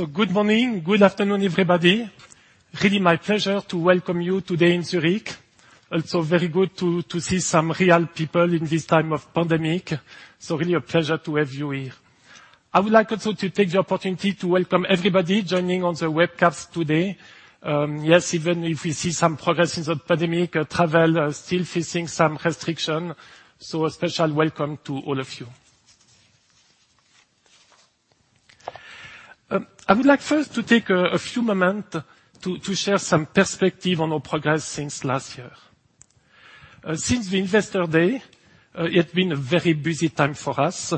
Good morning. Good afternoon, everybody. Really my pleasure to welcome you today in Zurich. Also very good to see some real people in this time of pandemic. Really a pleasure to have you here. I would like also to take the opportunity to welcome everybody joining on the webcast today. Even if we see some progress in the pandemic, travel still facing some restriction. A special welcome to all of you. I would like first to take a few moment to share some perspective on our progress since last year. Since the Investor Day, it has been a very busy time for us.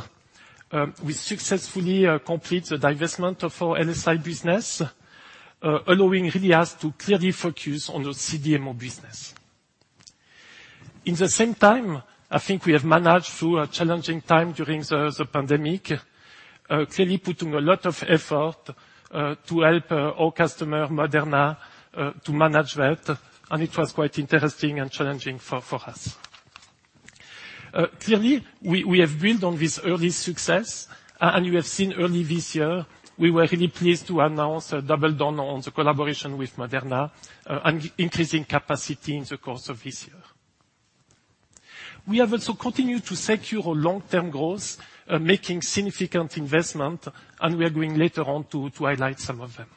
We successfully complete the divestment of our LSI business, allowing really us to clearly focus on the CDMO business. In the same time, I think we have managed through a challenging time during the pandemic, clearly putting a lot of effort to help our customer, Moderna, to manage that, and it was quite interesting and challenging for us. Clearly, we have built on this early success, and you have seen early this year, we were really pleased to announce a double down on the collaboration with Moderna and increasing capacity in the course of this year. We have also continued to secure our long-term growth, making significant investment, and we are going later on to highlight some of them.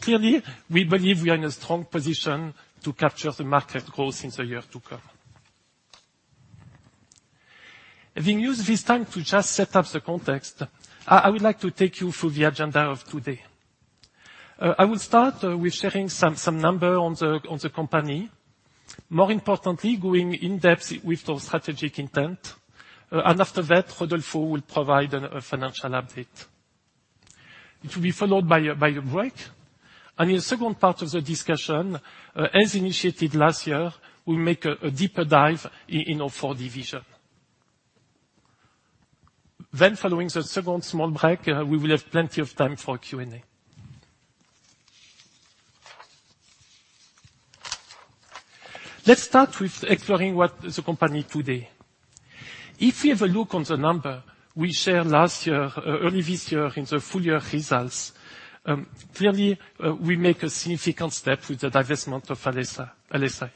Clearly, we believe we are in a strong position to capture the market growth in the year to come. Having used this time to just set up the context, I would like to take you through the agenda of today. I will start with sharing some numbers on the company. More importantly, going in-depth with our strategic intent. After that, Rodolfo will provide a financial update. It will be followed by a break. In the second part of the discussion, as initiated last year, we will make a deeper dive in our four divisions. Following the second small break, we will have plenty of time for Q&A. Let's start with exploring what is the company today. If we have a look on the numbers we shared early this year in the full-year results, clearly, we made a significant step with the divestment of Alexion.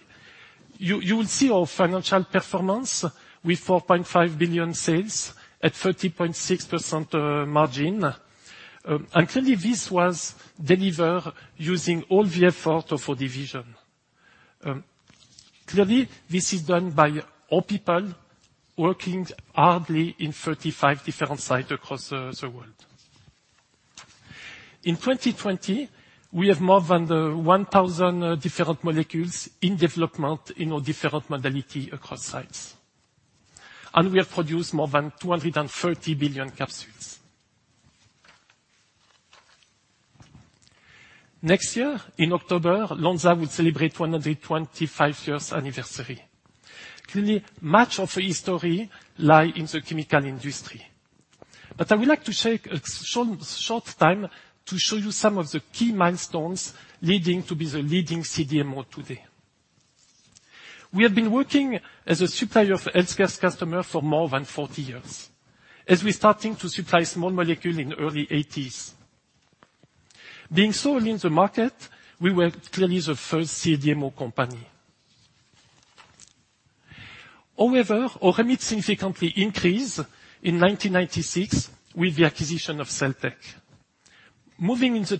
You will see our financial performance with 4.5 billion sales at 30.6% margin. Clearly, this was delivered using all the effort of our divisions. Clearly, this is done by our people working hard in 35 different sites across the world. In 2020, we have more than the 1,000 different molecules in development in our different modality across sites. We have produced more than 230 billion capsules. Next year, in October, Lonza will celebrate 125 years anniversary. Clearly, much of history lie in the chemical industry. I would like to take a short time to show you some of the key milestones leading to be the leading CDMO today. We have been working as a supplier of healthcare customer for more than 40 years, as we starting to supply Small Molecules in early '80s. Being sole in the market, we were clearly the first CDMO company. Our commit significantly increase in 1996 with the acquisition of Celltech. Moving into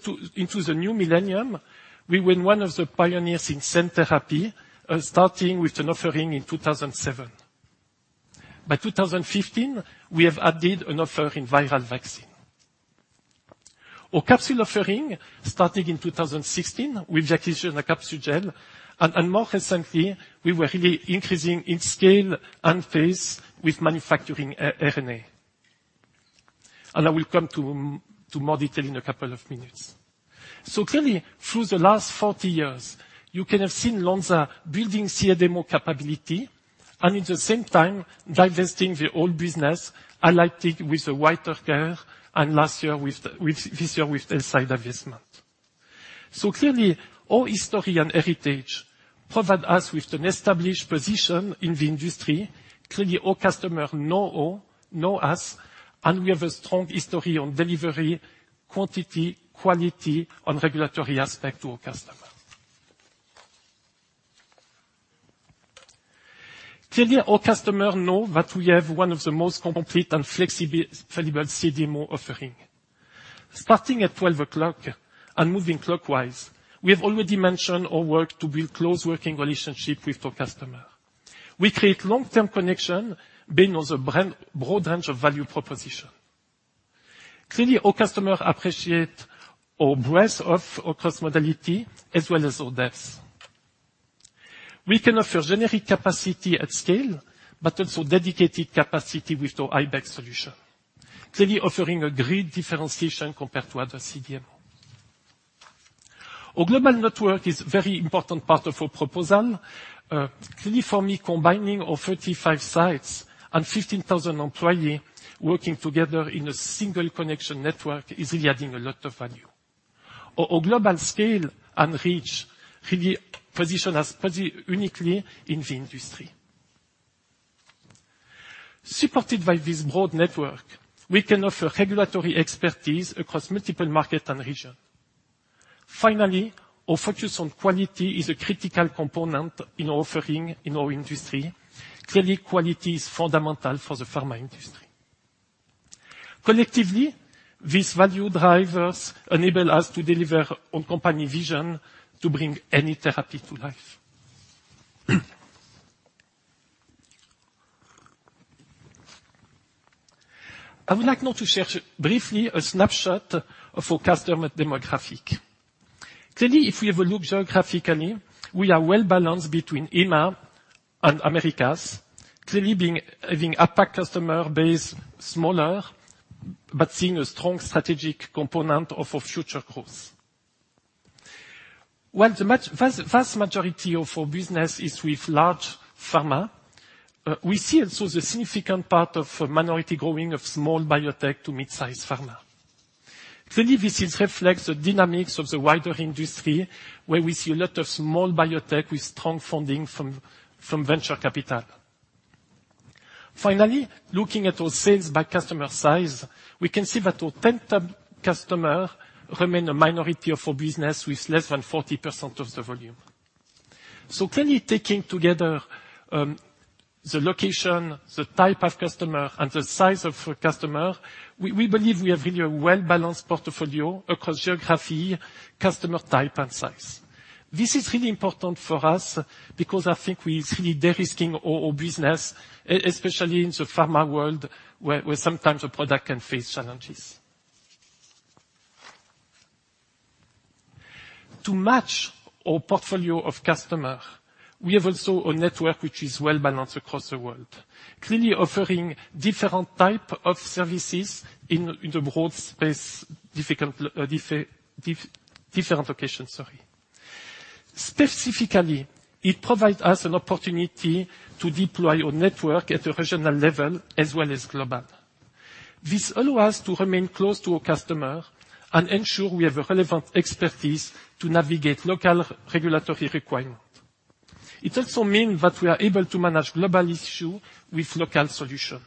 the new millennium, we were one of the pioneers in Cell Therapy, starting with an offering in 2007. By 2015, we have added an offer in viral vaccine. Our capsule offering started in 2016 with the acquisition of Capsugel, and more recently, we were really increasing in scale and pace with manufacturing RNA. I will come to more detail in a couple of minutes. Clearly, through the last 40 years, you can have seen Lonza building CDMO capability, and in the same time, divesting the old business, highlighted with the Water Care and this year with the LSI divestment. Clearly, our history and heritage provide us with an established position in the industry. Our customer know us, and we have a strong history on delivery, quantity, quality, and regulatory aspect to our customer. Our customer know that we have one of the most complete and flexible CDMO offering. Starting at 12 o'clock and moving clockwise, we have already mentioned our work to build close working relationship with our customer. We create long-term connection based on the broad range of value proposition. Clearly, our customer appreciate our breadth of across modality as well as our depth. We can offer generic capacity at scale, also dedicated capacity with our Ibex solution, clearly offering a great differentiation compared to other CDMO. Our global network is very important part of our proposal. Clearly for me, combining our 35 sites and 15,000 employee working together in a single connection network is really adding a lot of value. Our global scale and reach really position us pretty uniquely in the industry. Supported by this broad network, we can offer regulatory expertise across multiple market and region. Finally, our focus on quality is a critical component in our offering in our industry. Clearly, quality is fundamental for the pharma industry. Collectively, these value drivers enable us to deliver on company vision to bring any therapy to life. I would like now to share briefly a snapshot of our customer demographic. Clearly, if we have a look geographically, we are well-balanced between EMEA and Americas. Clearly, having APAC customer base smaller, but seeing a strong strategic component of our future growth. While the vast majority of our business is with large pharma, we see also the significant part of minority growing of small biotech to mid-size pharma. Clearly, this reflects the dynamics of the wider industry, where we see a lot of small biotech with strong funding from venture capital. Finally, looking at our sales by customer size, we can see that our 10 top customer remain a minority of our business with less than 40% of the volume. Clearly taking together the location, the type of customer, and the size of customer, we believe we have really a well-balanced portfolio across geography, customer type, and size. This is really important for us because I think we are really de-risking our business, especially in the pharma world, where sometimes a product can face challenges. To match our portfolio of customers, we have also a network which is well-balanced across the world. Offering different types of services in the broad space, different locations. Sorry. It provides us an opportunity to deploy our network at a regional level as well as globally. This allows us to remain close to our customers and ensure we have relevant expertise to navigate local regulatory requirements. It also means that we are able to manage global issues with local solutions.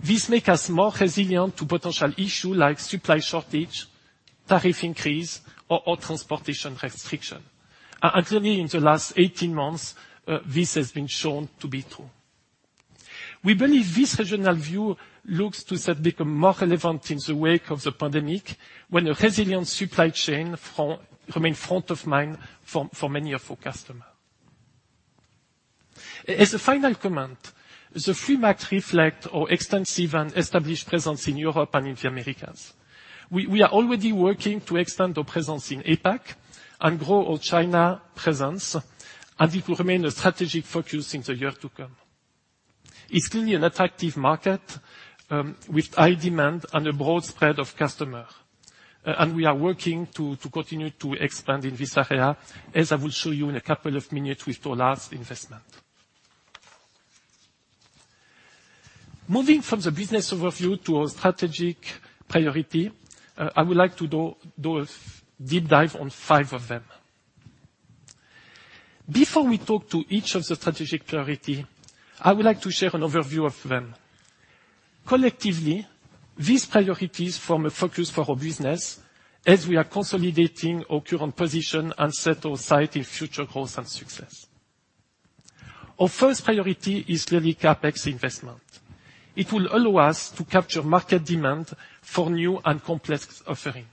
This makes us more resilient to potential issues, like supply shortage, tariff increase, or transportation restriction. Clearly, in the last 18 months, this has been shown to be true. We believe this regional view looks to have become more relevant in the wake of the pandemic, when a resilient supply chain remains front of mind for many of our customers. As a final comment, the three maps reflect our extensive and established presence in Europe and in the Americas. We are already working to extend our presence in APAC and grow our China presence, and it will remain a strategic focus in the year to come. It's clearly an attractive market with high demand and a broad spread of customers. We are working to continue to expand in this area, as I will show you in a couple of minutes with our last investment. Moving from the business overview to our strategic priority, I would like to do a deep dive on five of them. Before we talk to each of the strategic priority, I would like to share an overview of them. Collectively, these priorities form a focus for our business as we are consolidating our current position and set our sights on future growth and success. Our first priority is clearly CapEx investment. It will allow us to capture market demand for new and complex offering.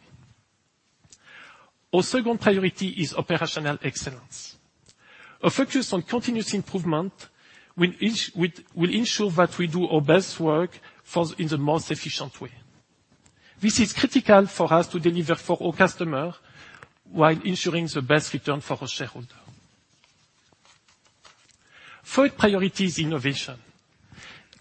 Our second priority is operational excellence. A focus on continuous improvement will ensure that we do our best work in the most efficient way. This is critical for us to deliver for our customer while ensuring the best return for our shareholder. Third priority is innovation.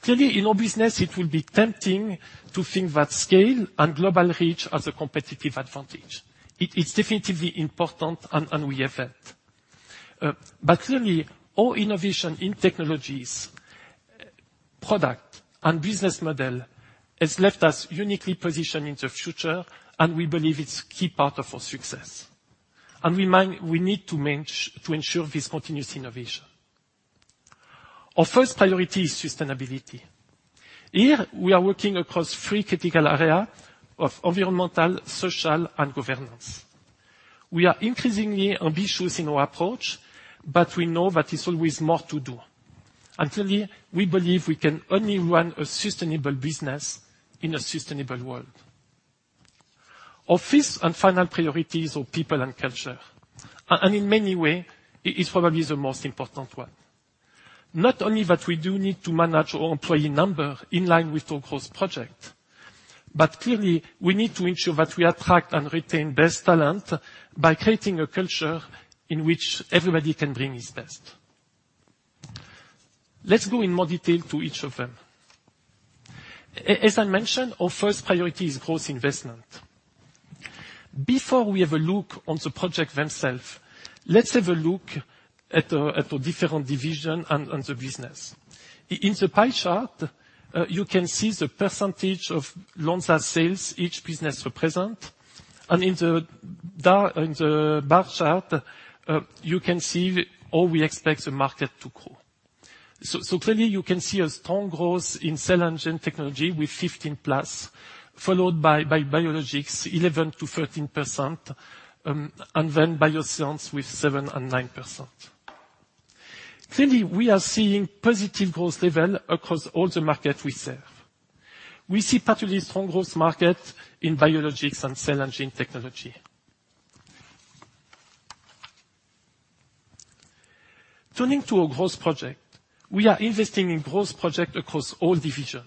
Clearly, in our business, it will be tempting to think that scale and global reach are the competitive advantage. It is definitively important and we have it. Clearly, our innovation in technologies, product, and business model has left us uniquely positioned in the future, and we believe it's key part of our success. We need to ensure this continuous innovation. Our first priority is sustainability. Here we are working across three critical area of environmental, social, and governance. We are increasingly ambitious in our approach, but we know that it's always more to do. Clearly, we believe we can only run a sustainable business in a sustainable world. Our fifth and final priority is our people and culture, and in many way, it is probably the most important one. Not only that we do need to manage our employee number in line with our growth project, but clearly, we need to ensure that we attract and retain best talent by creating a culture in which everybody can bring his best. Let's go in more detail to each of them. As I mentioned, our first priority is growth investment. Before we have a look on the project themself, let's have a look at the different division and the business. In the pie chart, you can see the percentage of Lonza sales each business represent. On the bar chart, you can see how we expect the market to grow. Clearly you can see a strong growth in Cell & Gene with 15+, followed by Biologics 11%-13%, and then bioscience with 7% and 9%. Clearly, we are seeing positive growth levels across all the markets we serve. We see particularly strong growth markets in Biologics and Cell & Gene technology. Turning to our growth projects. We are investing in growth projects across all divisions.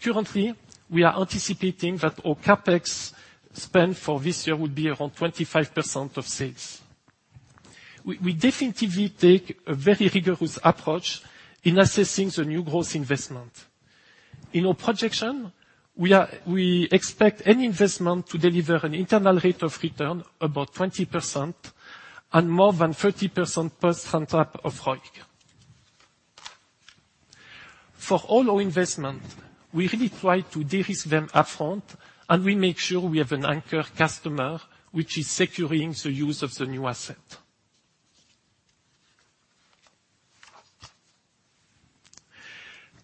Currently, we are anticipating that our CapEx spend for this year will be around 25% of sales. We definitively take a very rigorous approach in assessing the new growth investment. In our projection, we expect any investment to deliver an internal rate of return about 20% and more than 30% post front up of ROI. For all our investments, we really try to de-risk them upfront, and we make sure we have an anchor customer, which is securing the use of the new asset.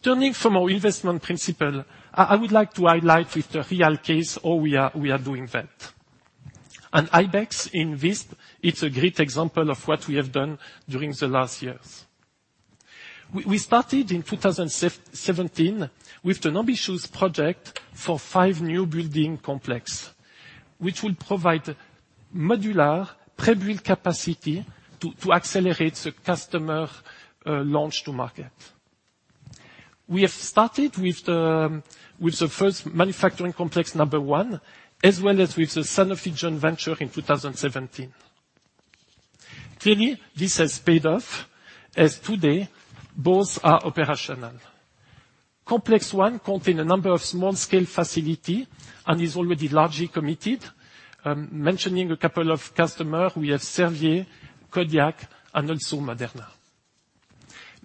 Turning from our investment principles, I would like to highlight with a real case how we are doing that. Ibex in Visp, it's a great example of what we have done during the last years. We started in 2017 with an ambitious project for five new building complex, which will provide modular pre-built capacity to accelerate the customer launch to market. We have started with the first manufacturing complex number one, as well as with the Sanofi Genzyme venture in 2017. Clearly, this has paid off as today both are operational. Complex one contain a number of small scale facility and is already largely committed. Mentioning a couple of customer, we have Servier, Kodiak, and also Moderna.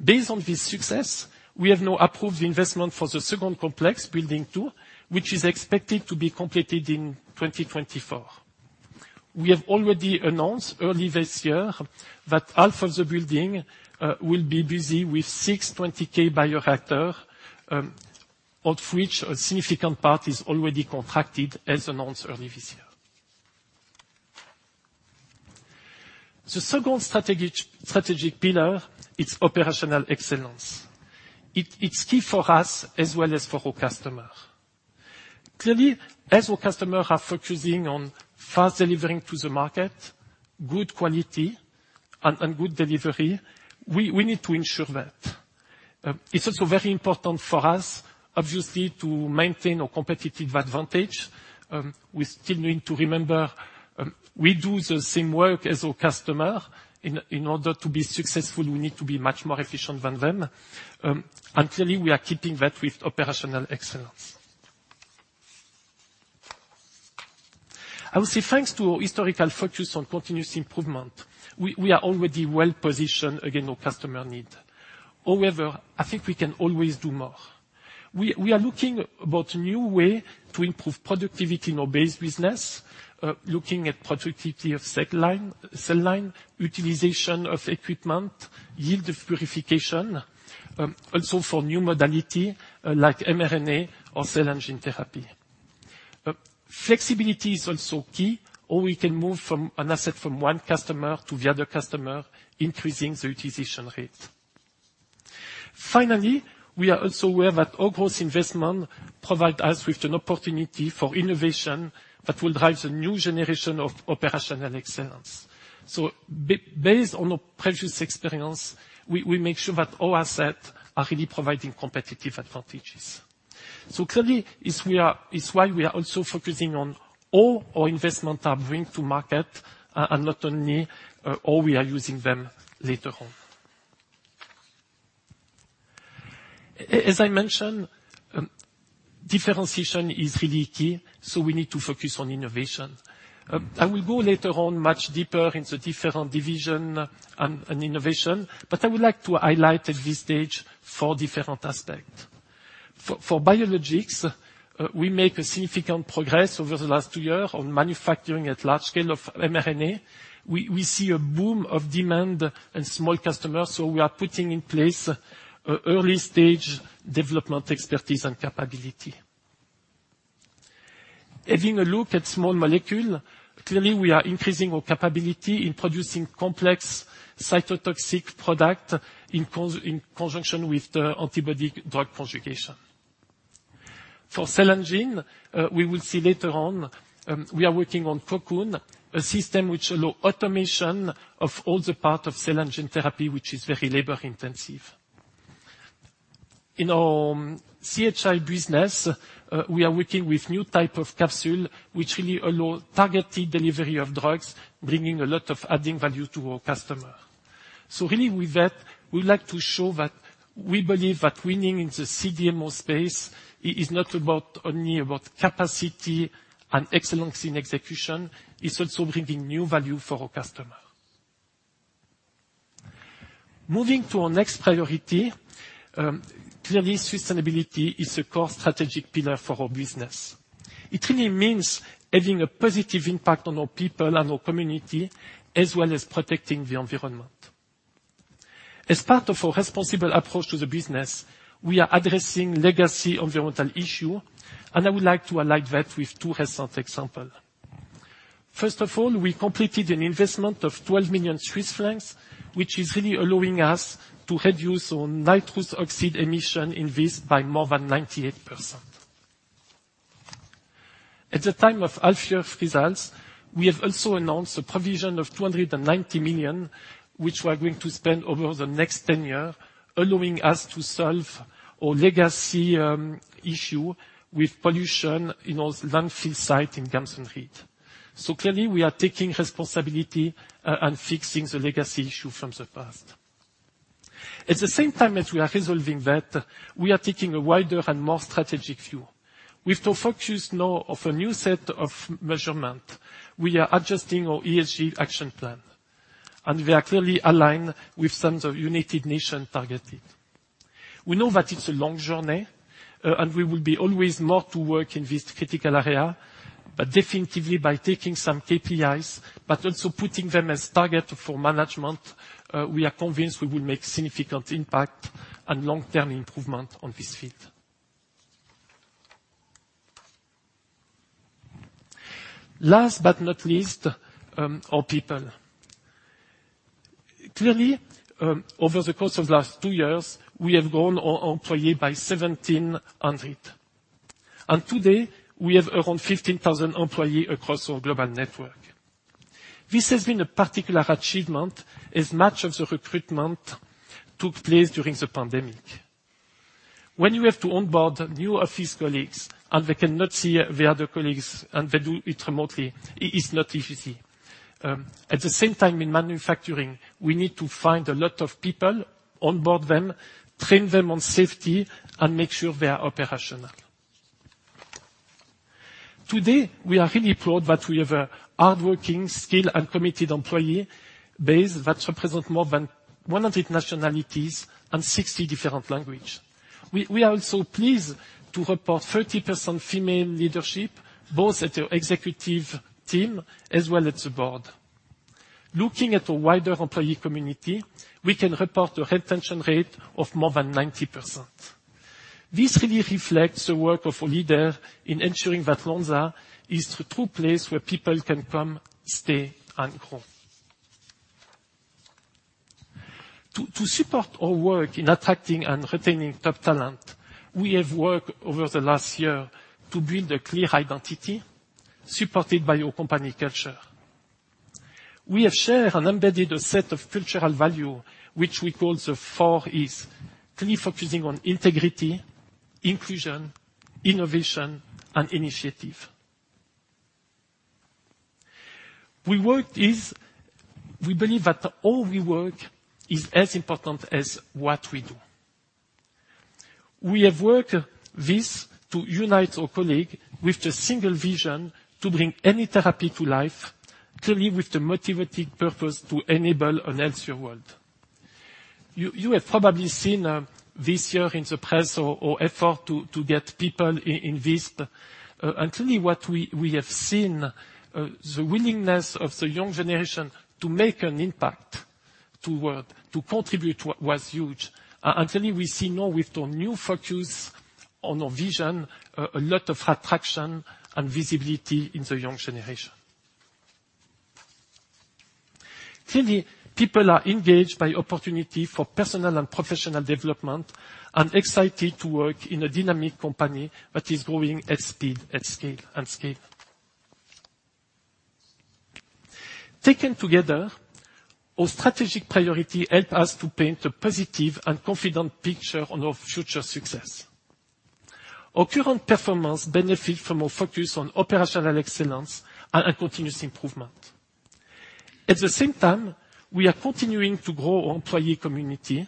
Based on this success, we have now approved the investment for the second complex, building two, which is expected to be completed in 2024. We have already announced early this year that half of the building will be busy with 622 bioreactor, of which a significant part is already contracted, as announced early this year. The second strategic pillar, it's operational excellence. It's key for us as well as for our customer. Clearly, as our customer are focusing on fast delivering to the market, good quality and good delivery, we need to ensure that. It's also very important for us, obviously, to maintain our competitive advantage. We still need to remember, we do the same work as our customer. In order to be successful, we need to be much more efficient than them. Clearly we are keeping that with operational excellence. I would say, thanks to our historical focus on continuous improvement, we are already well positioned against our customer need. However, I think we can always do more. We are looking about new way to improve productivity in our base business, looking at productivity of cell line, utilization of equipment, yield of purification. Also for new modality like mRNA or cell and gene therapy. Flexibility is also key, how we can move an asset from one customer to the other customer, increasing the utilization rate. Finally, we are also aware that our growth investment provide us with an opportunity for innovation that will drive the new generation of operational excellence. Based on our previous experience, we make sure that our asset are really providing competitive advantages. Clearly, it's why we are also focusing on all our investment are bring to market, and not only how we are using them later on. As I mentioned, differentiation is really key, so we need to focus on innovation. I will go later on much deeper into different divisions and innovation, but I would like to highlight at this stage four different aspects. For Biologics, we make a significant progress over the last two years on manufacturing at large scale of mRNA. We see a boom of demand and small customers. We are putting in place early-stage development expertise and capability. Having a look at Small Molecules, clearly we are increasing our capability in producing complex cytotoxic products in conjunction with the antibody-drug conjugation. For Cell & Gene, we will see later on, we are working on Cocoon, a system which allows automation of all the parts of cell and gene therapy, which is very labor intensive. In our Capsugel business, we are working with new type of capsule, which really allows targeted delivery of drugs, bringing a lot of added value to our customer. Really with that, we'd like to show that we believe that winning in the CDMO space is not only about capacity and excellence in execution, it's also bringing new value for our customer. Moving to our next priority, clearly sustainability is a core strategic pillar for our business. It really means having a positive impact on our people and our community, as well as protecting the environment. As part of our responsible approach to the business, we are addressing legacy environmental issue, and I would like to highlight that with two recent example. First of all, we completed an investment of 12 million Swiss francs, which is really allowing us to reduce our nitrous oxide emission in Visp by more than 98%. At the time of half year results, we have also announced a provision of 290 million, which we are going to spend over the next 10 year, allowing us to solve our legacy issue with pollution in our landfill site in Gamsenried. Clearly, we are taking responsibility and fixing the legacy issue from the past. At the same time as we are resolving that, we are taking a wider and more strategic view. With the focus now of a new set of measurement, we are adjusting our ESG action plan, and we are clearly aligned with some of United Nations targeted. We know that it's a long journey, and we will be always more to work in this critical area, but definitively by taking some KPIs, but also putting them as target for management, we are convinced we will make significant impact and long-term improvement on this field. Last but not least, our people. Clearly, over the course of last two years, we have grown our employee by 1,700. Today, we have around 15,000 employee across our global network. This has been a particular achievement, as much of the recruitment took place during the pandemic. When you have to onboard new office colleagues and they cannot see the other colleagues, and they do it remotely, it is not easy. At the same time, in manufacturing, we need to find a lot of people, onboard them, train them on safety, and make sure they are operational. Today, we are really proud that we have a hardworking, skilled, and committed employee base that represent more than 100 nationalities and 60 different language. We are also pleased to report 30% female leadership, both at the executive team as well as the board. Looking at the wider employee community, we can report a retention rate of more than 90%. This really reflects the work of a leader in ensuring that Lonza is the true place where people can come, stay, and grow. To support our work in attracting and retaining top talent, we have worked over the last year to build a clear identity supported by our company culture. We have shared and embedded a set of cultural value, which we call the four Is, clearly focusing on Integrity, Inclusion, Innovation, and Initiative. We believe that how we work is as important as what we do. We have worked this to unite our colleague with the single vision to bring any therapy to life, clearly with the motivating purpose to enable an healthier world. You have probably seen this year in the press our effort to get people in Visp, and clearly what we have seen, the willingness of the young generation to make an impact, to contribute was huge. Clearly we see now with the new focus on our vision, a lot of attraction and visibility in the young generation. Clearly, people are engaged by opportunity for personal and professional development, and excited to work in a dynamic company that is growing at speed and scale. Taken together, our strategic priority help us to paint a positive and confident picture on our future success. Our current performance benefit from our focus on operational excellence and our continuous improvement. At the same time, we are continuing to grow our employee community,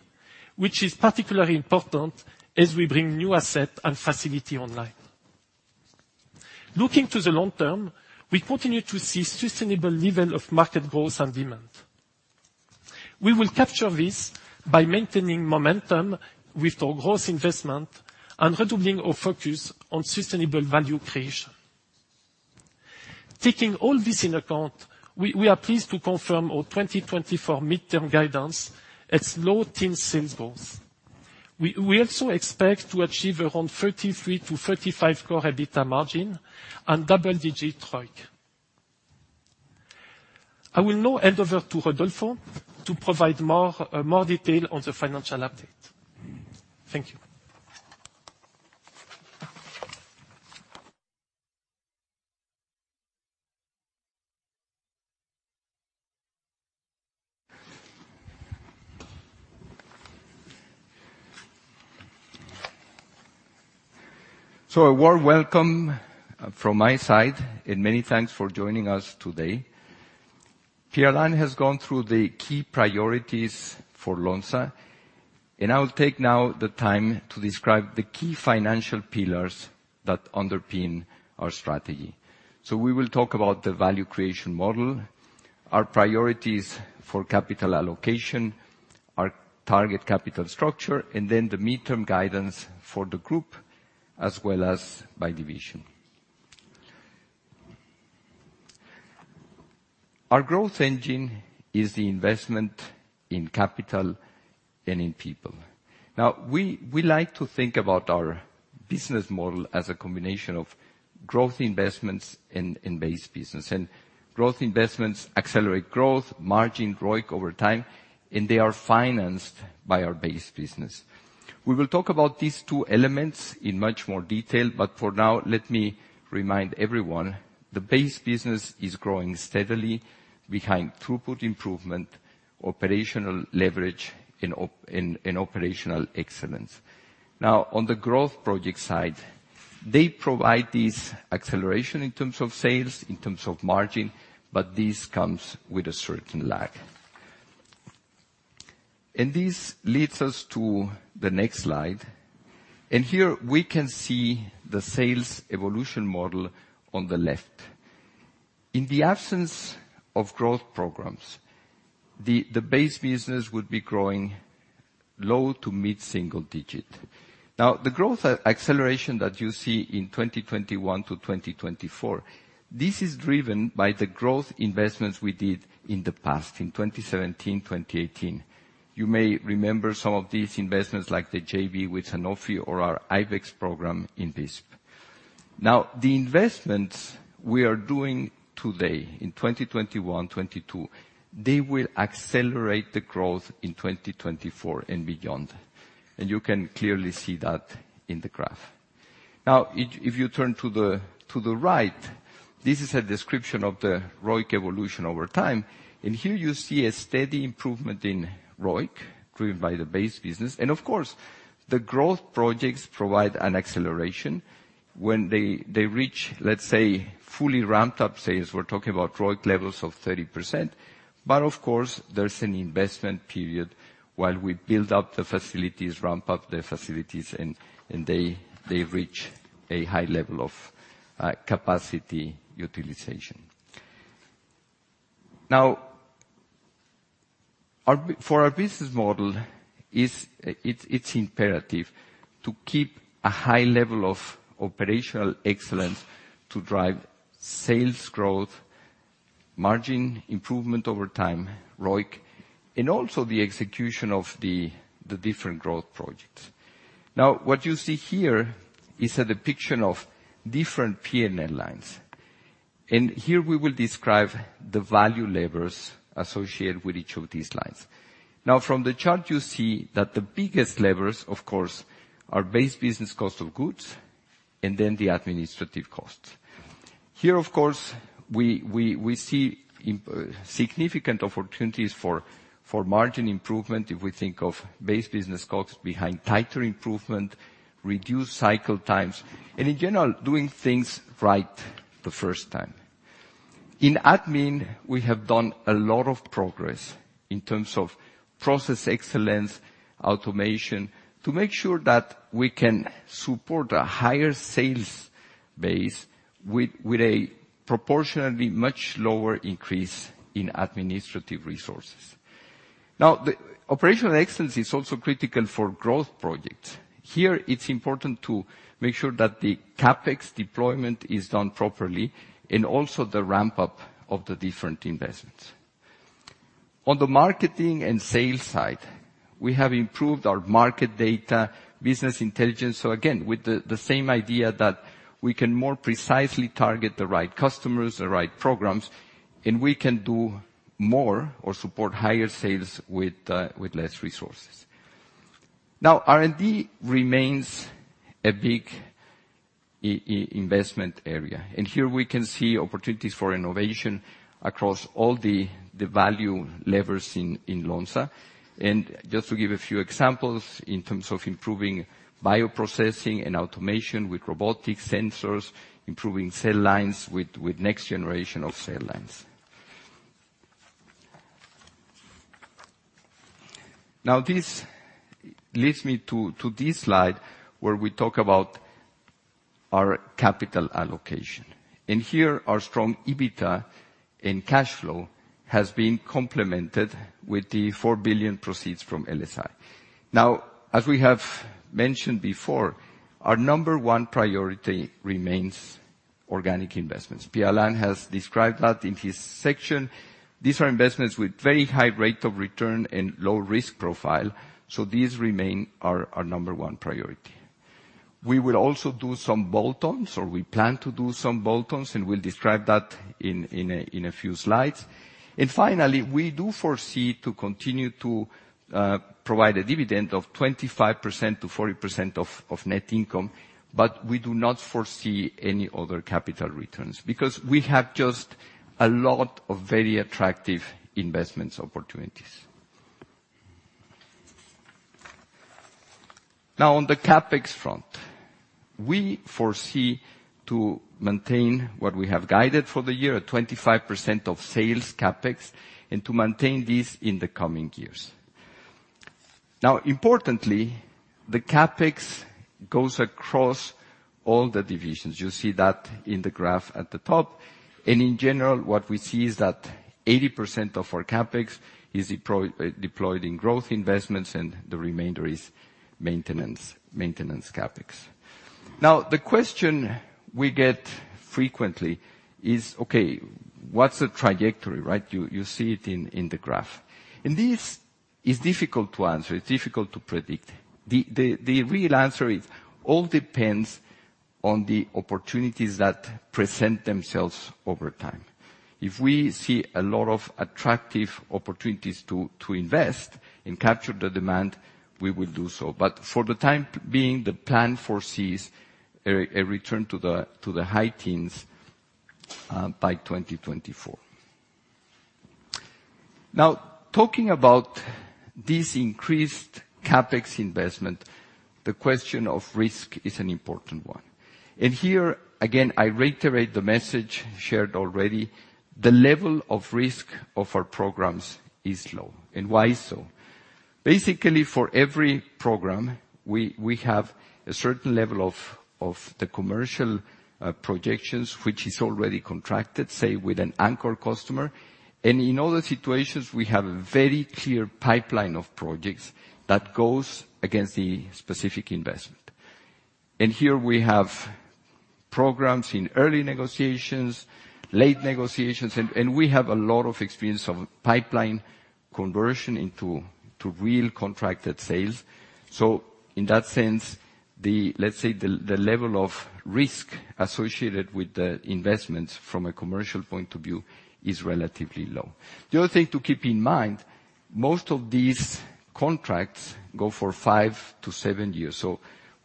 which is particularly important as we bring new asset and facility online. Looking to the long term, we continue to see sustainable level of market growth and demand. We will capture this by maintaining momentum with our growth investment and redoubling our focus on sustainable value creation. Taking all this in account, we are pleased to confirm our 2024 midterm guidance at low teen sales growth. We also expect to achieve around 33%-35% core EBITDA margin and double-digit ROIC. I will now hand over to Rodolfo to provide more detail on the financial update. Thank you. A warm welcome from my side, and many thanks for joining us today. Pierre-Alain has gone through the key priorities for Lonza. I will take now the time to describe the key financial pillars that underpin our strategy. We will talk about the value creation model, our priorities for capital allocation, our target capital structure, and then the midterm guidance for the group as well as by division. Our growth engine is the investment in capital and in people. Now, we like to think about our business model as a combination of growth investments in base business. Growth investments accelerate growth, margin, ROIC over time, and they are financed by our base business. We will talk about these two elements in much more detail, but for now, let me remind everyone, the base business is growing steadily behind throughput improvement, operational leverage, and operational excellence. On the growth project side, they provide this acceleration in terms of sales, in terms of margin, but this comes with a certain lag. This leads us to the next slide. Here, we can see the sales evolution model on the left. In the absence of growth programs, the base business would be growing low to mid-single digit. The growth acceleration that you see in 2021 to 2024, this is driven by the growth investments we did in the past, in 2017, 2018. You may remember some of these investments, like the JV with Sanofi or our Ibex program in Visp. The investments we are doing today in 2021, 2022, they will accelerate the growth in 2024 and beyond. You can clearly see that in the graph. If you turn to the right, this is a description of the ROIC evolution over time. Here you see a steady improvement in ROIC driven by the base business. Of course, the growth projects provide an acceleration when they reach, let's say, fully ramped up sales. We're talking about ROIC levels of 30%. Of course, there's an investment period while we build up the facilities, ramp up the facilities, and they reach a high level of capacity utilization. For our business model, it's imperative to keep a high level of operational excellence to drive sales growth, margin improvement over time, ROIC, and also the execution of the different growth projects. What you see here is a depiction of different P&L lines. Here, we will describe the value levers associated with each of these lines. From the chart, you see that the biggest levers, of course, are base business cost of goods and then the administrative cost. Here, of course, we see significant opportunities for margin improvement if we think of base business COGS behind titer improvement, reduced cycle times, and in general, doing things right the first time. In admin, we have done a lot of progress in terms of process excellence, automation, to make sure that we can support a higher sales base with a proportionally much lower increase in administrative resources. The operational excellence is also critical for growth projects. Here, it's important to make sure that the CapEx deployment is done properly and also the ramp-up of the different investments. On the marketing and sales side, we have improved our market data business intelligence. Again, with the same idea that we can more precisely target the right customers, the right programs, and we can do more or support higher sales with less resources. R&D remains a big investment area, here we can see opportunities for innovation across all the value levers in Lonza. Just to give a few examples in terms of improving bioprocessing and automation with robotic sensors, improving cell lines with next generation of cell lines. This leads me to this slide where we talk about our capital allocation. Here, our strong EBITDA and cash flow has been complemented with the 4 billion proceeds from LSI. As we have mentioned before, our number one priority remains organic investments. Pierre-Alain has described that in his section. These are investments with very high rate of return and low risk profile, these remain our number one priority. We will also do some bolt-ons, or we plan to do some bolt-ons, and we'll describe that in a few slides. Finally, we do foresee to continue to provide a dividend of 25%-40% of net income, but we do not foresee any other capital returns because we have just a lot of very attractive investment opportunities. On the CapEx front, we foresee to maintain what we have guided for the year, a 25% of sales CapEx, and to maintain this in the coming years. Importantly, the CapEx goes across all the divisions. You see that in the graph at the top. In general, what we see is that 80% of our CapEx is deployed in growth investments, and the remainder is maintenance CapEx. The question we get frequently is, okay, what's the trajectory, right? You see it in the graph. This is difficult to answer. It's difficult to predict. The real answer, it all depends on the opportunities that present themselves over time. If we see a lot of attractive opportunities to invest and capture the demand, we will do so. For the time being, the plan foresees a return to the high teens by 2024. Talking about this increased CapEx investment, the question of risk is an important one. Here, again, I reiterate the message shared already. The level of risk of our programs is low. Why so? Basically, for every program, we have a certain level of the commercial projections, which is already contracted, say, with an anchor customer. In other situations, we have a very clear pipeline of projects that goes against the specific investment. Here we have programs in early negotiations, late negotiations, and we have a lot of experience of pipeline conversion into real contracted sales. In that sense, let's say the level of risk associated with the investments from a commercial point of view is relatively low. The other thing to keep in mind. Most of these contracts go for five to seven years.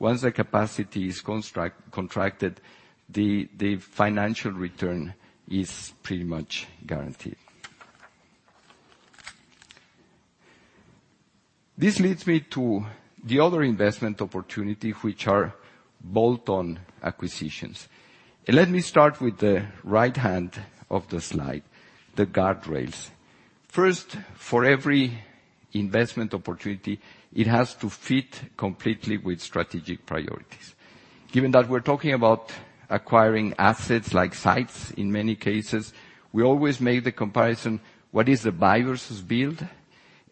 Once the capacity is contracted, the financial return is pretty much guaranteed. This leads me to the other investment opportunity, which are bolt-on acquisitions. Let me start with the right hand of the slide, the guardrails. First, for every investment opportunity, it has to fit completely with strategic priorities. Given that we're talking about acquiring assets like sites, in many cases, we always make the comparison, what is the buy versus build?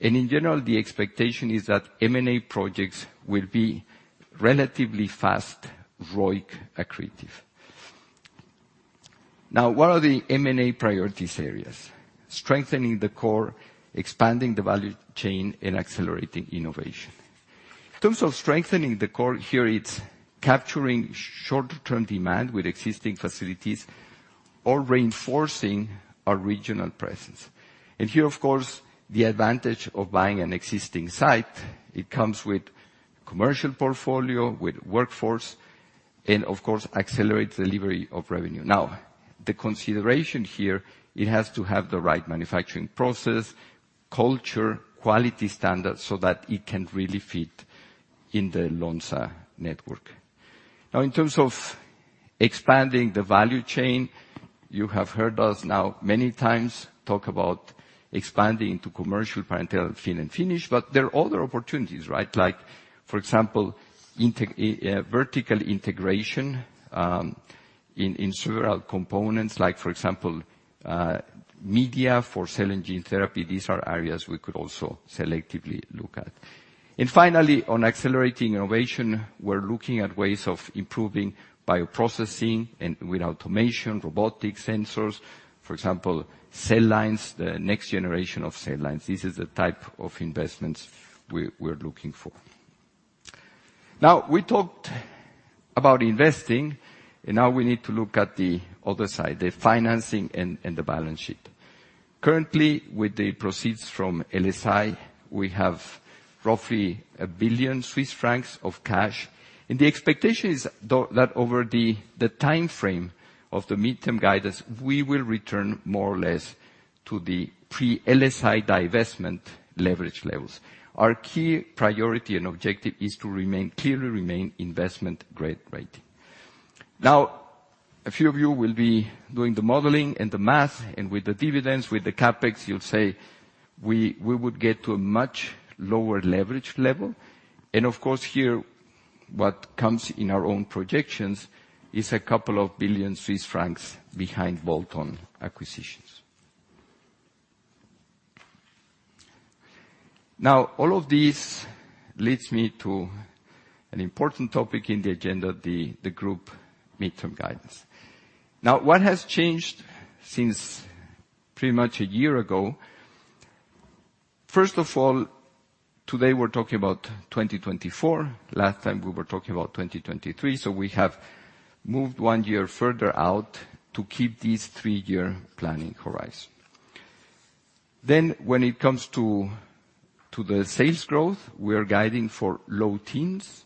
In general, the expectation is that M&A projects will be relatively fast ROIC accretive. What are the M&A priorities areas? Strengthening the core, expanding the value chain, and accelerating innovation. In terms of strengthening the core, here it's capturing short-term demand with existing facilities or reinforcing our regional presence. Here, of course, the advantage of buying an existing site, it comes with commercial portfolio, with workforce, and of course, accelerate delivery of revenue. The consideration here, it has to have the right manufacturing process, culture, quality standards so that it can really fit in the Lonza network. In terms of expanding the value chain, you have heard us many times talk about expanding to commercial parenteral fill and finish. There are other opportunities, right? For example, vertical integration in several components like, for example, media for cell and gene therapy. These are areas we could also selectively look at. Finally, on accelerating innovation, we're looking at ways of improving bioprocessing and with automation, robotics, sensors, for example, cell lines, the next generation of cell lines. This is the type of investments we're looking for. We talked about investing, and now we need to look at the other side, the financing and the balance sheet. Currently, with the proceeds from LSI, we have roughly 1 billion Swiss francs of cash, and the expectation is that over the timeframe of the midterm guidance, we will return more or less to the pre-LSI divestment leverage levels. Our key priority and objective is to clearly remain investment-grade rating. A few of you will be doing the modeling and the math, and with the dividends, with the CapEx, you'll say we would get to a much lower leverage level. Of course, here, what comes in our own projections is a couple of billion CHF behind bolt-on acquisitions. All of this leads me to an important topic in the agenda, the group midterm guidance. What has changed since pretty much a year ago? First of all, today, we're talking about 2024. Last time, we were talking about 2023. We have moved one year further out to keep this three-year planning horizon. When it comes to the sales growth, we are guiding for low teens.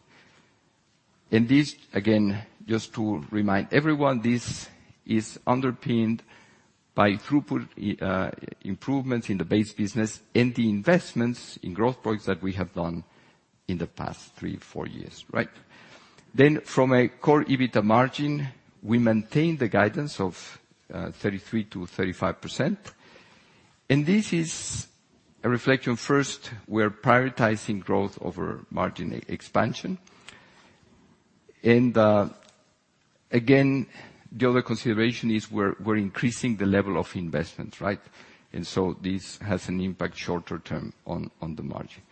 This, again, just to remind everyone, this is underpinned by throughput improvements in the base business and the investments in growth points that we have done in the past three, four years. Right? From a core EBITDA margin, we maintain the guidance of 33%-35%. This is a reflection. First, we're prioritizing growth over margin expansion. Again, the other consideration is we're increasing the level of investments, right? This has an impact shorter term on the margin.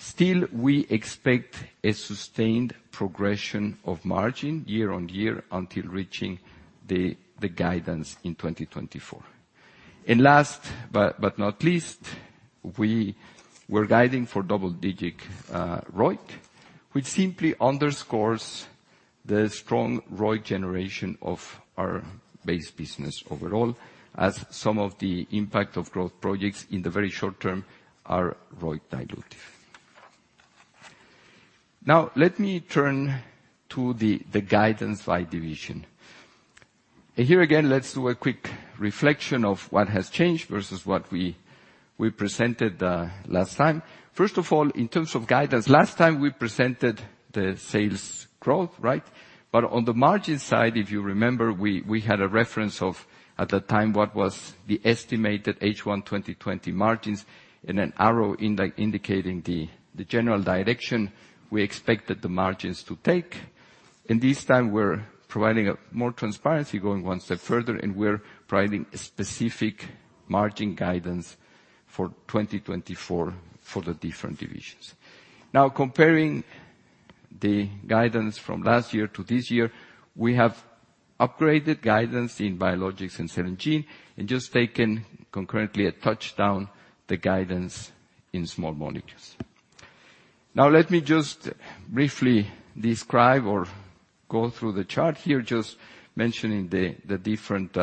Still, we expect a sustained progression of margin year on year until reaching the guidance in 2024. Last but not least, we were guiding for double-digit ROIC, which simply underscores the strong ROIC generation of our base business overall as some of the impact of growth projects in the very short term are ROIC dilutive. Now let me turn to the guidance by division. Here again, let's do a quick reflection of what has changed versus what we presented last time. First of all, in terms of guidance, last time we presented the sales growth, right? On the margin side, if you remember, we had a reference of, at the time, what was the estimated H1 2020 margins and an arrow indicating the general direction we expected the margins to take. This time we're providing more transparency, going one step further, and we're providing a specific margin guidance for 2024 for the different divisions. Comparing the guidance from last year to this year, we have upgraded guidance in Biologics and Cell & Gene and just taken concurrently a touch down the guidance in Small Molecules. Let me just briefly describe or go through the chart here, just mentioning the different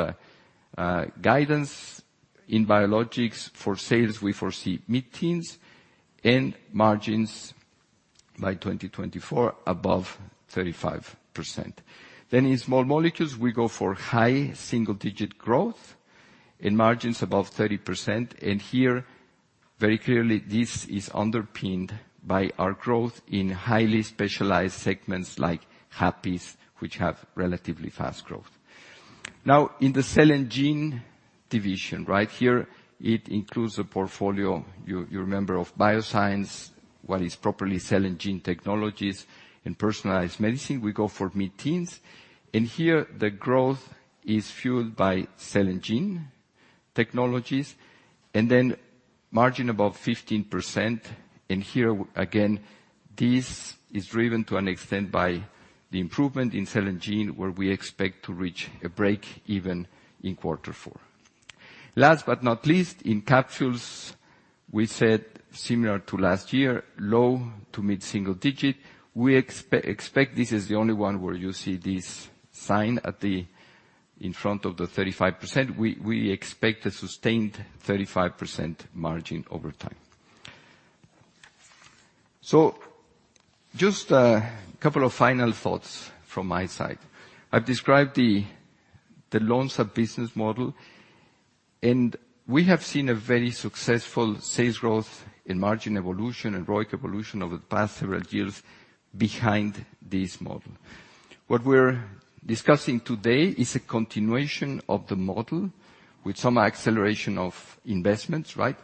guidance in Biologics. For sales, we foresee mid-teens and margins by 2024 above 35%. In Small Molecules, we go for high single-digit growth in margins above 30%. Here, very clearly, this is underpinned by our growth in highly specialized segments like HPAPIs, which have relatively fast growth. In the Cell & Gene division right here, it includes a portfolio, you remember, of bioscience, what is properly Cell & Gene technologies and personalized medicine. We go for mid-teens%, here the growth is fueled by Cell & Gene technologies. Margin above 15%. Here again, this is driven to an extent by the improvement in Cell & Gene, where we expect to reach a break even in quarter four. Last but not least, in capsules we said similar to last year, low to mid single-digit%. We expect this is the only one where you see this sign in front of the 35%. We expect a sustained 35% margin over time. Just a couple of final thoughts from my side. I've described the Lonza business model, and we have seen a very successful sales growth in margin evolution and ROIC evolution over the past several years behind this model. What we're discussing today is a continuation of the model with some acceleration of investments, right?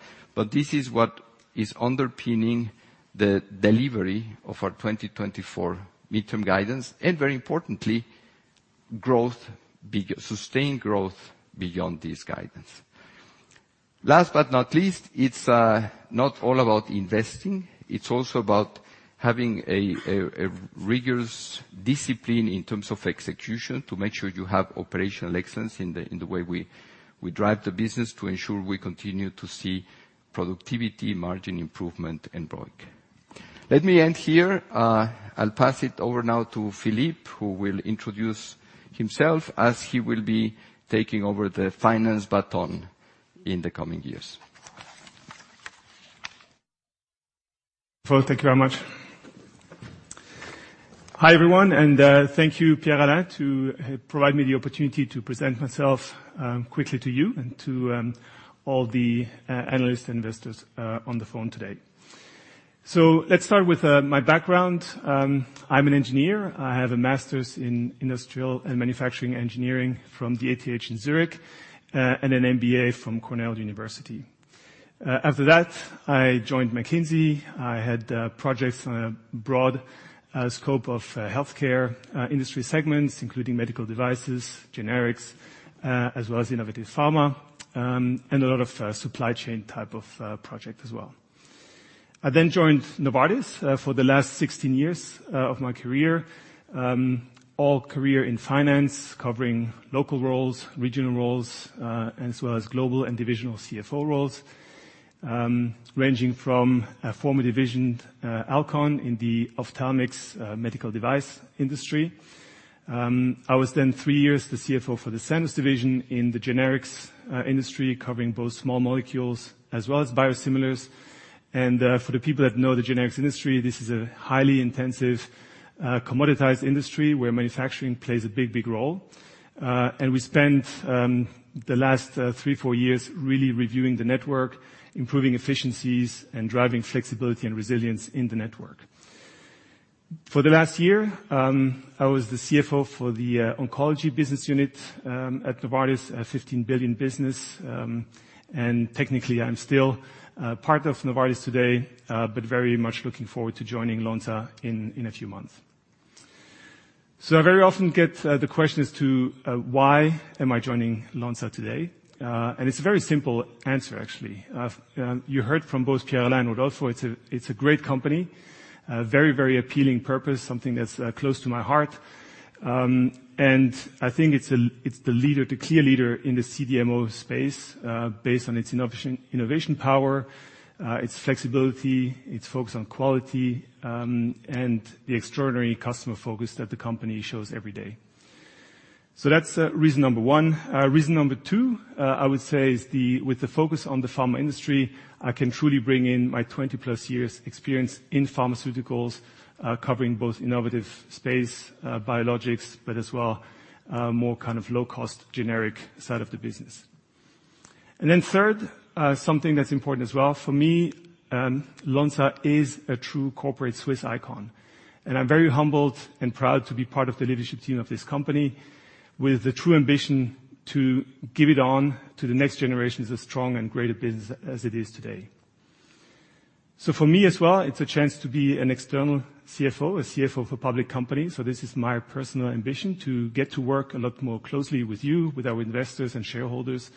This is what is underpinning the delivery of our 2024 midterm guidance, and very importantly, sustained growth beyond this guidance. Last but not least, it's not all about investing. It's also about having a rigorous discipline in terms of execution to make sure you have operational excellence in the way we drive the business to ensure we continue to see productivity, margin improvement and ROIC. Let me end here. I'll pass it over now to Philippe, who will introduce himself as he will be taking over the finance baton in the coming years. Thank you very much. Hi everyone, and thank you Pierre-Alain to provide me the opportunity to present myself quickly to you and to all the analyst investors on the phone today. Let's start with my background. I'm an engineer. I have a master's in Industrial and Manufacturing Engineering from the ETH Zurich and an MBA from Cornell University. After that, I joined McKinsey. I had projects on a broad scope of healthcare industry segments, including medical devices, generics, as well as innovative pharma, and a lot of supply chain type of project as well. I then joined Novartis for the last 16 years of my career. All career in finance, covering local roles, regional roles, as well as global and divisional CFO roles, ranging from a former division, Alcon, in the ophthalmics medical device industry. I was then three years the CFO for the Sandoz division in the generics industry, covering both Small Molecules as well as biosimilars. For the people that know the generics industry, this is a highly intensive commoditized industry where manufacturing plays a big role. We spent the last three, four years really reviewing the network, improving efficiencies, and driving flexibility and resilience in the network. For the last year, I was the CFO for the oncology business unit at Novartis, a 15 billion business. Technically, I'm still part of Novartis today, but very much looking forward to joining Lonza in a few months. I very often get the question as to why am I joining Lonza today. It's a very simple answer, actually. You heard from both Pierre and Rodolfo, it's a great company, a very appealing purpose, something that's close to my heart. I think it's the clear leader in the CDMO space based on its innovation power, its flexibility, its focus on quality, and the extraordinary customer focus that the company shows every day. That's reason number one. Reason number two, I would say, is with the focus on the pharma industry, I can truly bring in my 20+ years experience in pharmaceuticals, covering both innovative space, biologics, but as well more kind of low-cost generic side of the business. Then third, something that's important as well for me, Lonza is a true corporate Swiss icon, and I'm very humbled and proud to be part of the leadership team of this company with the true ambition to give it on to the next generation as a strong and greater business as it is today. For me as well, it's a chance to be an external CFO, a CFO of a public company. This is my personal ambition to get to work a lot more closely with you, with our investors and shareholders,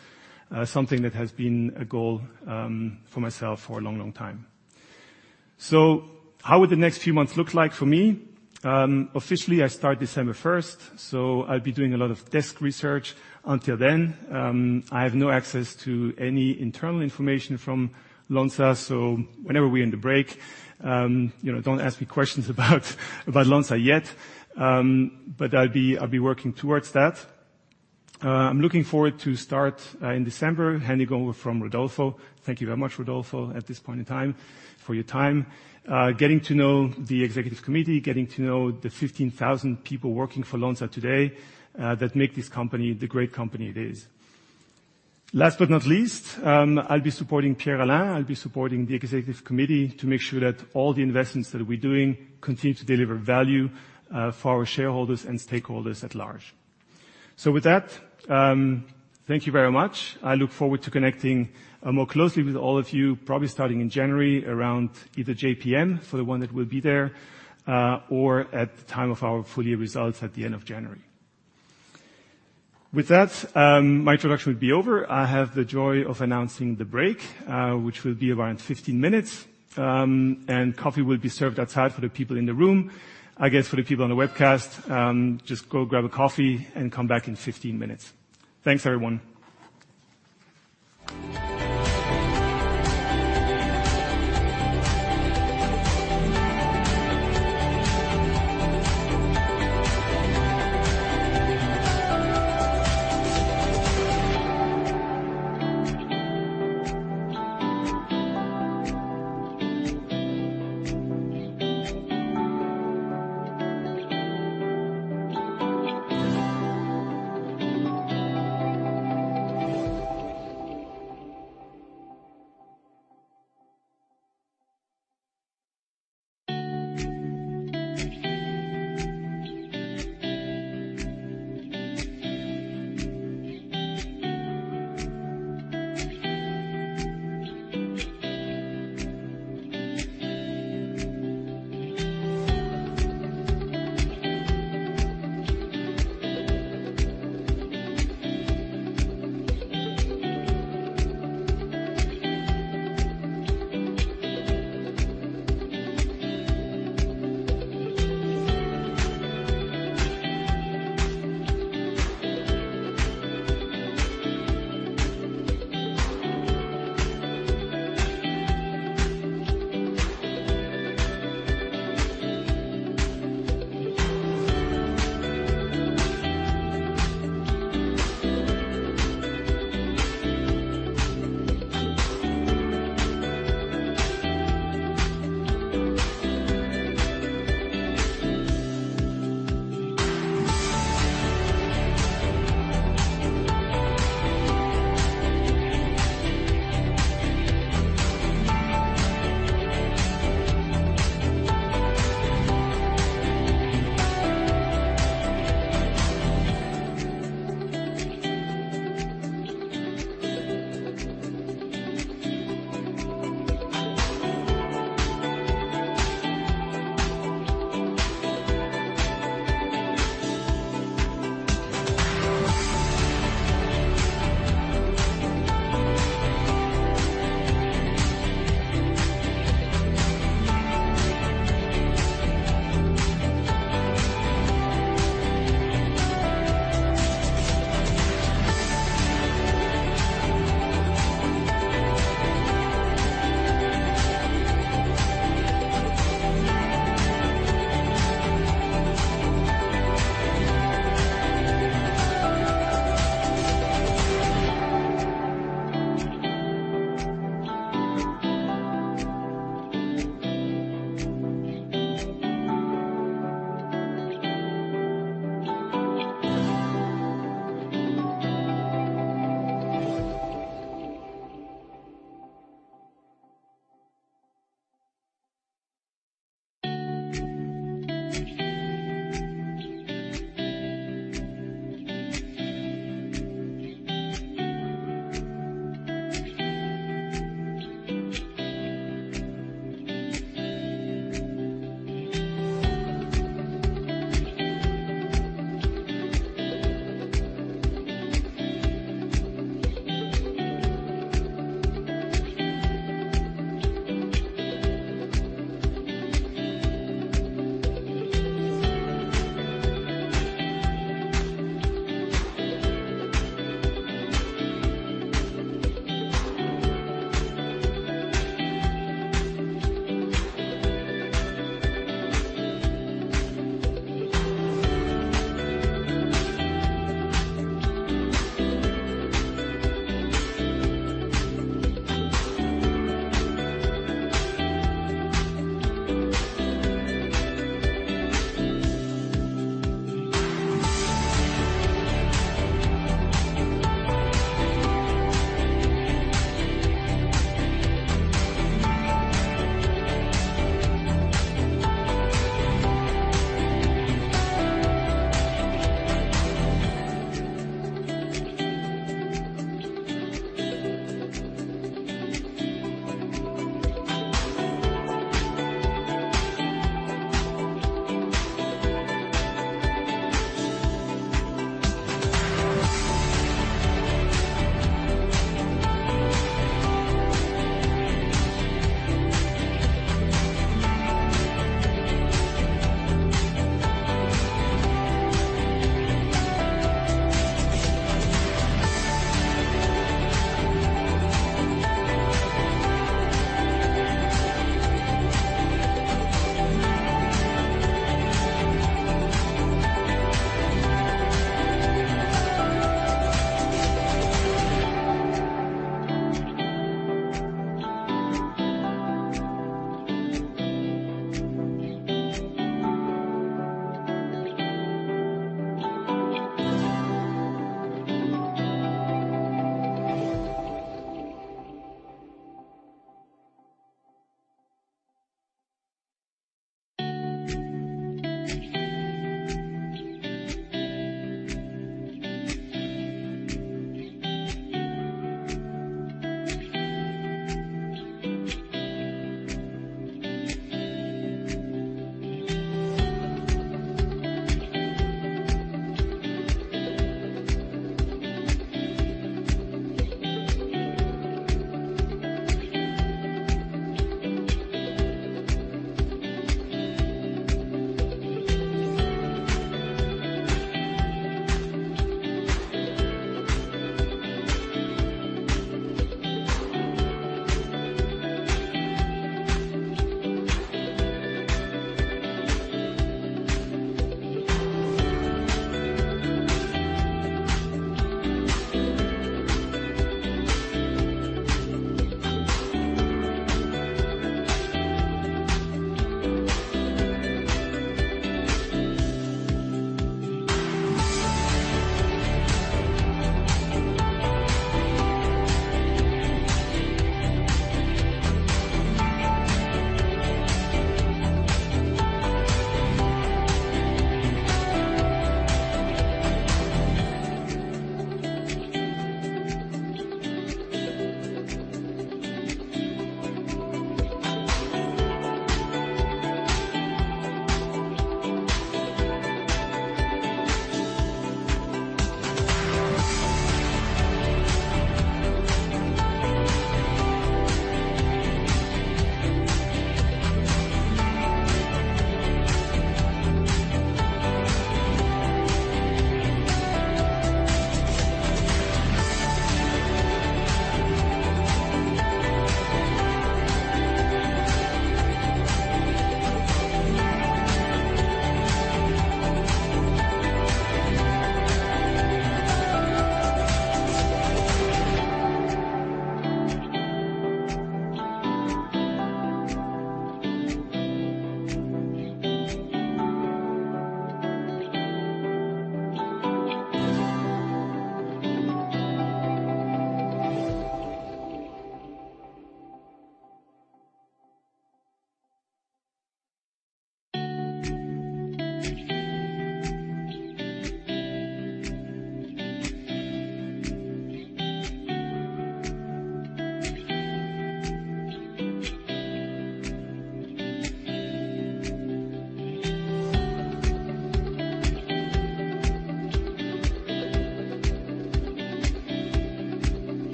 something that has been a goal for myself for a long time. How would the next few months look like for me? Officially, I start December 1st, so I'll be doing a lot of desk research until then. I have no access to any internal information from Lonza, so whenever we're in the break, don't ask me questions about Lonza yet. I'll be working towards that. I'm looking forward to start in December, handing over from Rodolfo. Thank you very much, Rodolfo, at this point in time for your time. Getting to know the executive committee, getting to know the 15,000 people working for Lonza today that make this company the great company it is. Last but not least, I'll be supporting Pierre-Alain. I'll be supporting the executive committee to make sure that all the investments that we're doing continue to deliver value for our shareholders and stakeholders at large. With that, thank you very much. I look forward to connecting more closely with all of you, probably starting in January around either JPM for the one that will be there, or at the time of our full year results at the end of January. With that, my introduction will be over. I have the joy of announcing the break, which will be around 15 minutes. Coffee will be served outside for the people in the room. I guess for the people on the webcast, just go grab a coffee and come back in 15 minutes. Thanks, everyone.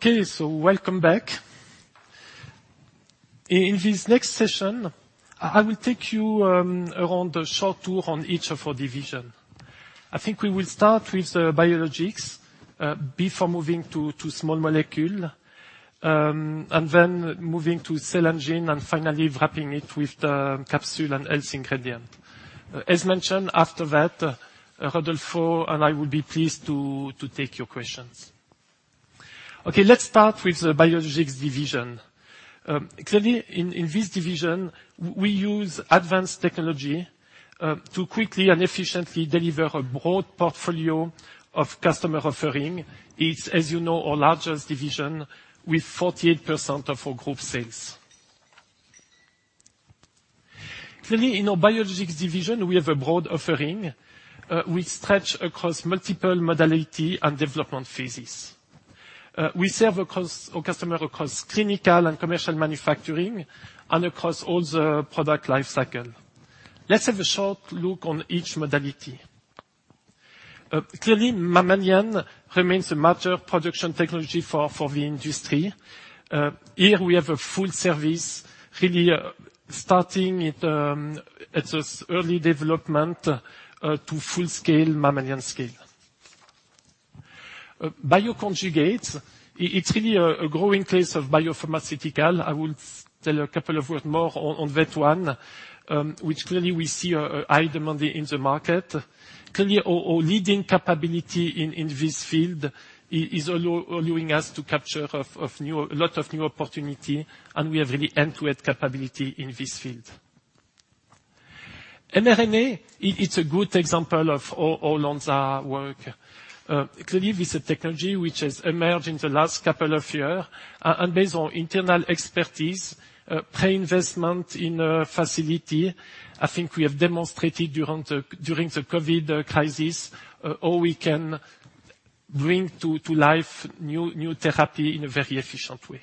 Okay, welcome back. In this next session, I will take you around a short tour on each of our divisions. I think we will start with the Biologics before moving to Small Molecules, then moving to Cell & Gene and finally wrapping it with the Capsule and Health Ingredient. As mentioned, after that, Rodolfo and I will be pleased to take your questions. Okay, let's start with the Biologics division. In this division, we use advanced technology to quickly and efficiently deliver a broad portfolio of customer offerings. It's, as you know, our largest division with 48% of our group sales. In our Biologics division, we have a broad offering. We stretch across multiple modalities and development phases. We serve our customers across clinical and commercial manufacturing and across all the product life cycles. Let's have a short look on each modality. Clearly, mammalian remains a mature production technology for the industry. Here we have a full service, really starting at this early development to full scale, mammalian scale. Bioconjugates, it's really a growing place of biopharmaceutical. I will tell a couple of word more on that one, which clearly we see high demand in the market. Clearly, our leading capability in this field is allowing us to capture a lot of new opportunity, and we have really end-to-end capability in this field. mRNA, it's a good example of all Lonza work. Clearly, it's a technology which has emerged in the last couple of years. Based on internal expertise, pre-investment in a facility, I think we have demonstrated during the COVID crisis how we can bring to life new therapy in a very efficient way.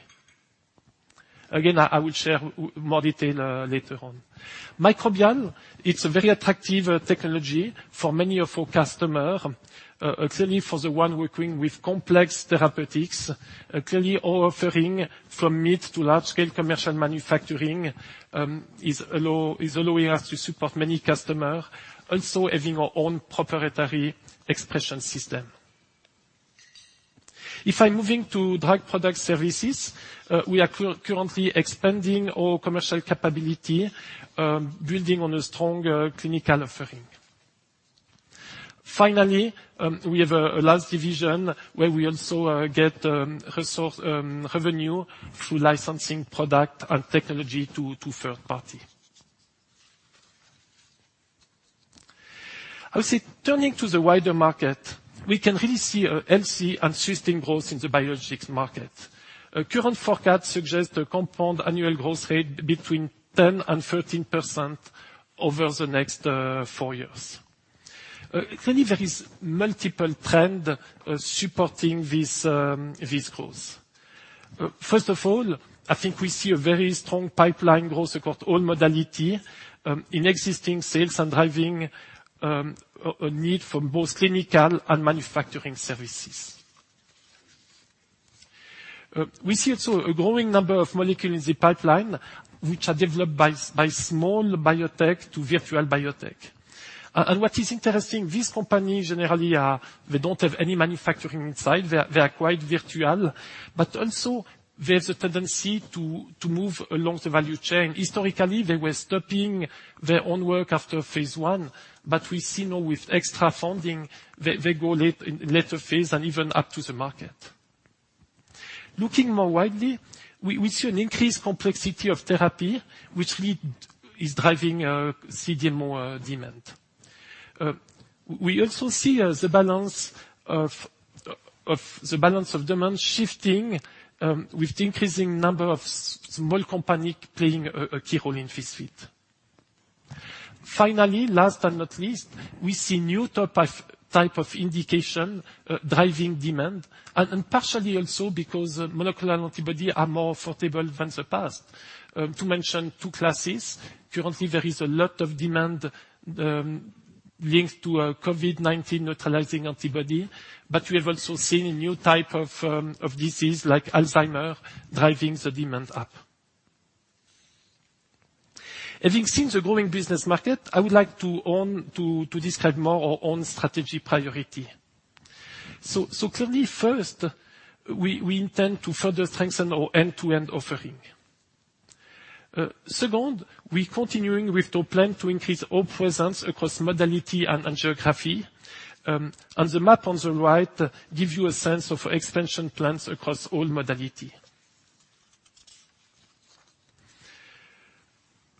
Again, I will share more detail later on. Microbial, it's a very attractive technology for many of our customer, clearly for the one working with complex therapeutics. Our offering from mid to large scale commercial manufacturing is allowing us to support many customer, also having our own proprietary GS Expression System. If I'm moving to Drug Product Services, we are currently expanding our commercial capability, building on a strong clinical offering. Finally, we have a last division where we also get revenue through licensing product and technology to third party. I would say, turning to the wider market, we can really see a healthy and sustained growth in the biologics market. Current forecast suggest a compound annual growth rate between 10% and 13% over the next four years. Clearly, there is multiple trend supporting this growth. First of all, I think we see a very strong pipeline growth across all modality in existing cells and driving a need for both clinical and manufacturing services. We see also a growing number of molecules in the pipeline, which are developed by small biotech to virtual biotech. What is interesting, these companies generally, they don't have any manufacturing inside. They are quite virtual, but also they have the tendency to move along the value chain. Historically, they were stopping their own work after phase I. We see now with extra funding, they go later phase and even up to the market. Looking more widely, we see an increased complexity of therapy, which is driving CDMO demand. We also see the balance of demand shifting with the increasing number of small companies playing a key role in this field. Finally, last and not least, we see new type of indication driving demand, and partially also because monoclonal antibody are more affordable than the past. To mention two classes, currently there is a lot of demand linked to COVID-19 neutralizing antibody, we have also seen a new type of disease, like Alzheimer's, driving the demand up. Having seen the growing business market, I would like to describe more our own strategic priority. Clearly First, we intend to further strengthen our end-to-end offering. Second, we continuing with the plan to increase our presence across modality and geography. The map on the right gives you a sense of expansion plans across all modality.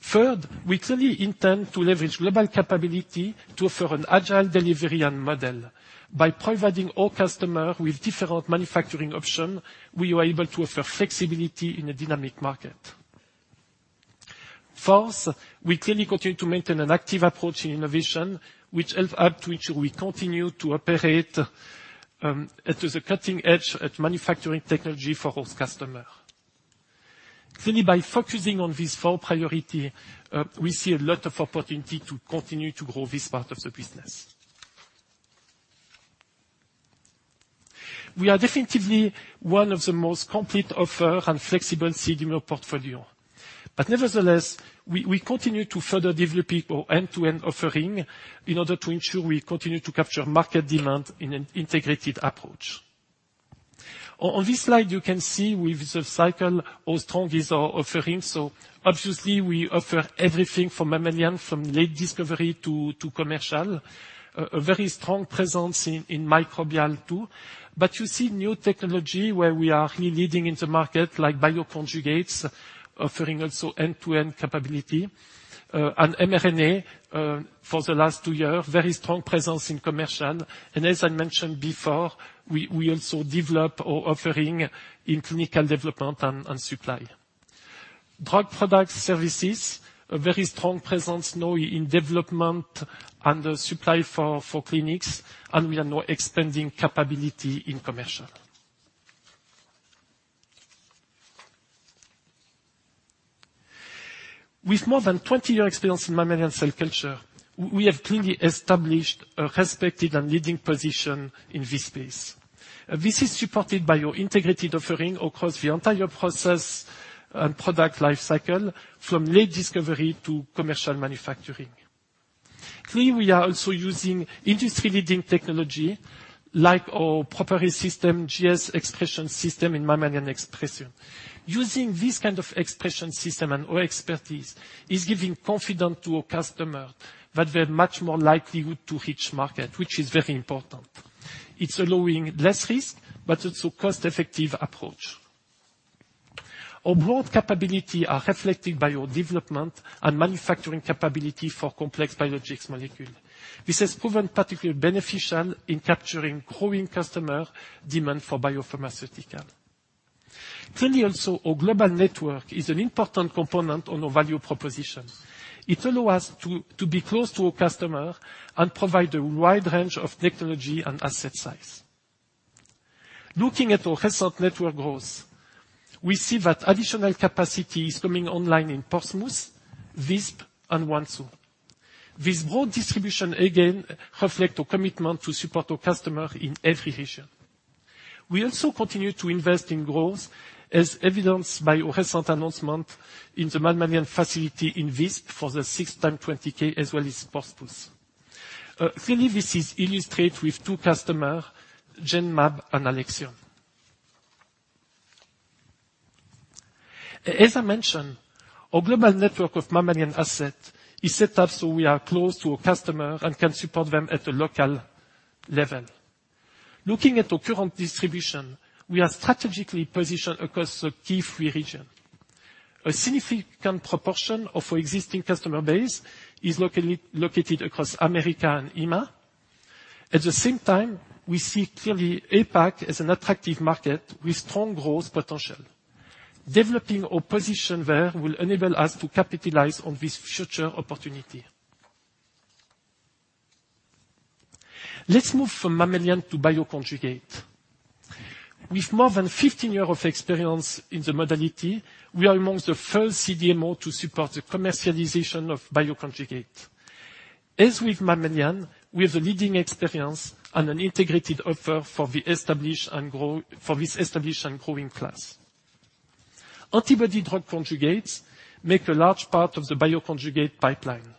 Third, we clearly intend to leverage global capability to offer an agile delivery and model. By providing our customer with different manufacturing option, we are able to offer flexibility in a dynamic market. Fourth, we clearly continue to maintain an active approach in innovation, which help add to ensure we continue to operate at the cutting edge at manufacturing technology for our customer. Clearly, by focusing on these four priority, we see a lot of opportunity to continue to grow this part of the business. We are definitely one of the most complete offer and flexible CDMO portfolio. Nevertheless, we continue to further develop end-to-end offering in order to ensure we continue to capture market demand in an integrated approach. On this slide, you can see with the cycle how strong is our offering. Obviously we offer everything from mammalian, from late discovery to commercial. A very strong presence in microbial too. You see new technology where we are really leading in the market, like bioconjugates, offering also end-to-end capability. mRNA, for the last two years, very strong presence in commercial. As I mentioned before, we also develop our offering in clinical development and supply. Drug product services, a very strong presence now in development and supply for clinics, and we are now expanding capability in commercial. With more than 20-year experience in mammalian cell culture, we have clearly established a respected and leading position in this space. This is supported by our integrated offering across the entire process and product life cycle, from late discovery to commercial manufacturing. We are also using industry leading technology, like our proprietary system, GS Expression System in mammalian expression. Using this kind of expression system and our expertise is giving confidence to our customer that they're much more likelihood to reach market, which is very important. It's allowing less risk, it's a cost-effective approach. Our broad capability are reflected by our development and manufacturing capability for complex biologics molecule. This has proven particularly beneficial in capturing growing customer demand for biopharmaceutical. Clearly also, our global network is an important component on our value proposition. It allow us to be close to our customer and provide a wide range of technology and asset size. Looking at our recent network growth, we see that additional capacity is coming online in Portsmouth, Visp, and Nansha. This broad distribution again reflect our commitment to support our customer in every region. We also continue to invest in growth as evidenced by our recent announcement in the mammalian facility in Visp for the sixth time, 20,000 as well as Portsmouth. Clearly, this is illustrate with two customer, Genmab and Alexion. As I mentioned, our global network of mammalian assets is set up so we are close to a customer and can support them at a local level. Looking at our current distribution, we are strategically positioned across the key three regions. A significant proportion of our existing customer base is located across America and EMEA. At the same time, we see clearly APAC as an attractive market with strong growth potential. Developing our position there will enable us to capitalize on this future opportunity. Let's move from mammalian to bioconjugate. With more than 15 years of experience in the modality, we are amongst the first CDMO to support the commercialization of bioconjugates. As with mammalian, we have a leading experience and an integrated offer for this established and growing class. Antibody drug conjugates make a large part of the bioconjugate pipeline.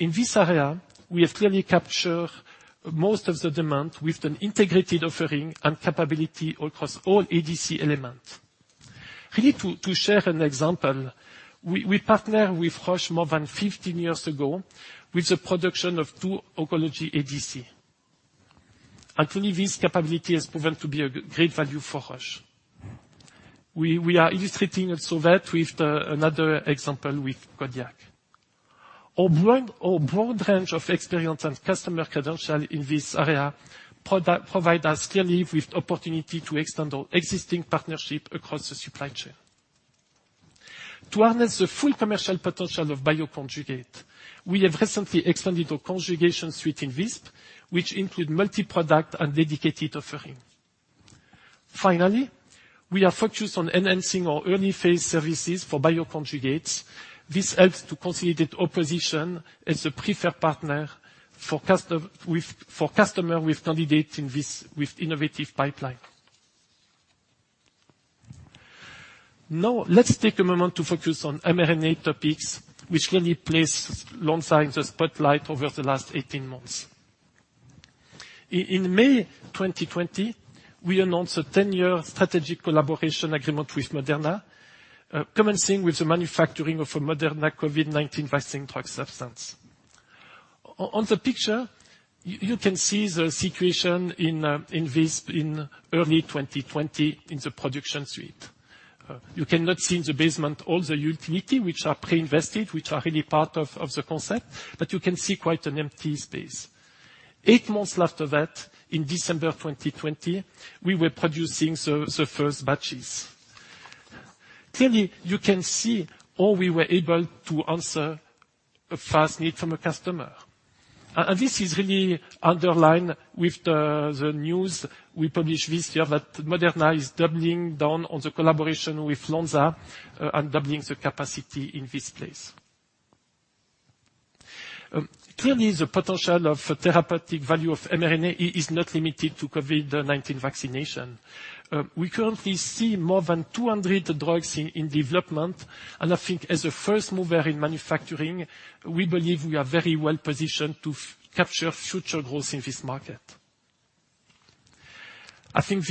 In this area, we have clearly captured most of the demand with an integrated offering and capability across all ADC elements. Really to share an example, we partner with Roche more than 15 years ago with the production of two oncology ADC. Clearly this capability has proven to be a great value for Roche. We are illustrating also that with another example with Kodiak. Our broad range of experience and customer credential in this area provide us clearly with opportunity to extend our existing partnership across the supply chain. To harness the full commercial potential of bioconjugate, we have recently expanded our conjugation suite in Visp, which include multi-product and dedicated offering. Finally, we are focused on enhancing our early phase services for bioconjugates. This helps to consolidate our position as a preferred partner for customer with candidate in this with innovative pipeline. Let's take a moment to focus on mRNA topics, which clearly place long time in the spotlight over the last 18 months. In May 2020, we announced a 10-year strategic collaboration agreement with Moderna, commencing with the manufacturing of a Moderna COVID-19 vaccine drug substance. On the picture, you can see the situation in Visp in early 2020 in the production suite. You cannot see in the basement all the utility, which are pre-invested, which are really part of the concept, but you can see quite an empty space. eight months after that in December 2020, we were producing the first batches. Clearly, you can see how we were able to answer a fast need from a customer. This is really underlined with the news we published this year that Moderna is doubling down on the collaboration with Lonza and doubling the capacity in this place. Clearly, the potential of therapeutic value of mRNA is not limited to COVID-19 vaccination. We currently see more than 200 drugs in development. I think as a first mover in manufacturing, we believe we are very well positioned to capture future growth in this market. I think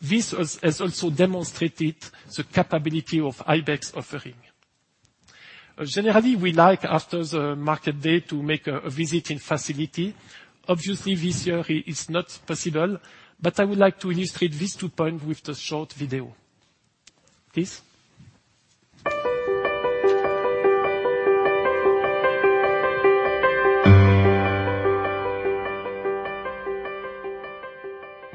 this has also demonstrated the capability of Ibex offering. Generally, we like after the market date to make a visit in facility. Obviously, this year it is not possible. I would like to illustrate this two point with the short video. Please.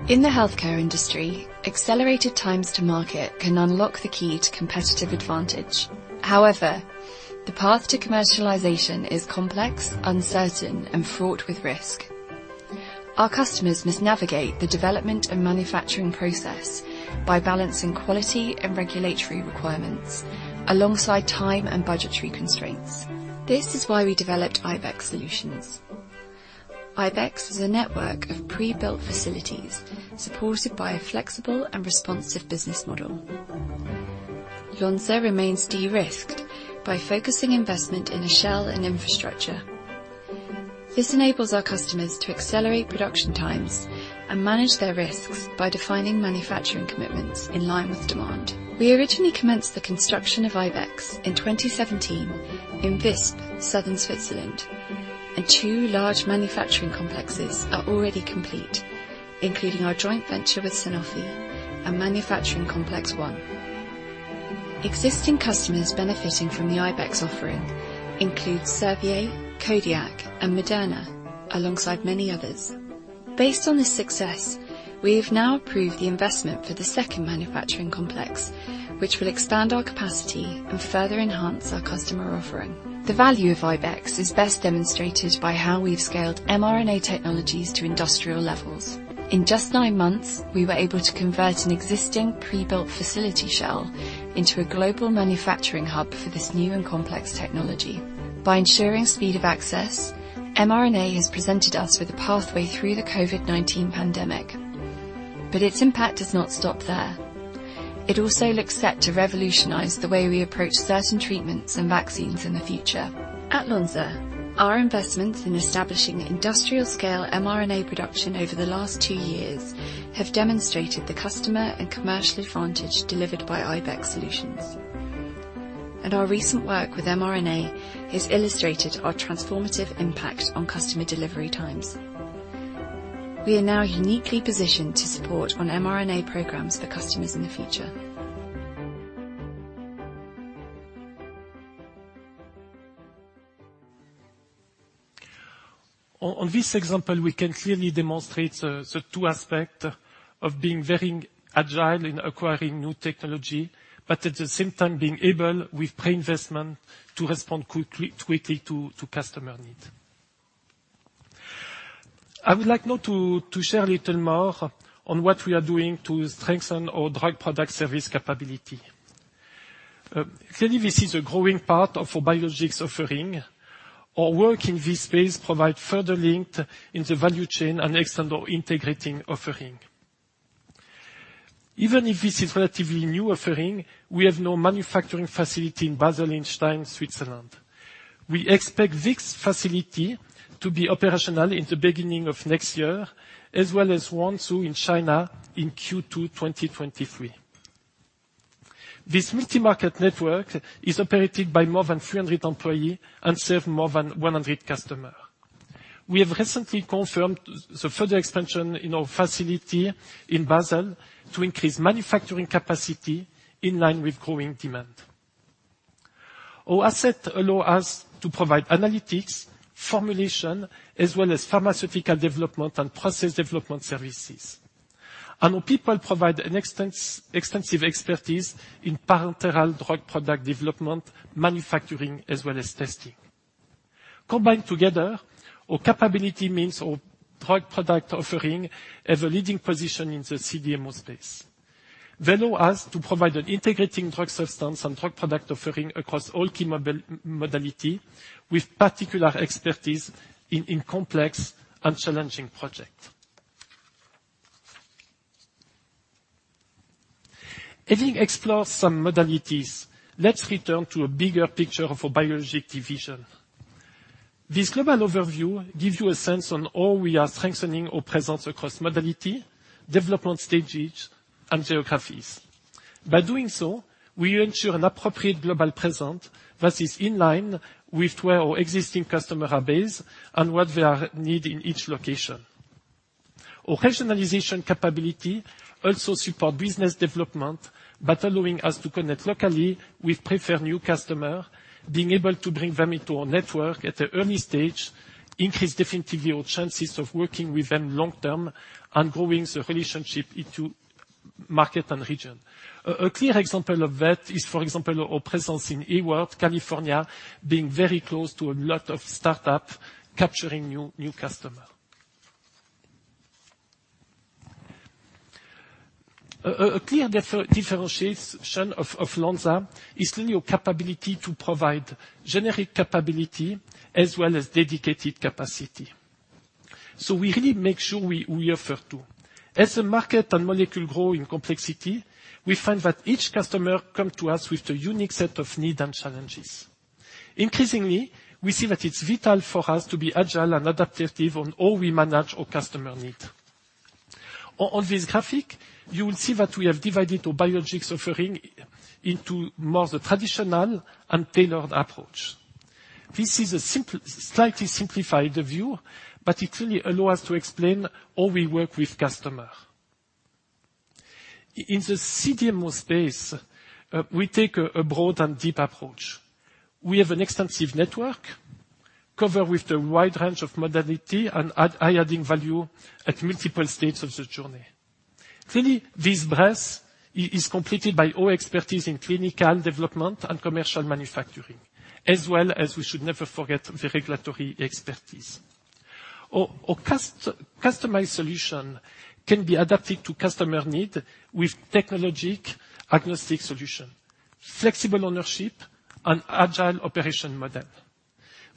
In the healthcare industry, accelerated times to market can unlock the key to competitive advantage. However, the path to commercialization is complex, uncertain, and fraught with risk. Our customers must navigate the development and manufacturing process by balancing quality and regulatory requirements alongside time and budgetary constraints. This is why we developed Ibex Solutions. Ibex is a network of pre-built facilities supported by a flexible and responsive business model. Lonza remains de-risked by focusing investment in a shell and infrastructure. This enables our customers to accelerate production times and manage their risks by defining manufacturing commitments in line with demand. We originally commenced the construction of Ibex in 2017 in Visp, southern Switzerland, and two large manufacturing complexes are already complete, including our joint venture with Sanofi and Manufacturing Complex one. Existing customers benefiting from the Ibex offering include Servier, Kodiak, and Moderna, alongside many others. Based on this success, we have now approved the investment for the second manufacturing complex, which will expand our capacity and further enhance our customer offering. The value of Ibex is best demonstrated by how we've scaled mRNA technologies to industrial levels. In just nine months, we were able to convert an existing pre-built facility shell into a global manufacturing hub for this new and complex technology. By ensuring speed of access, mRNA has presented us with a pathway through the COVID-19 pandemic, but its impact does not stop there. It also looks set to revolutionize the way we approach certain treatments and vaccines in the future. At Lonza, our investments in establishing industrial-scale mRNA production over the last two years have demonstrated the customer and commercial advantage delivered by Ibex solutions. Our recent work with mRNA has illustrated our transformative impact on customer delivery times. We are now uniquely positioned to support on mRNA programs for customers in the future. On this example, we can clearly demonstrate the two aspect of being very agile in acquiring new technology, but at the same time being able, with pre-investment, to respond quickly to customer need. I would like now to share a little more on what we are doing to strengthen our drug product service capability. Clearly, this is a growing part of our Biologics offering. Our work in this space provide further link in the value chain and extend our integrating offering. Even if this is relatively new offering, we have now manufacturing facility in Basel and Stein, Switzerland. We expect this facility to be operational in the beginning of next year, as well as Nansha in China in Q2 2023. This multi-market network is operated by more than 300 employee and serve more than 100 customer. We have recently confirmed the further expansion in our facility in Basel to increase manufacturing capacity in line with growing demand. Our asset allow us to provide analytics, formulation, as well as pharmaceutical development and process development services. Our people provide an extensive expertise in parenteral drug product development, manufacturing, as well as testing. Combined together, our capability means our drug product offering have a leading position in the CDMO space. They allow us to provide an integrating drug substance and drug product offering across all key modality, with particular expertise in complex and challenging project. Having explored some modalities, let's return to a bigger picture of our Biologics division. This global overview gives you a sense on how we are strengthening our presence across modality, development stages, and geographies. By doing so, we ensure an appropriate global presence that is in line with where our existing customer are based and what they are need in each location. Our rationalization capability also support business development by allowing us to connect locally with preferred new customer. Being able to bring them into our network at an early stage increase definitively our chances of working with them long term and growing the relationship into market and region. A clear example of that is, for example, our presence in Hayward, California, being very close to a lot of startup, capturing new customer. A clear differentiation of Lonza is clearly our capability to provide generic capability as well as dedicated capacity. We really make sure we offer two. As the market and molecule grow in complexity, we find that each customer come to us with a unique set of need and challenges. Increasingly, we see that it's vital for us to be agile and adaptive on how we manage our customer need. On this graphic, you will see that we have divided our Biologics offering into more the traditional and tailored approach. This is a slightly simplified view, it clearly allow us to explain how we work with customer. In the CDMO space, we take a broad and deep approach. We have an extensive network, cover with a wide range of modality, and add high adding value at multiple stages of the journey. Clearly, this breadth is completed by our expertise in clinical development and commercial manufacturing, as well as we should never forget the regulatory expertise. Our customized solution can be adapted to customer need with technology-agnostic solution, flexible ownership, and agile operating model.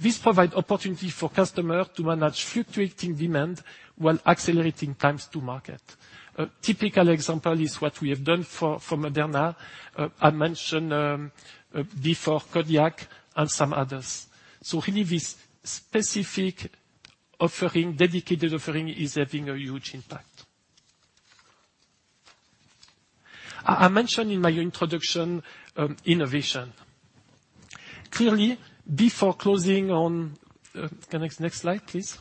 This provide opportunity for customer to manage fluctuating demand while accelerating time to market. A typical example is what we have done for Moderna. I mentioned before Kodiak and some others. Really this specific offering, dedicated offering is having a huge impact. I mentioned in my introduction innovation. Clearly, before closing on biologics,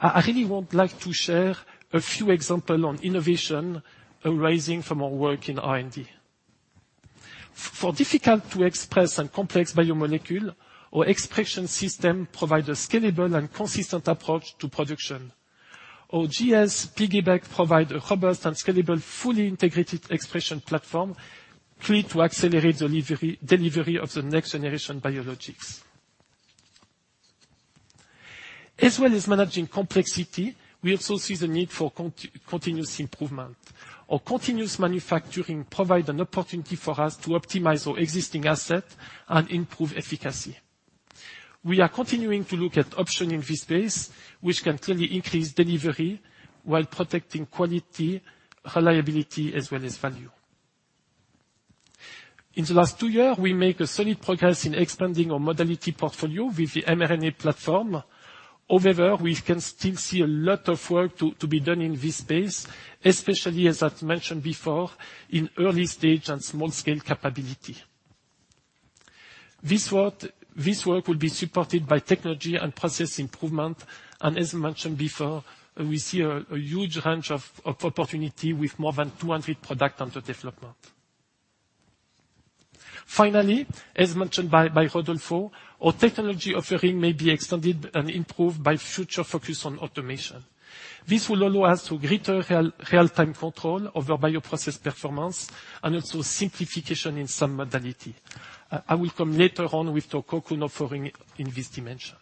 I really would like to share a few example on innovation arising from our work in R&D. For difficult to express and complex biomolecule, our expression system provide a scalable and consistent approach to production. Our GS piggyBac provide a robust and scalable, fully integrated expression platform, free to accelerate delivery of the next generation biologics. As well as managing complexity, we also see the need for continuous improvement. Our continuous manufacturing provide an opportunity for us to optimize our existing asset and improve efficacy. We are continuing to look at option in this space, which can clearly increase delivery while protecting quality, reliability, as well as value. In the last two year, we make a solid progress in expanding our modality portfolio with the mRNA platform. However, we can still see a lot of work to be done in this space, especially, as I've mentioned before, in early stage and small scale capability. This work will be supported by technology and process improvement, and as mentioned before, we see a huge range of opportunity with more than 200 product under development. Finally, as mentioned by Rodolfo, our technology offering may be extended and improved by future focus on automation. This will allow us to greater real-time control over bioprocess performance, and also simplification in some modality. I will come later on with Cocoon offering in this dimension.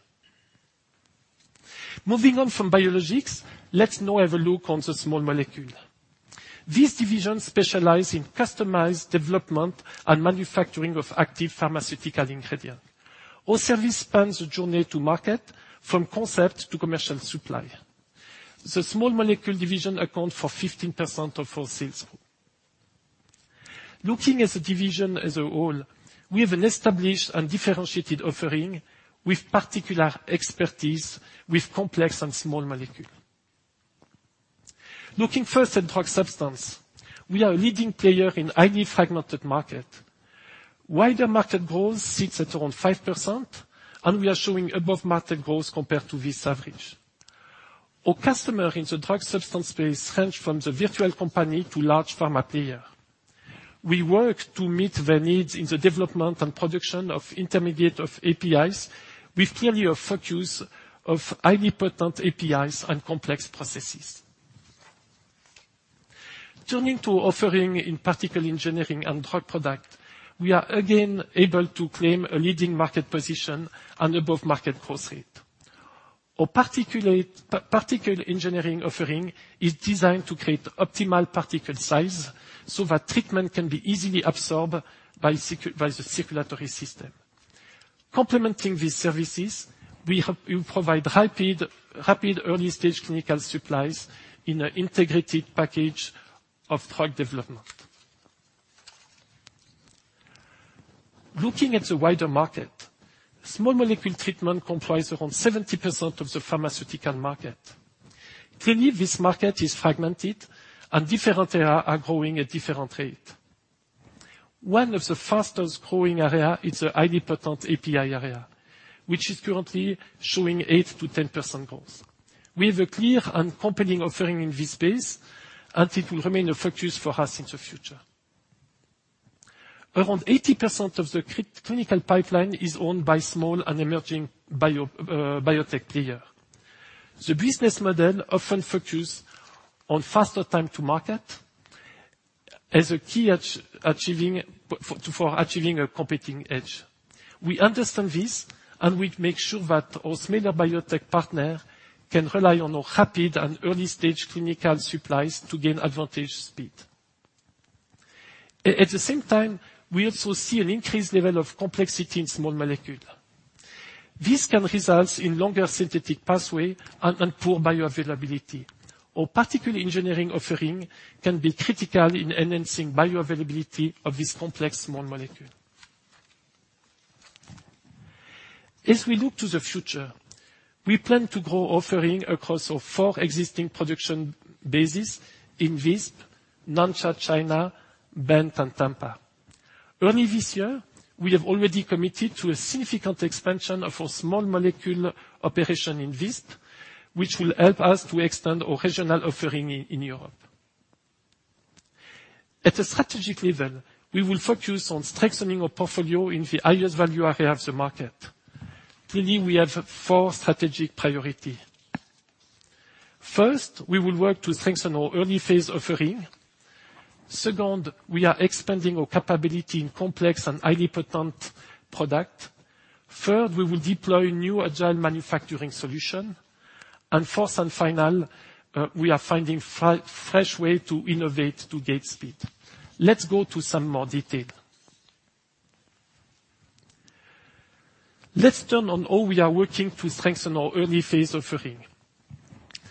Moving on from Biologics, let's now have a look on the Small Molecules. This division specialize in customized development and manufacturing of active pharmaceutical ingredient. Our service spans the journey to market from concept to commercial supply. The Small Molecules division account for 15% of our sales. Looking at the division as a whole, we have an established and differentiated offering with particular expertise with complex and Small Molecules. Looking first at drug substance, we are a leading player in highly fragmented market. Wider market growth sits at around 5%. We are showing above market growth compared to this average. Our customer in the drug substance space range from the virtual company to large pharma player. We work to meet their needs in the development and production of intermediate of APIs with clearly a focus of highly potent APIs and complex processes. Turning to offering in particle engineering and drug product, we are again able to claim a leading market position and above-market growth rate. Our particle engineering offering is designed to create optimal particle size so that treatment can be easily absorbed by the circulatory system. Complementing these services, we provide rapid early-stage clinical supplies in an integrated package of drug development. Looking at the wider market, small molecule treatment comprise around 70% of the pharmaceutical market. Clearly, this market is fragmented and different area are growing at different rate. One of the fastest growing area is the highly potent API area, which is currently showing 8%-10% growth. We have a clear and compelling offering in this space, and it will remain a focus for us in the future. Around 80% of the clinical pipeline is owned by small and emerging biotech player. The business model often focus on faster time to market as a key for achieving a competing edge. We understand this, and we make sure that our smaller biotech partner can rely on our rapid and early stage clinical supplies to gain advantage speed. At the same time, we also see an increased level of complexity in small molecule. This can result in longer synthetic pathway and poor bioavailability, or particle engineering offering can be critical in enhancing bioavailability of this complex small molecule. As we look to the future, we plan to grow offering across our four existing production bases in Visp, Nanchang, China, Bend, and Tampa. Early this year, we have already committed to a significant expansion of our small molecule operation in Visp, which will help us to extend our regional offering in Europe. At a strategic level, we will focus on strengthening our portfolio in the highest value areas of market. Clearly, we have four strategic priority. First, we will work to strengthen our early phase offering. Second, we are expanding our capability in complex and highly potent product. Third, we will deploy new agile manufacturing solution. Fourth and final, we are finding fresh way to innovate to gain speed. Let's go to some more detail. Let's turn to how we are working to strengthen our early phase offering.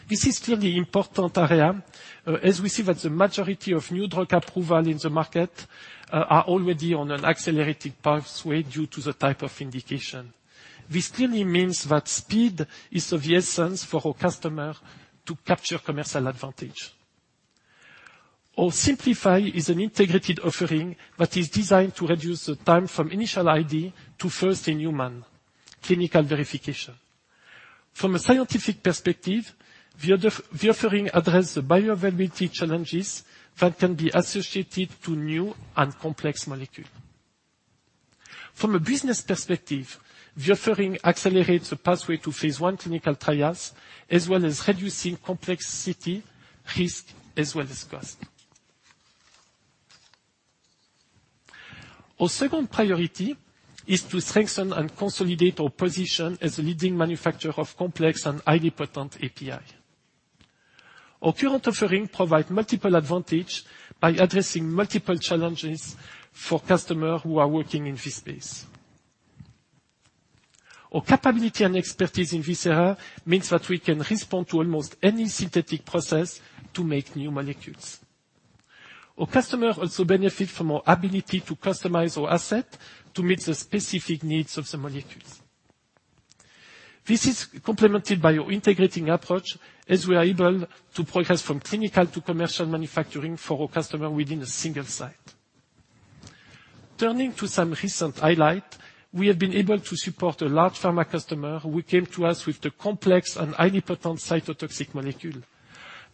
This is clearly important area, as we see that the majority of new drug approval in the market are already on an accelerated pathway due to the type of indication. This clearly means that speed is of the essence for our customer to capture commercial advantage. Our SimpliFiH Solutions is an integrated offering that is designed to reduce the time from initial ID to first in human, clinical verification. From a scientific perspective, the offering address the bioavailability challenges that can be associated to new and complex molecule. From a business perspective, the offering accelerates the pathway to phase I clinical trials, as well as reducing complexity, risk, as well as cost. Our second priority is to strengthen and consolidate our position as a leading manufacturer of complex and highly potent API. Our current offering provide multiple advantage by addressing multiple challenges for customer who are working in this space. Our capability and expertise in this area means that we can respond to almost any synthetic process to make new molecules. Our customer also benefits from our ability to customize our assets to meet the specific needs of the molecules. This is complemented by our integrated approach, as we are able to progress from clinical to commercial manufacturing for our customer within a single site. Turning to some recent highlights, we have been able to support a large pharma customer who came to us with a complex and highly potent cytotoxic molecule.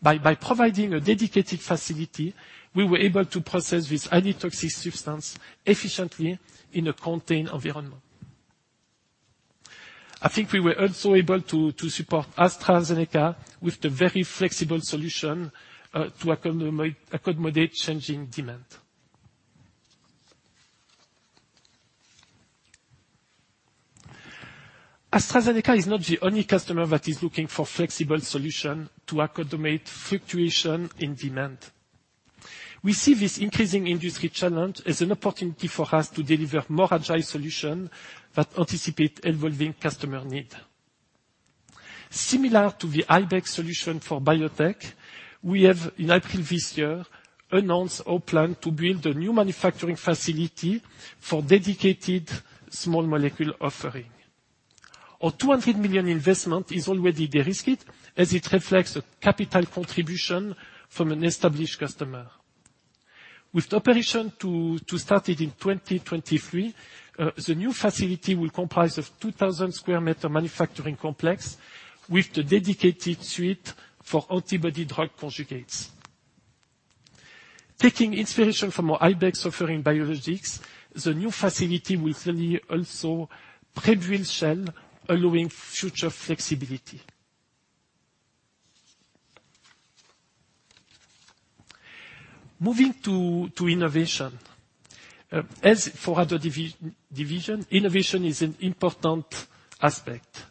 By providing a dedicated facility, we were able to process this highly toxic substance efficiently in a contained environment. I think we were also able to support AstraZeneca with a very flexible solution, to accommodate changing demand. AstraZeneca is not the only customer that is looking for flexible solutions to accommodate fluctuations in demand. We see this increasing industry challenge as an opportunity for us to deliver more agile solutions that anticipate evolving customer needs. Similar to the Ibex solution for Biologics, we have, in April this year, announced our plan to build a new manufacturing facility for dedicated Small Molecules offering. Our 200 million investment is already de-risked, as it reflects a capital contribution from an established customer. With the operation to start it in 2023, the new facility will comprise of 2,000 sq m manufacturing complex with the dedicated suite for antibody drug conjugates. Taking inspiration from our Ibex offering Biologics, the new facility will carry also pre-built shell, allowing future flexibility. Moving to innovation. As for other division, innovation is an important aspect,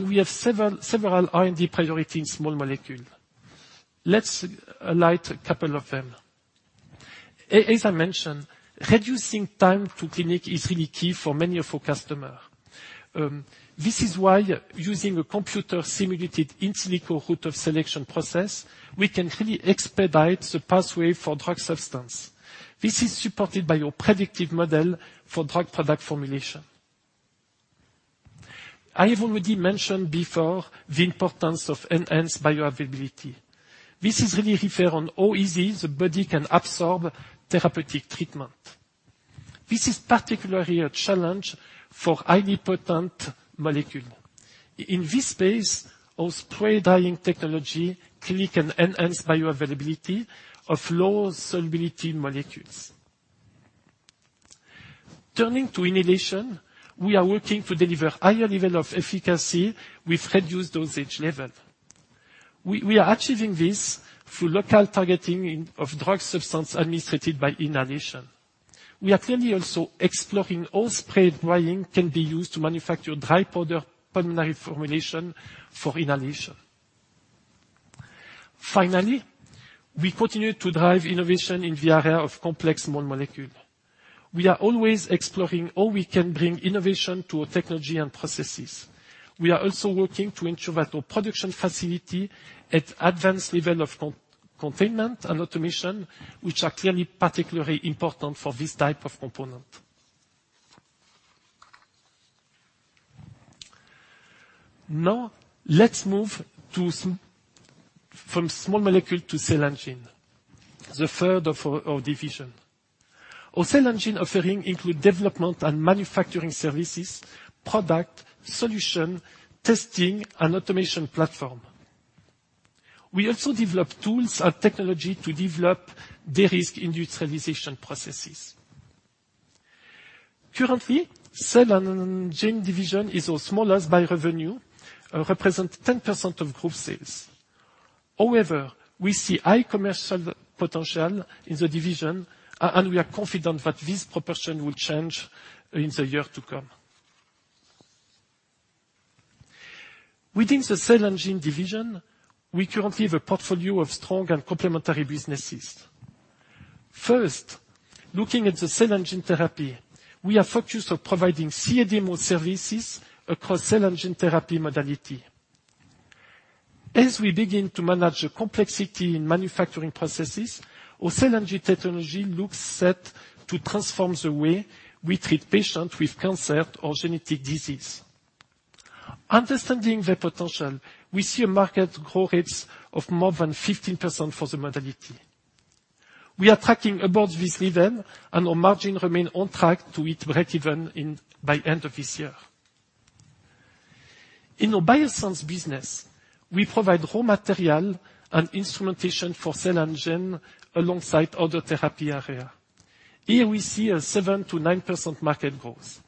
we have several R&D priority in Small Molecules. Let's highlight a couple of them. As I mentioned, reducing time to clinic is really key for many of our customer. This is why using a computer simulated in silico route of selection process, we can really expedite the pathway for drug substance. This is supported by your predictive model for drug product formulation. I have already mentioned before the importance of enhanced bioavailability. This is really refer to how easy the body can absorb therapeutic treatment. This is particularly a challenge for highly potent molecule. In this space, our spray drying technology can enhance bioavailability of low solubility molecules. Turning to inhalation, we are working to deliver higher level of efficacy with reduced dosage level. We are achieving this through local targeting of drug substance administered by inhalation. We are clearly also exploring how spray drying can be used to manufacture dry powder pulmonary formulation for inhalation. Finally, we continue to drive innovation in the area of complex Small Molecules. We are always exploring how we can bring innovation to our technology and processes. We are also working to ensure that our production facility at advanced level of containment and automation, which are clearly particularly important for this type of component. Now, let's move from Small Molecules to Cell & Gene, the third of our division. Our Cell & Gene offering include development and manufacturing services, product, solution, testing, and automation platform. We also develop tools and technology to develop, de-risk industrialization processes. Currently, Cell & Gene division is our smallest by revenue, represent 10% of group sales. However, we see high commercial potential in the division, and we are confident that this proportion will change in the year to come. Within the Cell & Gene division, we currently have a portfolio of strong and complementary businesses. First, looking at the cell and gene therapy, we are focused on providing CDMO services across cell and gene therapy modality. As we begin to manage the complexity in manufacturing processes, our cell and gene technology looks set to transform the way we treat patients with cancer or genetic disease. Understanding their potential, we see a market growth rates of more than 15% for the modality. We are tracking above this level and our margins remain on track to hit breakeven by end of this year. In our bioscience business, we provide raw materials and instrumentation for cell and gene alongside other therapy areas. Here we see a 7%-9% market growth.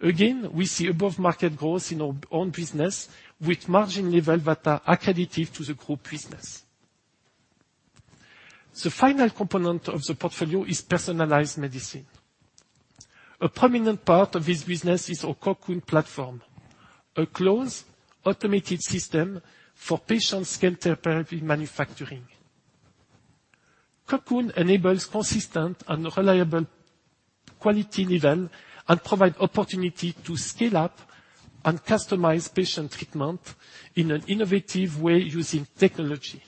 Again, we see above market growth in our own business with margin levels that are accretive to the group business. The final component of the portfolio is personalized medicine. A prominent part of this business is our Cocoon Platform, a closed automated system for patient-scale therapy manufacturing. Cocoon enables consistent and reliable quality level and provide opportunity to scale up and customize patient treatment in an innovative way using technology.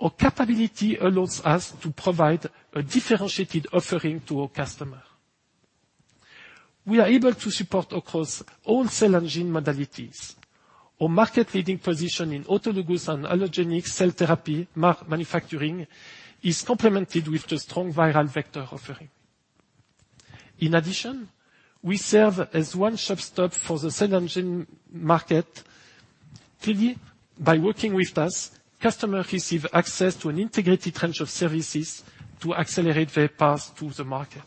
Our capability allows us to provide a differentiated offering to our customer. We are able to support across all cell and gene modalities. Our market leading position in autologous and allogeneic cell therapy manufacturing is complemented with the strong viral vector offering. In addition, we serve as one-stop shop for the cell and gene market. Clearly, by working with us, customer receive access to an integrated range of services to accelerate their path to the market.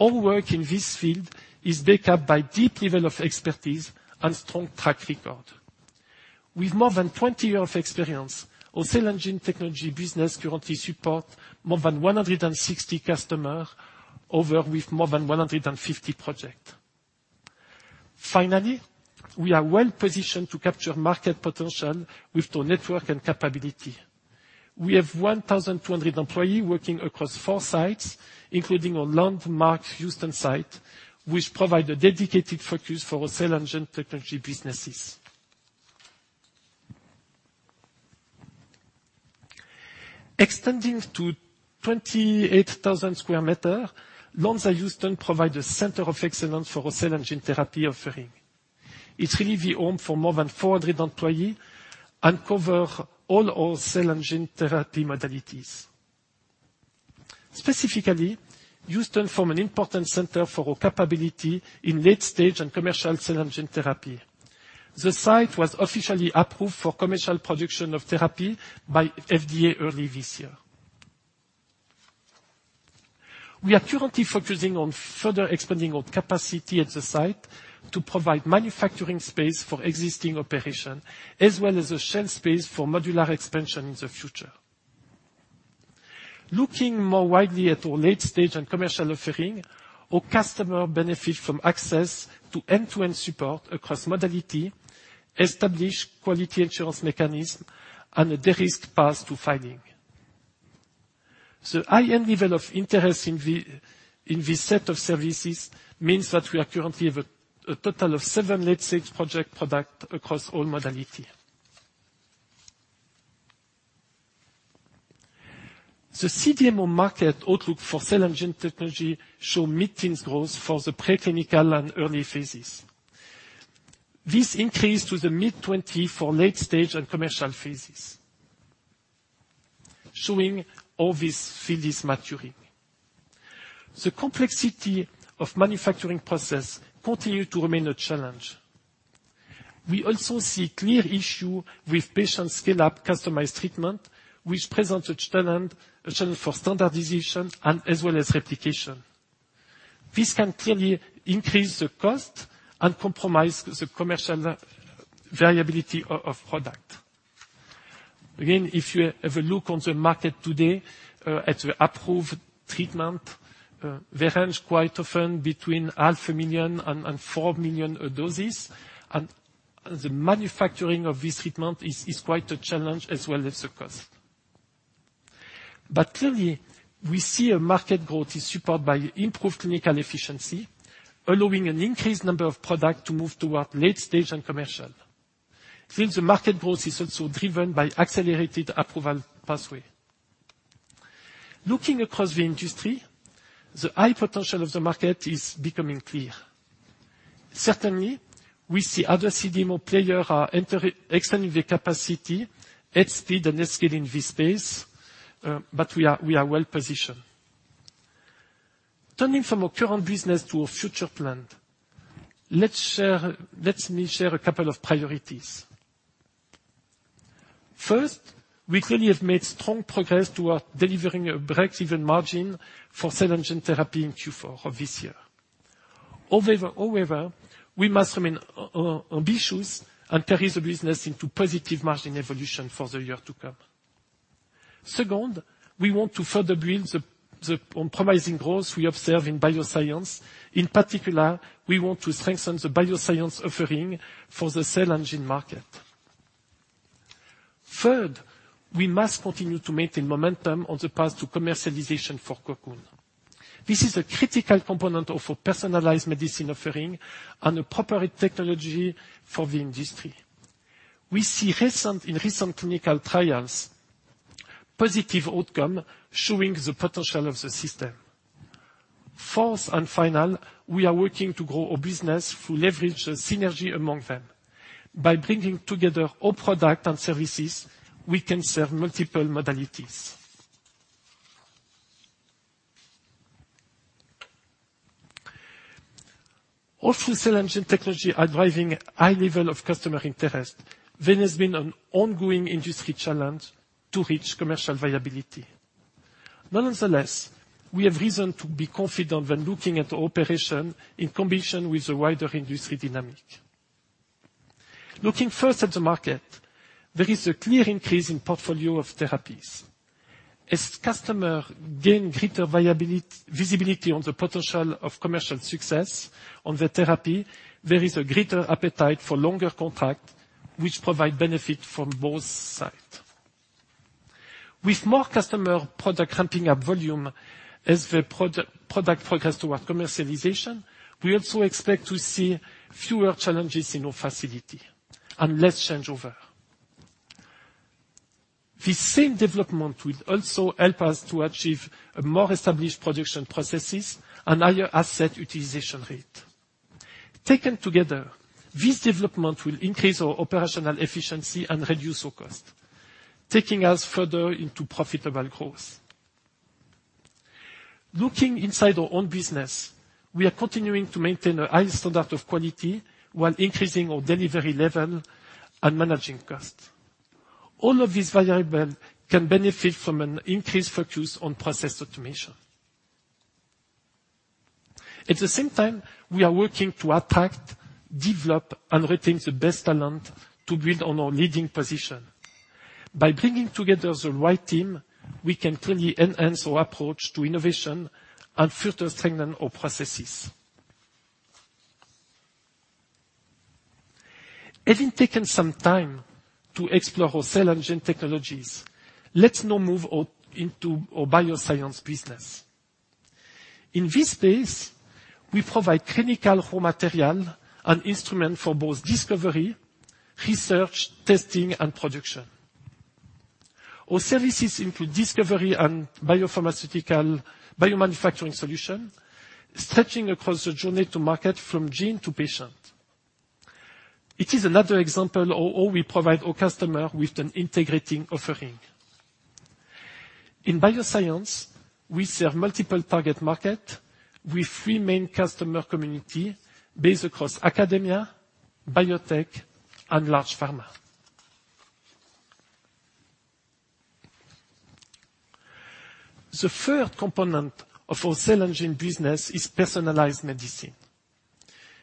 Our work in this field is backed up by deep level of expertise and strong track record. With more than 20 year of experience, our Cell & Gene technology business currently support more than 160 customers with more than 150 projects. We are well-positioned to capture market potential with our network and capability. We have 1,200 employees working across four sites, including our landmark Houston site, which provide a dedicated focus for our Cell & Gene technology businesses. Extending to 28,000 sq m, Lonza Houston provide a center of excellence for our Cell & Gene therapy offering. It's really the home for more than 400 employees, and cover all our Cell & Gene therapy modalities. Specifically, Houston form an important center for our capability in late-stage and commercial Cell & Gene therapy. The site was officially approved for commercial production of therapy by FDA early this year. We are currently focusing on further expanding our capacity at the site to provide manufacturing space for existing operations as well as a shell space for modular expansion in the future. Looking more widely at our late-stage and commercial offering, our customers benefit from access to end-to-end support across modalities, established quality assurance mechanisms, and a de-risked path to filing. A high level of interest in this set of services means that we currently have a total of seven late-stage project products across all modalities. The CDMO market outlook for Cell & Gene technology shows mid-teen growth for the preclinical and early phases. This increases to the mid-20s for late-stage and commercial phases, showing how this field is maturing. The complexity of manufacturing processes continues to remain a challenge. We also see clear issue with patient scale-up customized treatment, which presents a challenge for standardization and as well as replication. This can clearly increase the cost and compromise the commercial viability of product. If you have a look on the market today, at the approved treatment, they range quite often between half a million and 4 million doses. The manufacturing of this treatment is quite a challenge as well as the cost. Clearly, we see a market growth is supported by improved clinical efficiency, allowing an increased number of product to move toward late stage and commercial. The market growth is also driven by accelerated approval pathway. Looking across the industry, the high potential of the market is becoming clear. Certainly, we see other CDMO player are entering, expanding their capacity at speed and scale in this space. We are well-positioned. Turning from our current business to our future plan. Let me share a couple of priorities. First, we clearly have made strong progress toward delivering a breakeven margin for cell and gene therapy in Q4 of this year. We must remain ambitious and carry the business into positive margin evolution for the year to come. Second, we want to further build the promising growth we observe in bioscience. In particular, we want to strengthen the bioscience offering for the cell and gene market. Third, we must continue to maintain momentum on the path to commercialization for Cocoon. This is a critical component of a personalized medicine offering and a proper technology for the industry. We see in recent clinical trials positive outcome showing the potential of the system. Fourth and final, we are working to grow our business through leverage synergy among them. By bringing together all products and services, we can serve multiple modalities. Although Cell & Gene technology are driving high levels of customer interest, there has been an ongoing industry challenge to reach commercial viability. Nonetheless, we have reason to be confident when looking at operations in combination with the wider industry dynamics. Looking first at the market, there is a clear increase in portfolio of therapies. As customers gain greater visibility on the potential of commercial success on their therapy, there is a greater appetite for longer contracts, which provide benefit from both sides. With more customer products ramping up volume as the products progress toward commercialization, we also expect to see fewer challenges in our facility and less changeover. The same development will also help us to achieve a more established production process and higher asset utilization rate. Taken together, this development will increase our operational efficiency and reduce our cost, taking us further into profitable growth. Looking inside our own business, we are continuing to maintain a high standard of quality while increasing our delivery level and managing cost. All of this variable can benefit from an increased focus on process automation. At the same time, we are working to attract, develop, and retain the best talent to build on our leading position. By bringing together the right team, we can clearly enhance our approach to innovation and further strengthen our processes. Having taken some time to explore our Cell & Gene technologies, let's now move into our bioscience business. In this space, we provide clinical raw material and instrument for both discovery, research, testing, and production. Our services include discovery and biopharmaceutical biomanufacturing solution, stretching across the journey to market from gene to patient. It is another example of how we provide our customer with an integrating offering. In bioscience, we serve multiple target market with three main customer community based across academia, biotech, and large pharma. The third component of our Cell & Gene business is personalized medicine.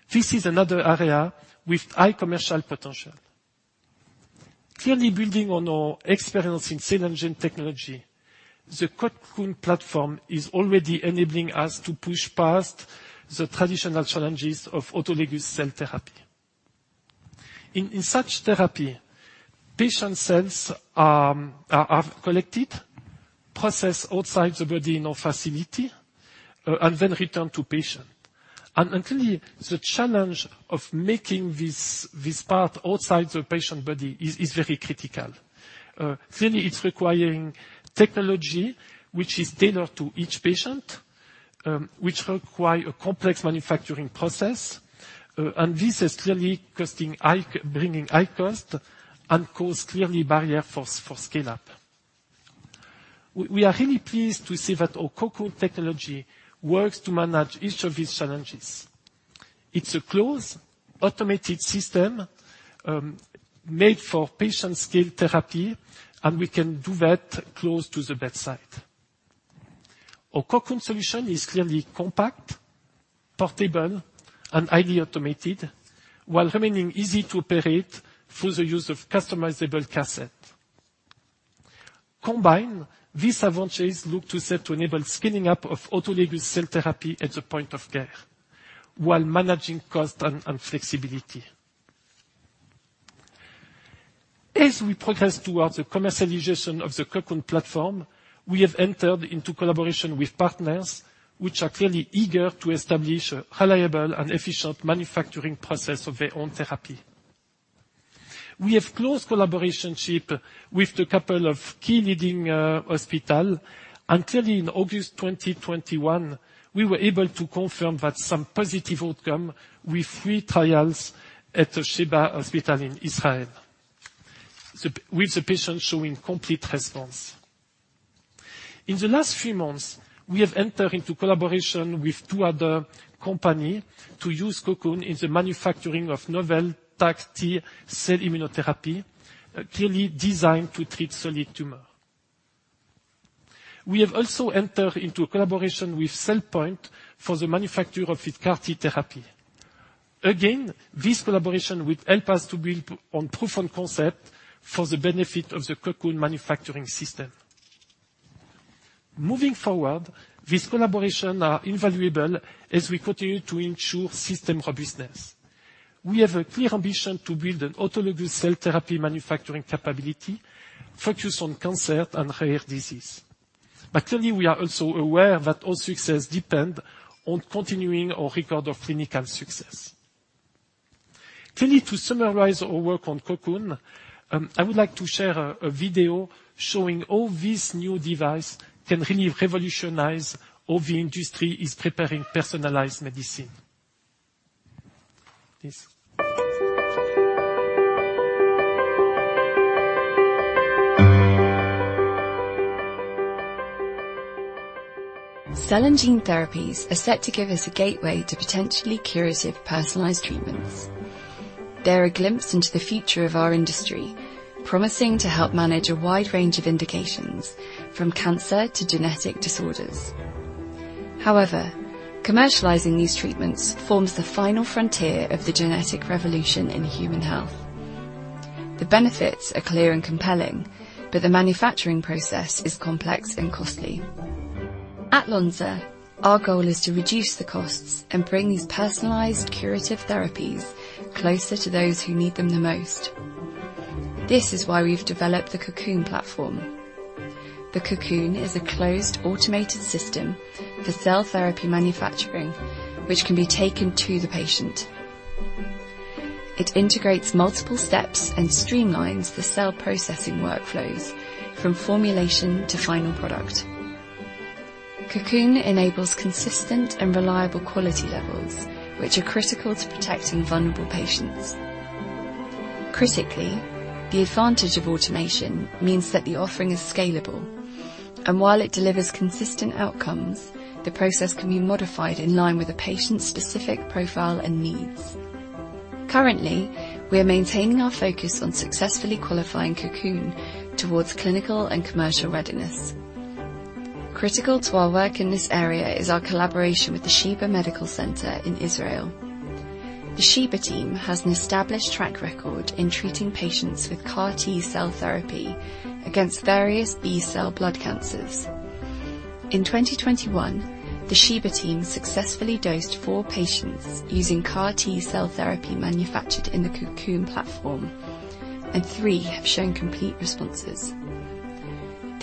This is another area with high commercial potential. Clearly building on our experience in Cell & Gene technology, the Cocoon Platform is already enabling us to push past the traditional challenges of autologous cell therapy. In such therapy, patient cells are collected, processed outside the body in our facility, and then returned to patient. Clearly, the challenge of making this part outside the patient body is very critical. Clearly, it's requiring technology which is tailored to each patient, which require a complex manufacturing process. This is clearly bringing high cost and cause clearly barrier for scale-up. We are really pleased to see that our Cocoon technology works to manage each of these challenges. It's a closed, automated system, made for patient scale therapy, and we can do that close to the bedside. Our Cocoon solution is clearly compact, portable, and highly automated, while remaining easy to operate through the use of customizable cassette. Combined, these advantages look to set to enable scaling up of autologous cell therapy at the point of care, while managing cost and flexibility. As we progress towards the commercialization of the Cocoon Platform, we have entered into collaboration with partners, which are clearly eager to establish a reliable and efficient manufacturing process of their own therapy. We have close collaboration with a couple of key leading hospital. Clearly in August 2021, we were able to confirm that some positive outcome with three trials at Sheba Medical Center in Israel, with the patient showing complete response. In the last few months, we have entered into collaboration with two other company to use Cocoon in the manufacturing of novel CAR T cell immunotherapy, clearly designed to treat solid tumor. We have also entered into a collaboration with CellPoint for the manufacture of its CAR T therapy. Again, this collaboration will help us to build on proof of concept for the benefit of the Cocoon manufacturing system. Moving forward, this collaboration are invaluable as we continue to ensure system robustness. We have a clear ambition to build an autologous cell therapy manufacturing capability focused on cancer and rare disease. Clearly, we are also aware that our success depend on continuing our record of clinical success. Clearly, to summarize our work on Cocoon, I would like to share a video showing how this new device can really revolutionize how the industry is preparing personalized medicine. Please. Cell and gene therapies are set to give us a gateway to potentially curative personalized treatments. They're a glimpse into the future of our industry, promising to help manage a wide range of indications, from cancer to genetic disorders. Commercializing these treatments forms the final frontier of the genetic revolution in human health. The benefits are clear and compelling, the manufacturing process is complex and costly. At Lonza, our goal is to reduce the costs and bring these personalized curative therapies closer to those who need them the most. This is why we've developed the Cocoon Platform. The Cocoon is a closed automated system for cell therapy manufacturing, which can be taken to the patient. It integrates multiple steps and streamlines the cell processing workflows from formulation to final product. Cocoon enables consistent and reliable quality levels, which are critical to protecting vulnerable patients. Critically, the advantage of automation means that the offering is scalable, and while it delivers consistent outcomes, the process can be modified in line with a patient's specific profile and needs. Currently, we are maintaining our focus on successfully qualifying Cocoon towards clinical and commercial readiness. Critical to our work in this area is our collaboration with the Sheba Medical Center in Israel. The Sheba team has an established track record in treating patients with CAR T-cell therapy against various B-cell blood cancers. In 2021, the Sheba team successfully dosed four patients using CAR T-cell therapy manufactured in the Cocoon Platform, and three have shown complete responses.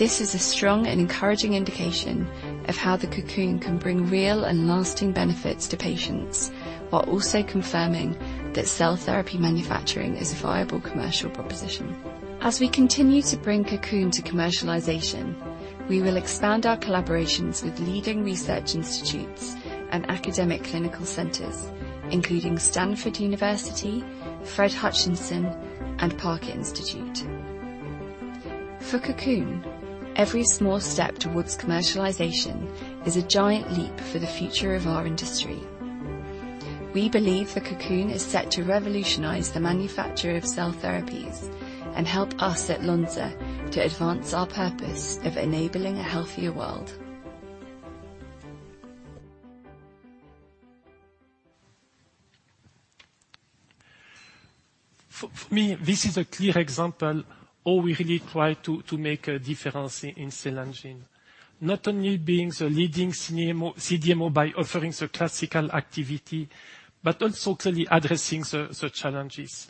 This is a strong and encouraging indication of how the Cocoon can bring real and lasting benefits to patients, while also confirming that cell therapy manufacturing is a viable commercial proposition. As we continue to bring Cocoon to commercialization, we will expand our collaborations with leading research institutes and academic clinical centers, including Stanford University, Fred Hutchinson, and Parker Institute. For Cocoon, every small step towards commercialization is a giant leap for the future of our industry. We believe that Cocoon is set to revolutionize the manufacture of cell therapies and help us at Lonza to advance our purpose of enabling a healthier world. For me, this is a clear example how we really try to make a difference in Cell & Gene. Not only being the leading CDMO by offering the classical activity, but also clearly addressing the challenges.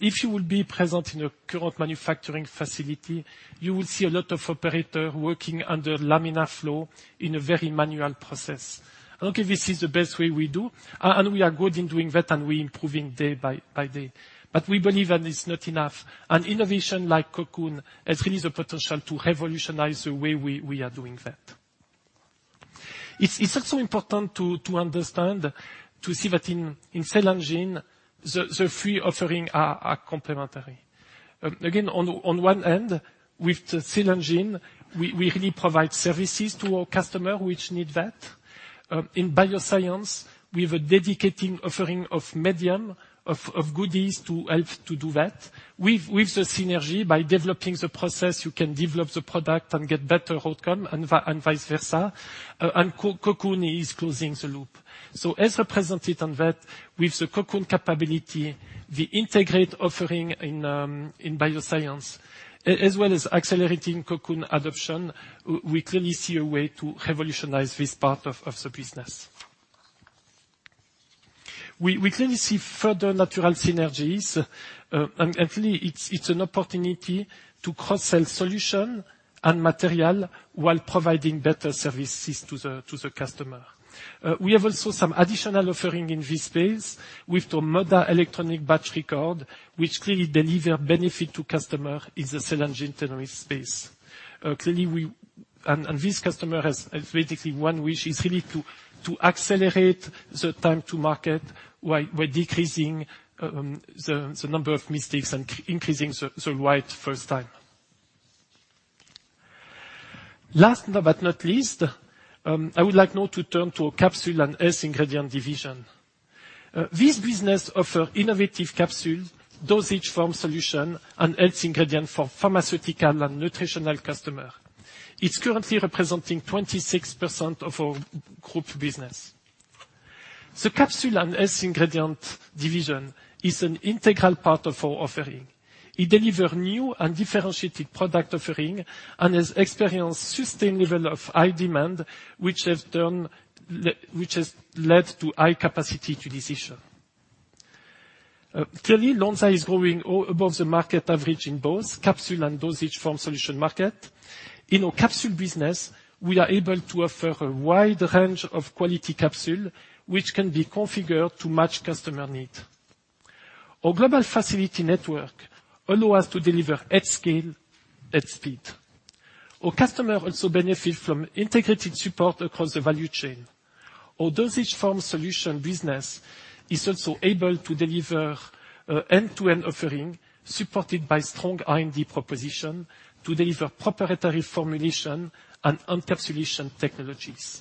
If you would be present in a current manufacturing facility, you would see a lot of operator working under laminar flow in a very manual process. I don't think this is the best way we do, and we are good in doing that, and we improving day by day. We believe that it's not enough. An innovation like Cocoon has really the potential to revolutionize the way we are doing that. It's also important to understand to see that in Cell & Gene, the three offering are complementary. On one end, with the Cell & Gene, we really provide services to our customer which need that. In bioscience, we have a dedicating offering of medium, of goodies to help to do that. With the synergy, by developing the process, you can develop the product and get better outcome and vice versa. Cocoon is closing the loop. As represented on that, with the Cocoon capability, the integrate offering in bioscience, as well as accelerating Cocoon adoption, we clearly see a way to revolutionize this part of the business. We clearly see further natural synergies. Clearly, it's an opportunity to cross-sell solution and material while providing better services to the customer. We have also some additional offering in this space with the MODA-ES Platform, which clearly deliver benefit to customer in the Cell & Gene space. This customer has basically one wish, is really to accelerate the time to market while decreasing the number of mistakes and increasing the right first time. Last but not least, I would like now to turn to Capsules and Health Ingredients Division. This business offer innovative capsule dosage form solution and health ingredient for pharmaceutical and nutritional customer. It's currently representing 26% of our group business. The Capsules and Health Ingredients Division is an integral part of our offering. It deliver new and differentiated product offering and has experienced sustained level of high demand, which has led to high capacity utilization. Clearly, Lonza is growing above the market average in both capsule and dosage form solution market. In our capsule business, we are able to offer a wide range of quality capsule, which can be configured to match customer need. Our global facility network allow us to deliver at scale, at speed. Our customer also benefit from integrated support across the value chain. Our dosage form solution business is also able to deliver end-to-end offering, supported by strong R&D proposition to deliver proprietary formulation and encapsulation technologies.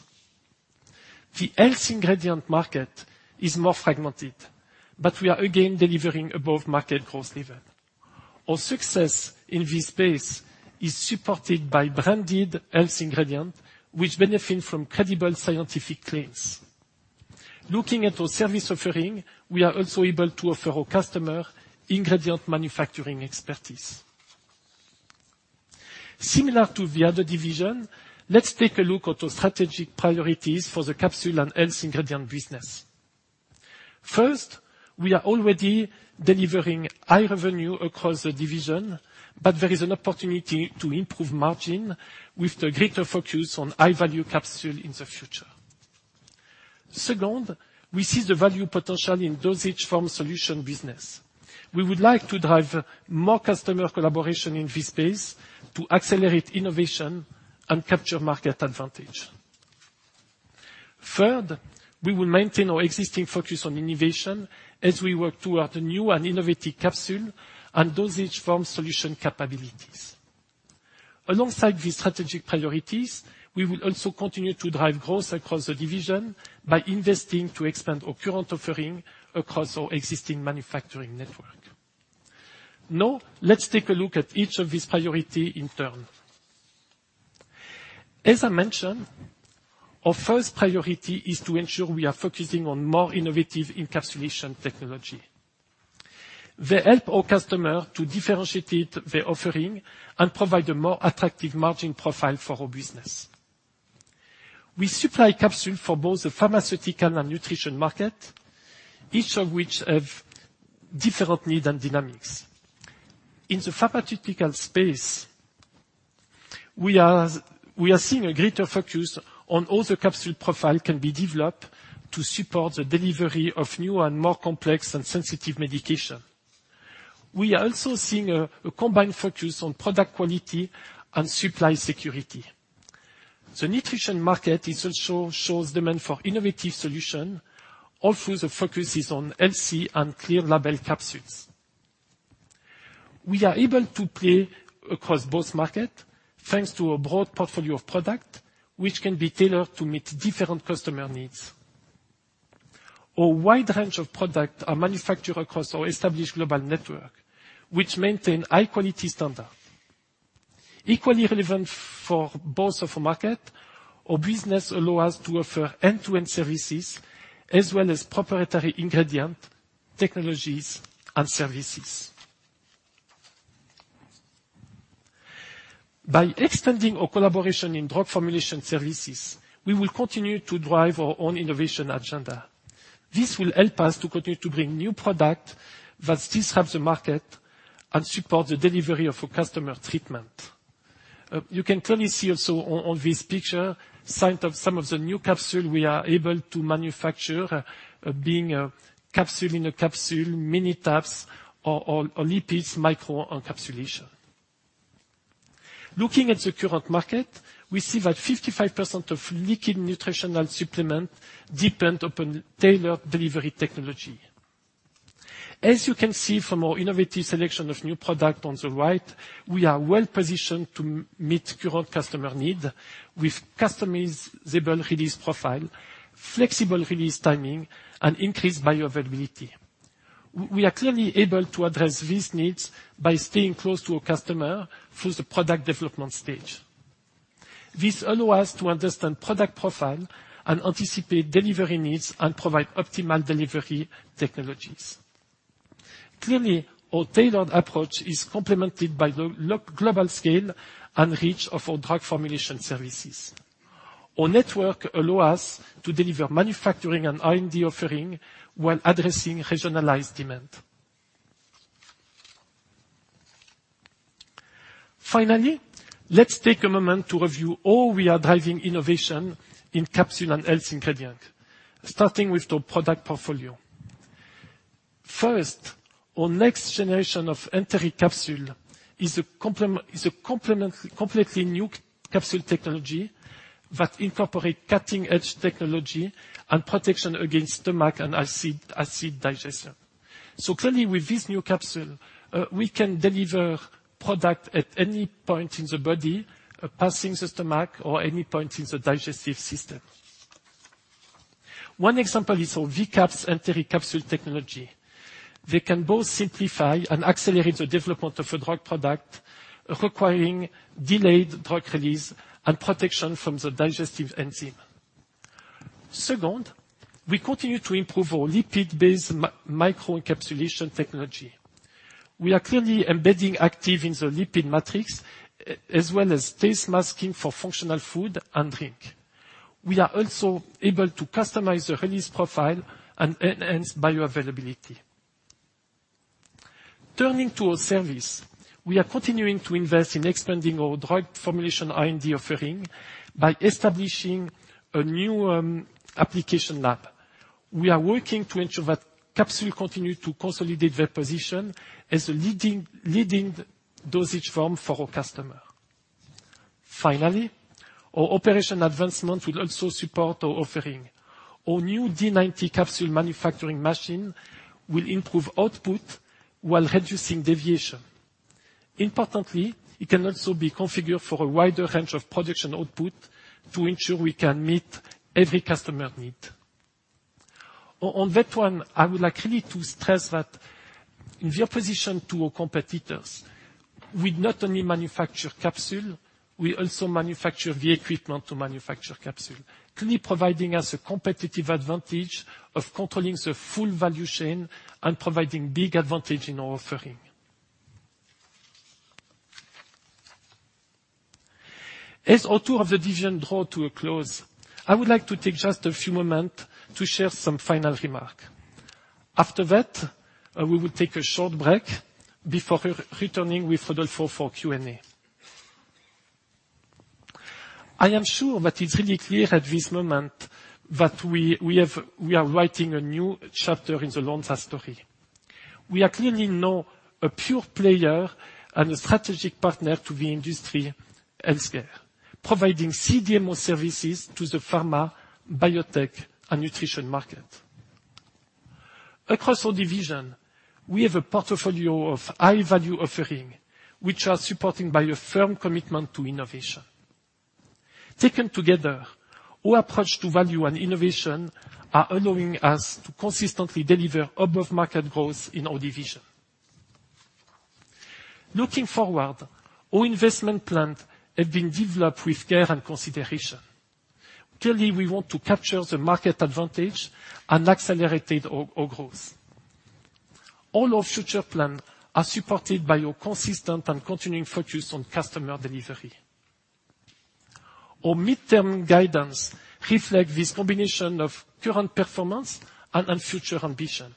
The health ingredient market is more fragmented, but we are again delivering above market growth level. Our success in this space is supported by branded health ingredient, which benefit from credible scientific claims. Looking at our service offering, we are also able to offer our customer ingredient manufacturing expertise. Similar to the other division, let's take a look at our strategic priorities for the capsule and health ingredient business. First, we are already delivering high revenue across the division, but there is an opportunity to improve margin with a greater focus on high-value capsule in the future. Second, we see the value potential in dosage form solution business. We would like to drive more customer collaboration in this space to accelerate innovation and capture market advantage. We will maintain our existing focus on innovation as we work toward a new and innovative capsule and dosage form solution capabilities. Alongside these strategic priorities, we will also continue to drive growth across the division by investing to expand our current offering across our existing manufacturing network. Let's take a look at each of these priorities in turn. As I mentioned, our first priority is to ensure we are focusing on more innovative encapsulation technology. They help our customers to differentiate their offering and provide a more attractive margin profile for our business. We supply capsules for both the pharmaceutical and nutrition markets, each of which have different needs and dynamics. In the pharmaceutical space, we are seeing a greater focus on how the capsule profile can be developed to support the delivery of new and more complex and sensitive medications. We are also seeing a combined focus on product quality and supply security. The nutrition market also shows demand for innovative solutions, although the focus is on LC and clear label capsules. We are able to play across both markets, thanks to a broad portfolio of products, which can be tailored to meet different customer needs. Our wide range of products are manufactured across our established global network, which maintain high-quality standards. Equally relevant for both of our markets, our business allows us to offer end-to-end services as well as proprietary ingredients, technologies, and services. By extending our collaboration in drug formulation services, we will continue to drive our own innovation agenda. This will help us to continue to bring new products that disrupts the market and support the delivery of our customer treatments. You can clearly see also on this picture site of some of the new capsule we are able to manufacture, being a capsule in a capsule, mini tabs or lipids microencapsulation. Looking at the current market, we see that 55% of liquid nutritional supplement depend upon tailored delivery technology. As you can see from our innovative selection of new product on the right, we are well-positioned to meet current customer need with customizable release profile, flexible release timing, and increased bioavailability. We are clearly able to address these needs by staying close to our customer through the product development stage. This allow us to understand product profile and anticipate delivery needs and provide optimal delivery technologies. Clearly, our tailored approach is complemented by the global scale and reach of our drug formulation services. Our network allow us to deliver manufacturing and R&D offering while addressing regionalized demand. Finally, let's take a moment to review all we are driving innovation in capsule and health ingredient, starting with the product portfolio. First, our next generation of enteric capsule is a completely new capsule technology that incorporate cutting-edge technology and protection against stomach and acid digestion. Clearly with this new capsule, we can deliver product at any point in the body, passing the stomach or any point in the digestive system. One example is our Vcaps enteric capsule technology. They can both simplify and accelerate the development of a drug product requiring delayed drug release and protection from the digestive enzyme. Second, we continue to improve our lipid-based microencapsulation technology. We are clearly embedding active in the lipid matrix, as well as taste masking for functional food and drink. We are also able to customize the release profile and enhance bioavailability. Turning to our service, we are continuing to invest in expanding our drug formulation R&D offering by establishing a new application lab. We are working to ensure that capsules continue to consolidate their position as a leading dosage form for our customer. Finally, our operation advancement will also support our offering. Our new D90 capsule manufacturing machine will improve output while reducing deviation. Importantly, it can also be configured for a wider range of production output to ensure we can meet every customer need. On that one, I would like really to stress that in opposition to our competitors, we not only manufacture capsule, we also manufacture the equipment to manufacture capsule. Clearly providing us a competitive advantage of controlling the full value chain and providing big advantage in our offering. As our tour of the division draw to a close, I would like to take just a few moment to share some final remark. After that, we will take a short break before returning with Rodolfo for Q&A. I am sure that it's really clear at this moment that we are writing a new chapter in the Lonza story. We are clearly now a pure player and a strategic partner to the industry healthcare, providing CDMO services to the pharma, biotech, and nutrition market. Across our division, we have a portfolio of high-value offering, which are supporting by a firm commitment to innovation. Taken together, our approach to value and innovation are allowing us to consistently deliver above-market growth in our division. Looking forward, our investment plans have been developed with care and consideration. Clearly, we want to capture the market advantage and accelerated our growth. All our future plan are supported by a consistent and continuing focus on customer delivery. Our midterm guidance reflect this combination of current performance and future ambition.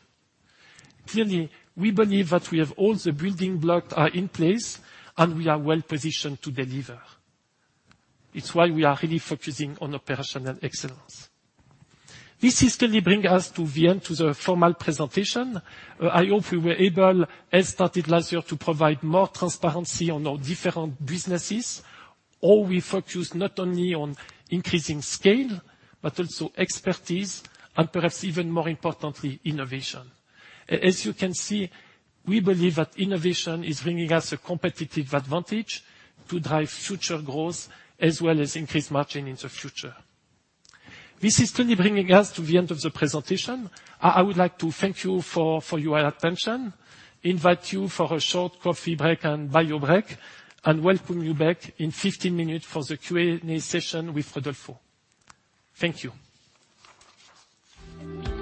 Clearly, we believe that we have all the building blocks are in place, and we are well-positioned to deliver. It's why we are really focusing on operational excellence. This is going to bring us to the end to the formal presentation. I hope we were able, as started last year, to provide more transparency on our different businesses, where we focus not only on increasing scale, but also expertise and perhaps even more importantly, innovation. As you can see, we believe that innovation is bringing us a competitive advantage to drive future growth as well as increase margin in the future. This is clearly bringing us to the end of the presentation. I would like to thank you for your attention, invite you for a short coffee break and bio break, and welcome you back in 15 minute for the Q&A session with Rodolfo. Thank you. We will now begin the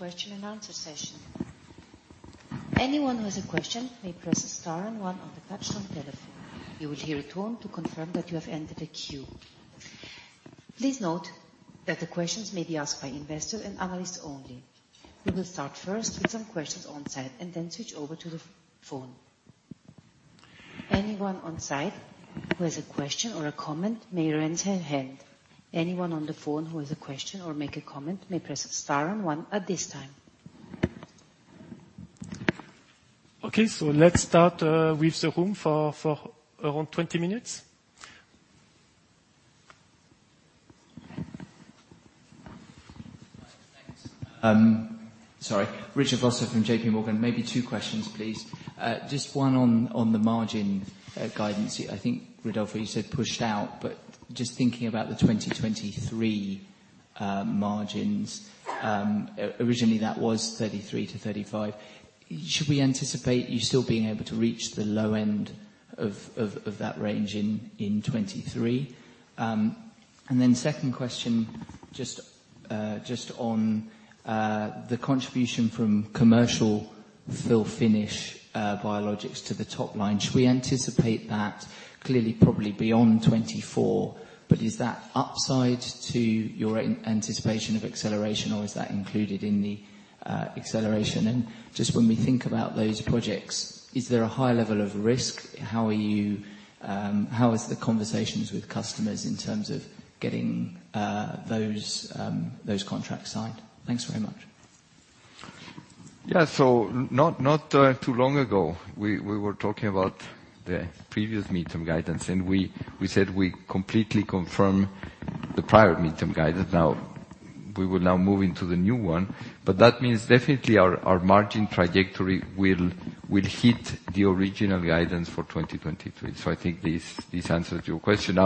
question and answer session. Anyone who has a question may press star one on the touchtone telephone. You will hear a tone to confirm that you have entered a queue. Please note that the questions may be asked by investor and analyst only. We will start first with some questions on site and then switch over to the phone. Anyone on site who has a question or a comment may raise their hand. Anyone on the phone who has a question or make a comment may press star one at this time. Okay. Let's start with the room for around 20 minutes. Thanks. Sorry. Richard Vosser from J.P. Morgan. Maybe two questions, please. Just one on the margin guidance. I think, Rodolfo, you said pushed out. Just thinking about the 2023 margins. Originally, that was 33%-35%. Should we anticipate you still being able to reach the low end of that range in 2023? Second question just on the contribution from commercial fill-finish biologics to the top line. Should we anticipate that clearly probably beyond 2024, is that upside to your anticipation of acceleration or is that included in the acceleration? Just when we think about those projects, is there a high level of risk? How is the conversations with customers in terms of getting those contracts signed? Thanks very much. Yeah. Not too long ago, we were talking about the previous midterm guidance, and we said we completely confirm the prior midterm guidance. We will now move into the new one. That means definitely our margin trajectory will hit the original guidance for 2023. I think this answers your question.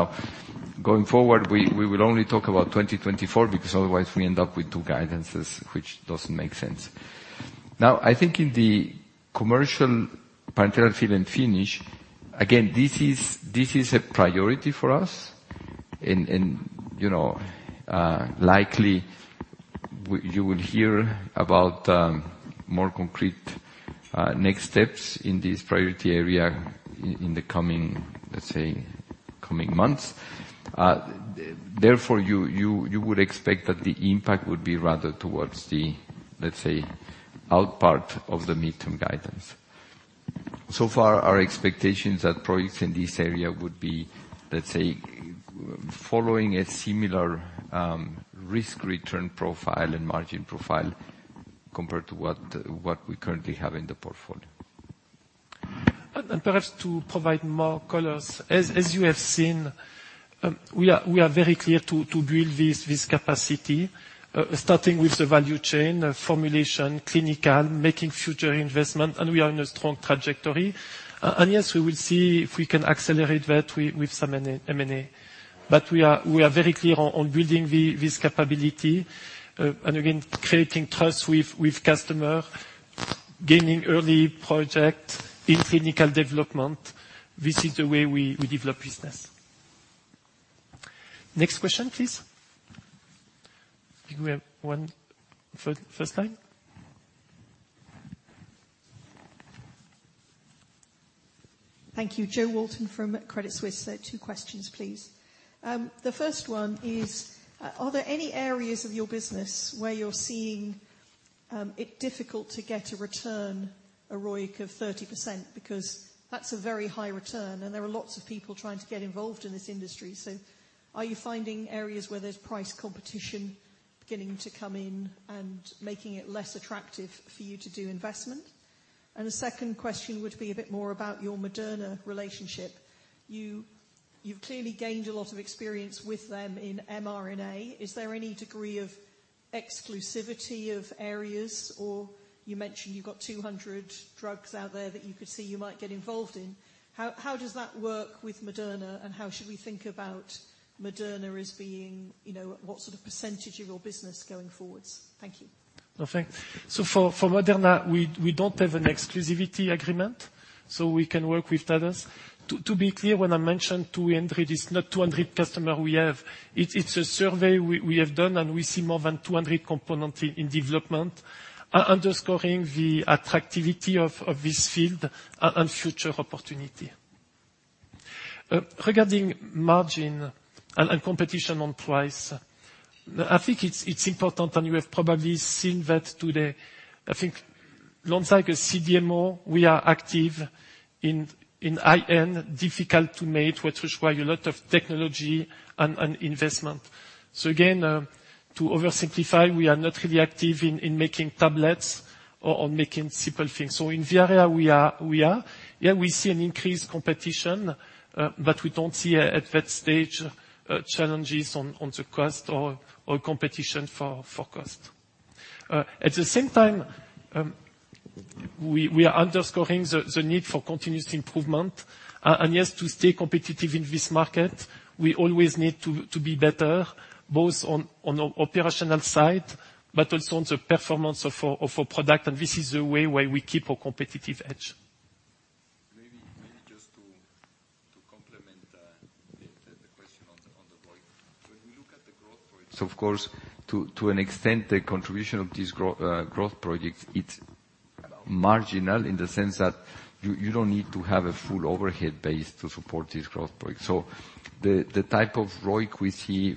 Going forward, we will only talk about 2024 because otherwise we end up with two guidances, which doesn't make sense. I think in the commercial parenteral fill and finish, again, this is a priority for us. Likely, you will hear about more concrete next steps in this priority area in the coming, let's say, coming months. Therefore, you would expect that the impact would be rather towards the, let's say, out part of the midterm guidance. So far, our expectations that products in this area would be, let's say, following a similar risk-return profile and margin profile compared to what we currently have in the portfolio. Perhaps to provide more colors. As you have seen, we are very clear to build this capacity, starting with the value chain formulation, clinical, making future investment, and we are on a strong trajectory. Yes, we will see if we can accelerate that with some M&A. We are very clear on building this capability, and again, creating trust with customer, gaining early project in clinical development. This is the way we develop business. Next question, please. I think we have one first line. Thank you. Jo Walton from Credit Suisse. Two questions, please. The first one is, are there any areas of your business where you're seeing it difficult to get a return, a ROIC of 30%? That's a very high return, and there are lots of people trying to get involved in this industry. Are you finding areas where there's price competition beginning to come in and making it less attractive for you to do investment? The second question would be a bit more about your Moderna relationship. You've clearly gained a lot of experience with them in mRNA. Is there any degree of exclusivity of areas, or you mentioned you've got 200 drugs out there that you could see you might get involved in. How does that work with Moderna, and how should we think about Moderna as being what sort of percentage of your business going forwards? Thank you. No, thanks. For Moderna, we don't have an exclusivity agreement, so we can work with others. To be clear, when I mentioned 200, it's not 200 customer we have. It's a survey we have done, and we see more than 200 component in development, underscoring the attractivity of this field and future opportunity. Regarding margin and competition on price, I think it's important, and you have probably seen that today. I think Lonza is a CDMO, we are active in difficult to make, which require a lot of technology and investment. Again, to oversimplify, we are not really active in making tablets or making simple things. In Biologics we are. We see an increased competition, but we don't see at that stage, challenges on the cost or competition for cost. At the same time, we are underscoring the need for continuous improvement. Yes, to stay competitive in this market, we always need to be better, both on operational side, but also on the performance of our product, and this is the way where we keep a competitive edge. Maybe just to complement the question on the ROIC. When we look at the growth rates, of course, to an extent, the contribution of these growth projects, it's marginal in the sense that you don't need to have a full overhead base to support this growth point. The type of ROIC we see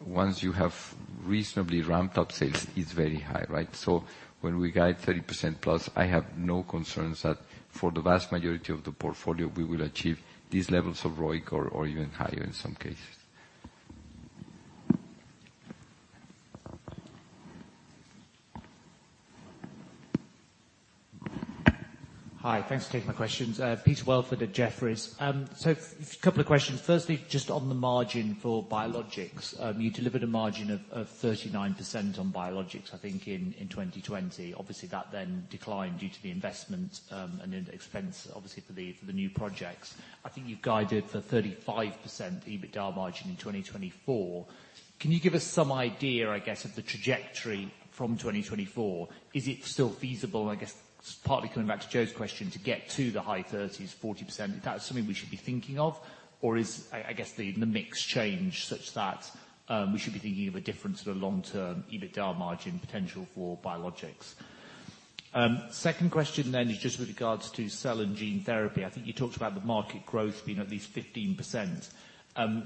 once you have reasonably ramped up sales is very high, right? When we guide 30% plus, I have no concerns that for the vast majority of the portfolio, we will achieve these levels of ROIC or even higher in some cases. Hi, thanks for taking my questions. Peter Welford at Jefferies. A couple of questions. Firstly, just on the margin for Biologics. You delivered a margin of 39% on Biologics, I think, in 2020. Obviously, that then declined due to the investment, and in the expense, obviously for the new projects. I think you've guided for 35% EBITDA margin in 2024. Can you give us some idea, I guess, of the trajectory from 2024? Is it still feasible, and I guess, partly coming back to Jo's question, to get to the high 30s, 40%? Is that something we should be thinking of? Or is, I guess, the mix change such that we should be thinking of a different sort of long-term EBITDA margin potential for Biologics? Second question then is just with regards to Cell & Gene therapy. I think you talked about the market growth being at least 15%. I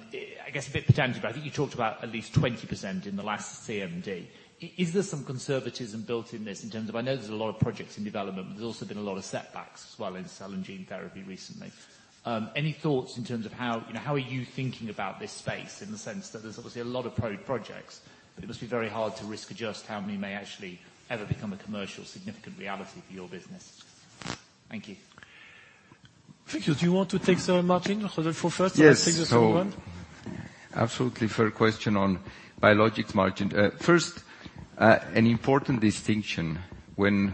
guess a bit redundant, but I think you talked about at least 20% in the last CMD. Is there some conservatism built in this in terms of I know there's a lot of projects in development. There's also been a lot of setbacks as well in cell and gene therapy recently. Any thoughts in terms of how are you thinking about this space in the sense that there's obviously a lot of projects, but it must be very hard to risk adjust how many may actually ever become a commercial significant reality for your business. Thank you. Rodolfo Savitzky, do you want to take the margin for first? Yes. I take the second one. Absolutely fair question on biologics margin. First, an important distinction. When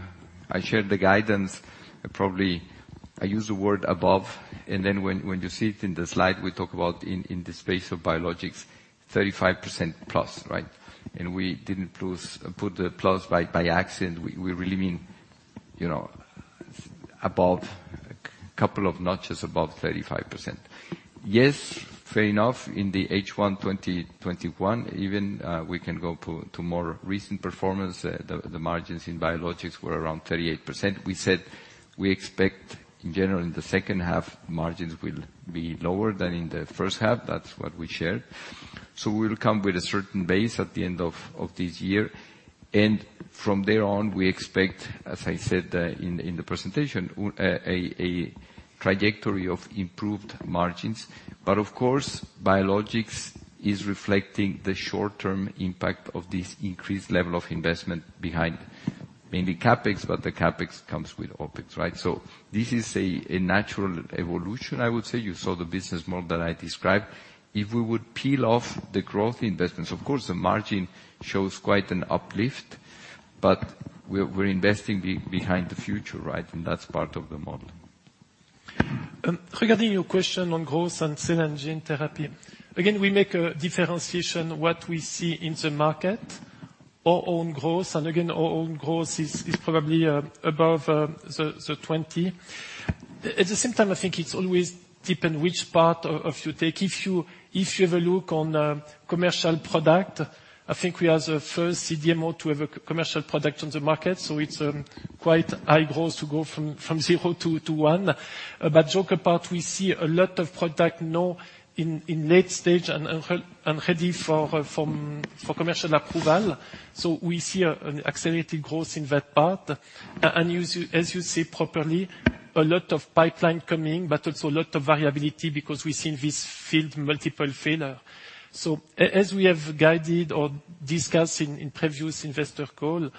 I shared the guidance, probably I used the word above, when you see it in the slide, we talk about in the space of biologics, 35% plus, right? We didn't put the plus by accident. We really mean above, a couple of notches above 35%. Yes, fair enough. In the H1 2021, even we can go to more recent performance. The margins in biologics were around 38%. We said we expect in general, in the second half, margins will be lower than in the first half. That's what we shared. We'll come with a certain base at the end of this year. From there on, we expect, as I said in the presentation, a trajectory of improved margins. Of course, Biologics is reflecting the short-term impact of this increased level of investment behind mainly CapEx, but the CapEx comes with OpEx, right? This is a natural evolution, I would say. You saw the business model that I described. If we would peel off the growth investments, of course, the margin shows quite an uplift, but we're investing behind the future, right? That's part of the model. Regarding your question on growth and Cell & Gene, again, we make a differentiation what we see in the market, our own growth. Again, our own growth is probably above the 20. At the same time, I think it always depend which part of you take. If you have a look on commercial product, I think we are the first CDMO to have a commercial product on the market, so it's quite high growth to go from zero to one. Joke apart, we see a lot of product now in late stage and ready for commercial approval. We see an accelerated growth in that part. As you see properly, a lot of pipeline coming, but also a lot of variability because we've seen this field multiple failure. As we have guided or discussed in previous investor call,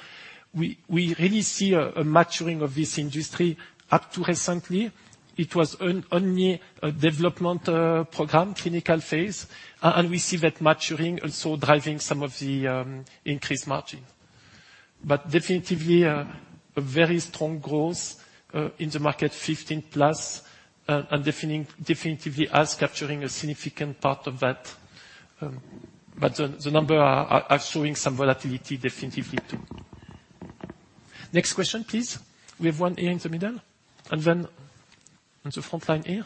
we really see a maturing of this industry. Up to recently, it was only a development program, clinical phase. We see that maturing also driving some of the increased margin. Definitely a very strong growth in the market 15+, and definitively us capturing a significant part of that. The number are showing some volatility definitively, too. Next question, please. We have one here in the middle, and then on the front line here.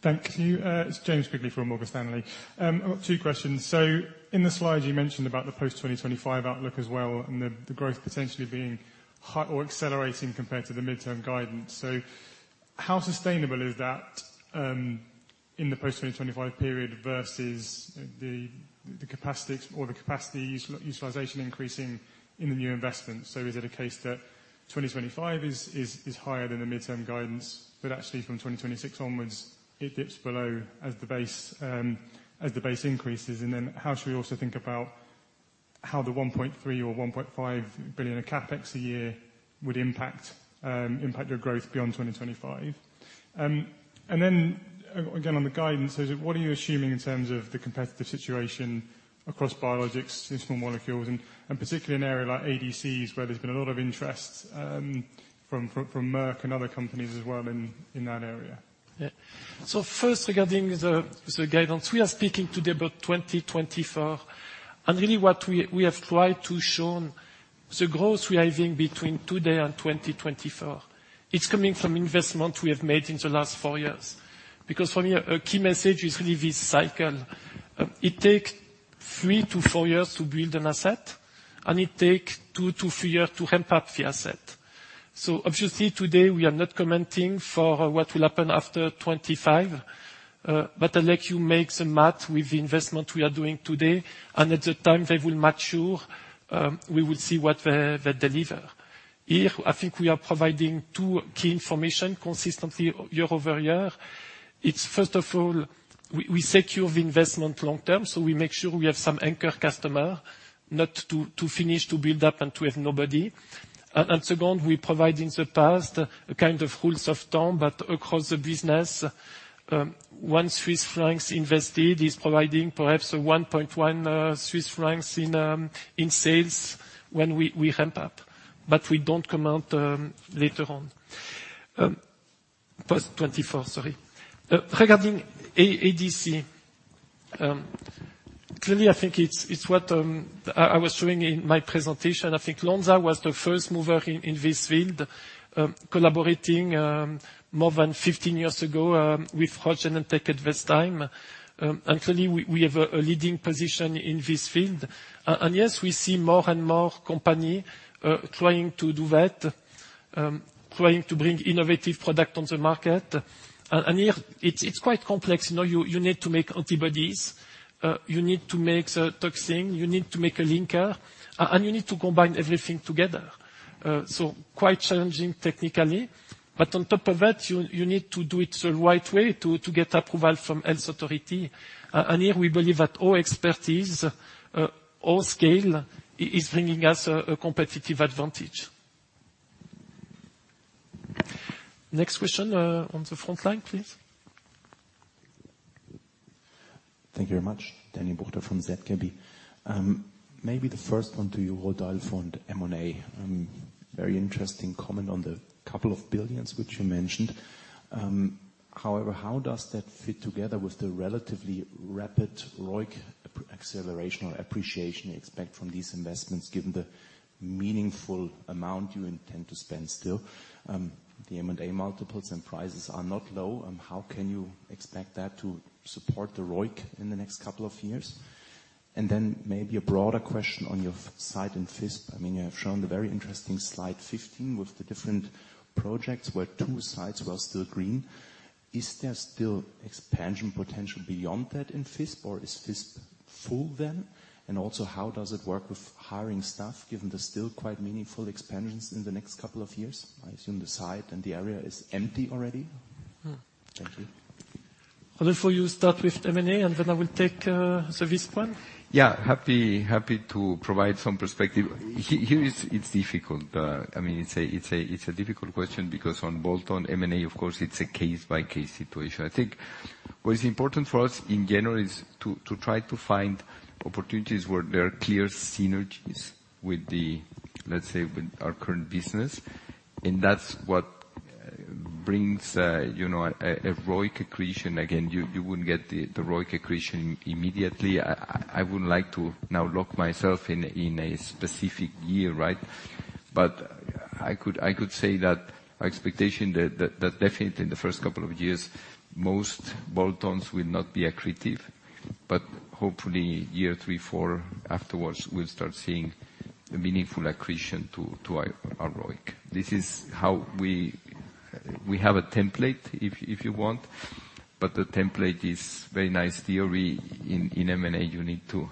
Thank you. It is James Quigley from Morgan Stanley. I have got two questions. In the slide, you mentioned about the post-2025 outlook as well, and the growth potentially being high or accelerating compared to the midterm guidance. How sustainable is that in the post-2025 period versus the capacity utilization increasing in the new investment? Is it a case that 2025 is higher than the midterm guidance, but actually from 2026 onwards, it dips below as the base increases? How should we also think about how the 1.3 billion or 1.5 billion of CapEx a year would impact your growth beyond 2025? Again, on the guidance, what are you assuming in terms of the competitive situation across Biologics, Small Molecules, and particularly in an area like ADCs, where there has been a lot of interest from Merck and other companies as well in that area? First, regarding the guidance. We are speaking today about 2024, and really what we have tried to show the growth we are having between today and 2024. It's coming from investment we have made in the last four years. For me, a key message is really this cycle. It takes three to four years to build an asset, and it takes two to three years to ramp up the asset. Obviously today, we are not commenting for what will happen after 2025, but I'll let you make the math with the investment we are doing today, and at the time they will mature, we will see what they deliver. Here, I think we are providing two key information consistently year-over-year. First of all, we secure the investment long-term, we make sure we have some anchor customer not to finish to build up and to have nobody. Second, we provide in the past a kind of rules of thumb, across the business, 1 Swiss francs invested is providing perhaps 1.1 Swiss francs in sales when we ramp up. We don't comment later on. Post 2024, sorry. Regarding ADC, clearly, I think it's what I was showing in my presentation. I think Lonza was the first mover in this field, collaborating more than 15 years ago with Roche and Takeda at this time. Clearly, we have a leading position in this field. Yes, we see more and more company trying to do that, trying to bring innovative product on the market. Here, it's quite complex. You need to make antibodies, you need to make the toxin, you need to make a linker, and you need to combine everything together. Quite challenging technically. On top of that, you need to do it the right way to get approval from health authority. Here we believe that our expertise, our scale is bringing us a competitive advantage. Next question on the front line, please. Thank you very much. Daniel Buchta from ZKB. Maybe the first one to you, Rodolfo Savitzky, on the M&A. Very interesting comment on the couple of billion which you mentioned. How does that fit together with the relatively rapid ROIC acceleration or appreciation you expect from these investments, given the meaningful amount you intend to spend still? The M&A multiples and prices are not low. How can you expect that to support the ROIC in the next couple of years? Maybe a broader question on your site in Visp. You have shown the very interesting slide 15 with the different projects where two sites were still green. Is there still expansion potential beyond that in Visp, or is Visp full then? How does it work with hiring staff, given the still quite meaningful expansions in the next couple of years? I assume the site and the area is empty already. Thank you. Rodolfo, you start with M&A, and then I will take the Visp one. Yeah, happy to provide some perspective. Here it's difficult. It's a difficult question because on bolt-on M&A, of course, it's a case-by-case situation. I think what is important for us in general is to try to find opportunities where there are clear synergies with the, let's say, with our current business. That's what brings a ROIC accretion. Again, you wouldn't get the ROIC accretion immediately. I wouldn't like to now lock myself in a specific year, right? I could say that our expectation that definitely in the first couple of years, most bolt-ons will not be accretive. Hopefully year three, four afterwards, we'll start seeing a meaningful accretion to our ROIC. This is how we have a template if you want, but the template is very nice theory. In M&A you need to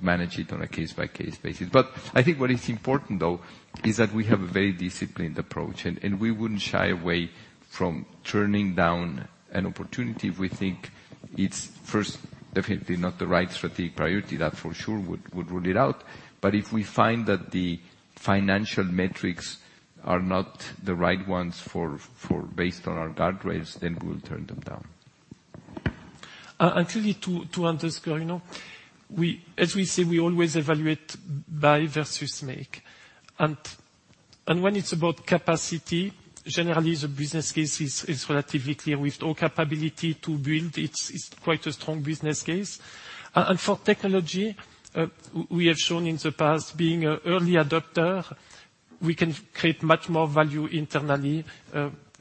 manage it on a case-by-case basis. I think what is important though, is that we have a very disciplined approach, and we wouldn't shy away from turning down an opportunity if we think it's first definitely not the right strategic priority. That for sure would rule it out. If we find that the financial metrics are not the right ones based on our guardrails, then we will turn them down. Actually, to underscore, as we say, we always evaluate buy versus make. When it is about capacity, generally the business case is relatively clear. With our capability to build, it is quite a strong business case. For technology, we have shown in the past, being an early adopter, we can create much more value internally,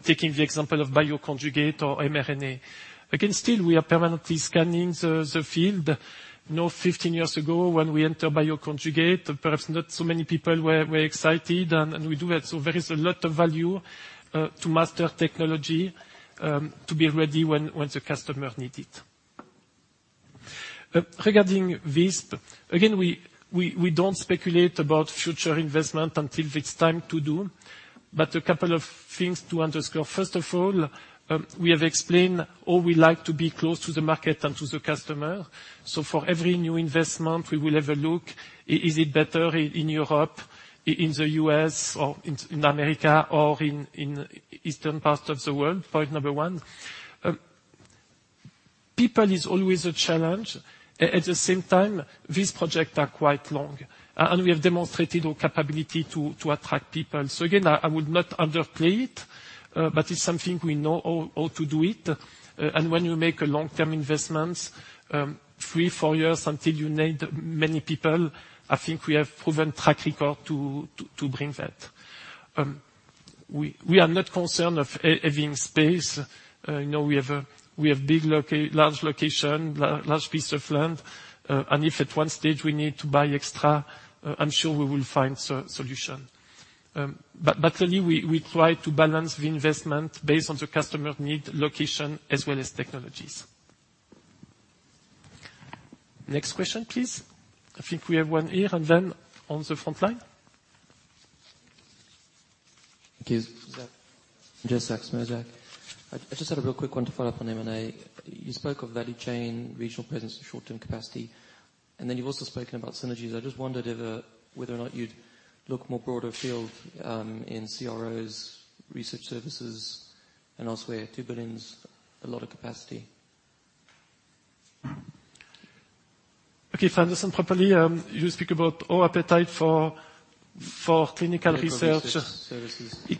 taking the example of bioconjugate or mRNA. Still, we are permanently scanning the field. 15 years ago, when we enter bioconjugate, perhaps not so many people were excited, and we do it. There is a lot of value to master technology, to be ready when the customer need it. Regarding this, again, we do not speculate about future investment until it is time to do. A couple of things to underscore. First of all, we have explained how we like to be close to the market and to the customer. For every new investment, we will have a look. Is it better in Europe, in the U.S. or in America, or in eastern part of the world? Point number one. People is always a challenge. At the same time, these project are quite long. We have demonstrated our capability to attract people. Again, I would not underplay it, but it's something we know how to do it. When you make a long-term investments, three, four years until you need many people, I think we have proven track record to bring that. We are not concerned of having space. We have large location, large piece of land. If at one stage we need to buy extra, I'm sure we will find solution. Clearly, we try to balance the investment based on the customer need, location, as well as technologies. Next question, please. I think we have one here, and then on the front line. Thank you. Zach from Jefferies. I just had a real quick one to follow up on M&A. You spoke of value chain, regional presence, and short-term capacity. You've also spoken about synergies. I just wondered whether or not you'd look more broader field, in CROs, research services, and elsewhere. 2 billion, a lot of capacity. If I understand properly, you speak about our appetite for clinical research? Yeah,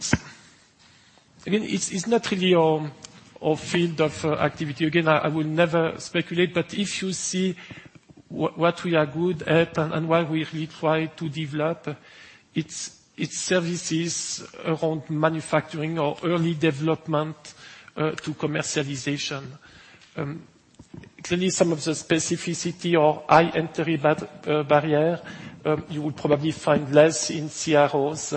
research services. It's not really our field of activity. I will never speculate, but if you see what we are good at and where we really try to develop, it's services around manufacturing or early development to commercialization. Clearly, some of the specificity or high entry barrier, you will probably find less in CROs.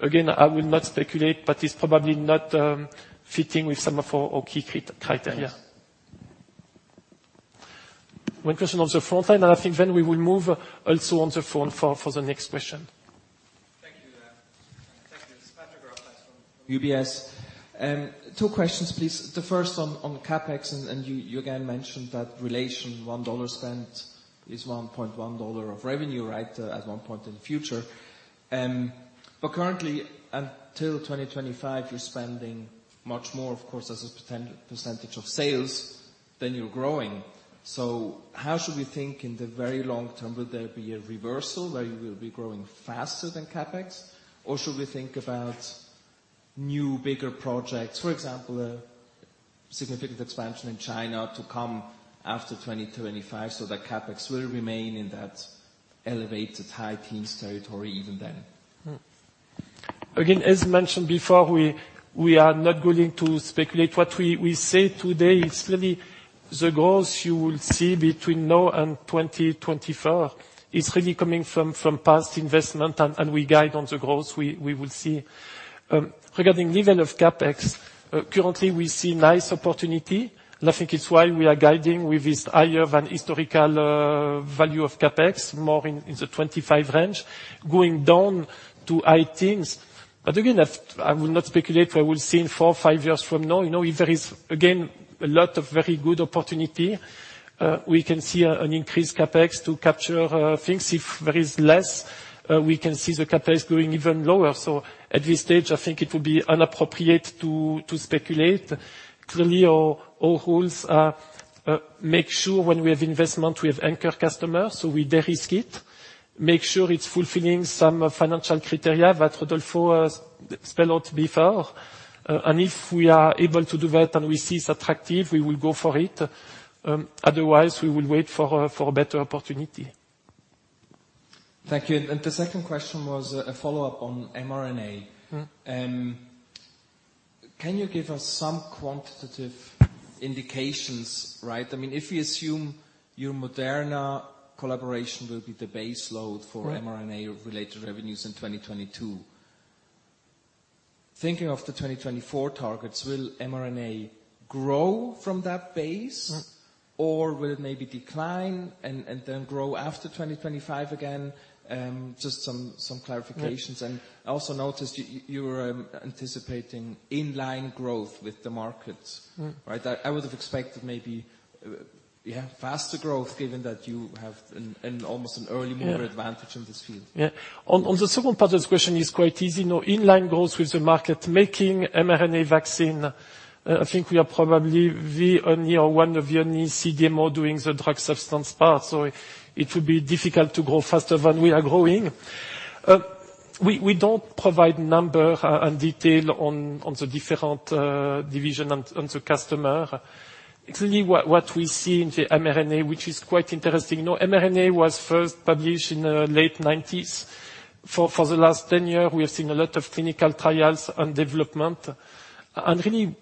I will not speculate, but it's probably not fitting with some of our key criteria. One question on the front line, and I think then we will move also on the phone for the next question. Thank you. Thank you. It's Patrick Rafaisz from UBS. two questions, please. The first on CapEx, you again mentioned that relation $1 spent is $1.10 of revenue at one point in the future. Currently, until 2025, you're spending much more, of course, as a percentage of sales than you're growing. How should we think in the very long term? Will there be a reversal where you will be growing faster than CapEx? Should we think about new, bigger projects? For example, a significant expansion in China to come after 2025 so that CapEx will remain in that elevated high teens territory even then. Again, as mentioned before, we are not going to speculate. What we say today is clearly the growth you will see between now and 2024 is really coming from past investment, and we guide on the growth we will see. Regarding level of CapEx, currently we see nice opportunity, and I think it's why we are guiding with this higher than historical value of CapEx, more in the 25%, going down to high teens%. Again, I will not speculate what we'll see in four or five years from now. If there is, again, a lot of very good opportunity, we can see an increased CapEx to capture things. If there is less, we can see the CapEx going even lower. At this stage, I think it would be inappropriate to speculate. Clearly, our rules make sure when we have investment, we have anchor customers, so we de-risk it. Make sure it's fulfilling some financial criteria that Rodolfo spell out before. If we are able to do that and we see it's attractive, we will go for it. Otherwise, we will wait for a better opportunity. Thank you. The second question was a follow-up on mRNA. Can you give us some quantitative indications? If we assume your Moderna collaboration will be the base load for mRNA- Right related revenues in 2022. Thinking of the 2024 targets, will mRNA grow from that base? Or will it maybe decline and then grow after 2025 again? Just some clarifications. Yeah. I also noticed you were anticipating in-line growth with the markets. Right? I would have expected maybe you have faster growth, given that you have an almost an early mover. Yeah advantage in this field. On the second part of the question is quite easy. In-line growth with the market, making mRNA vaccine, I think we are probably the only, or one of the only CDMO doing the drug substance part, so it would be difficult to grow faster than we are growing. We don't provide number and detail on the different division on the customer. Actually, what we see in the mRNA, which is quite interesting. mRNA was first published in the late 1990s. For the last 10 years, we have seen a lot of clinical trials and development. Really,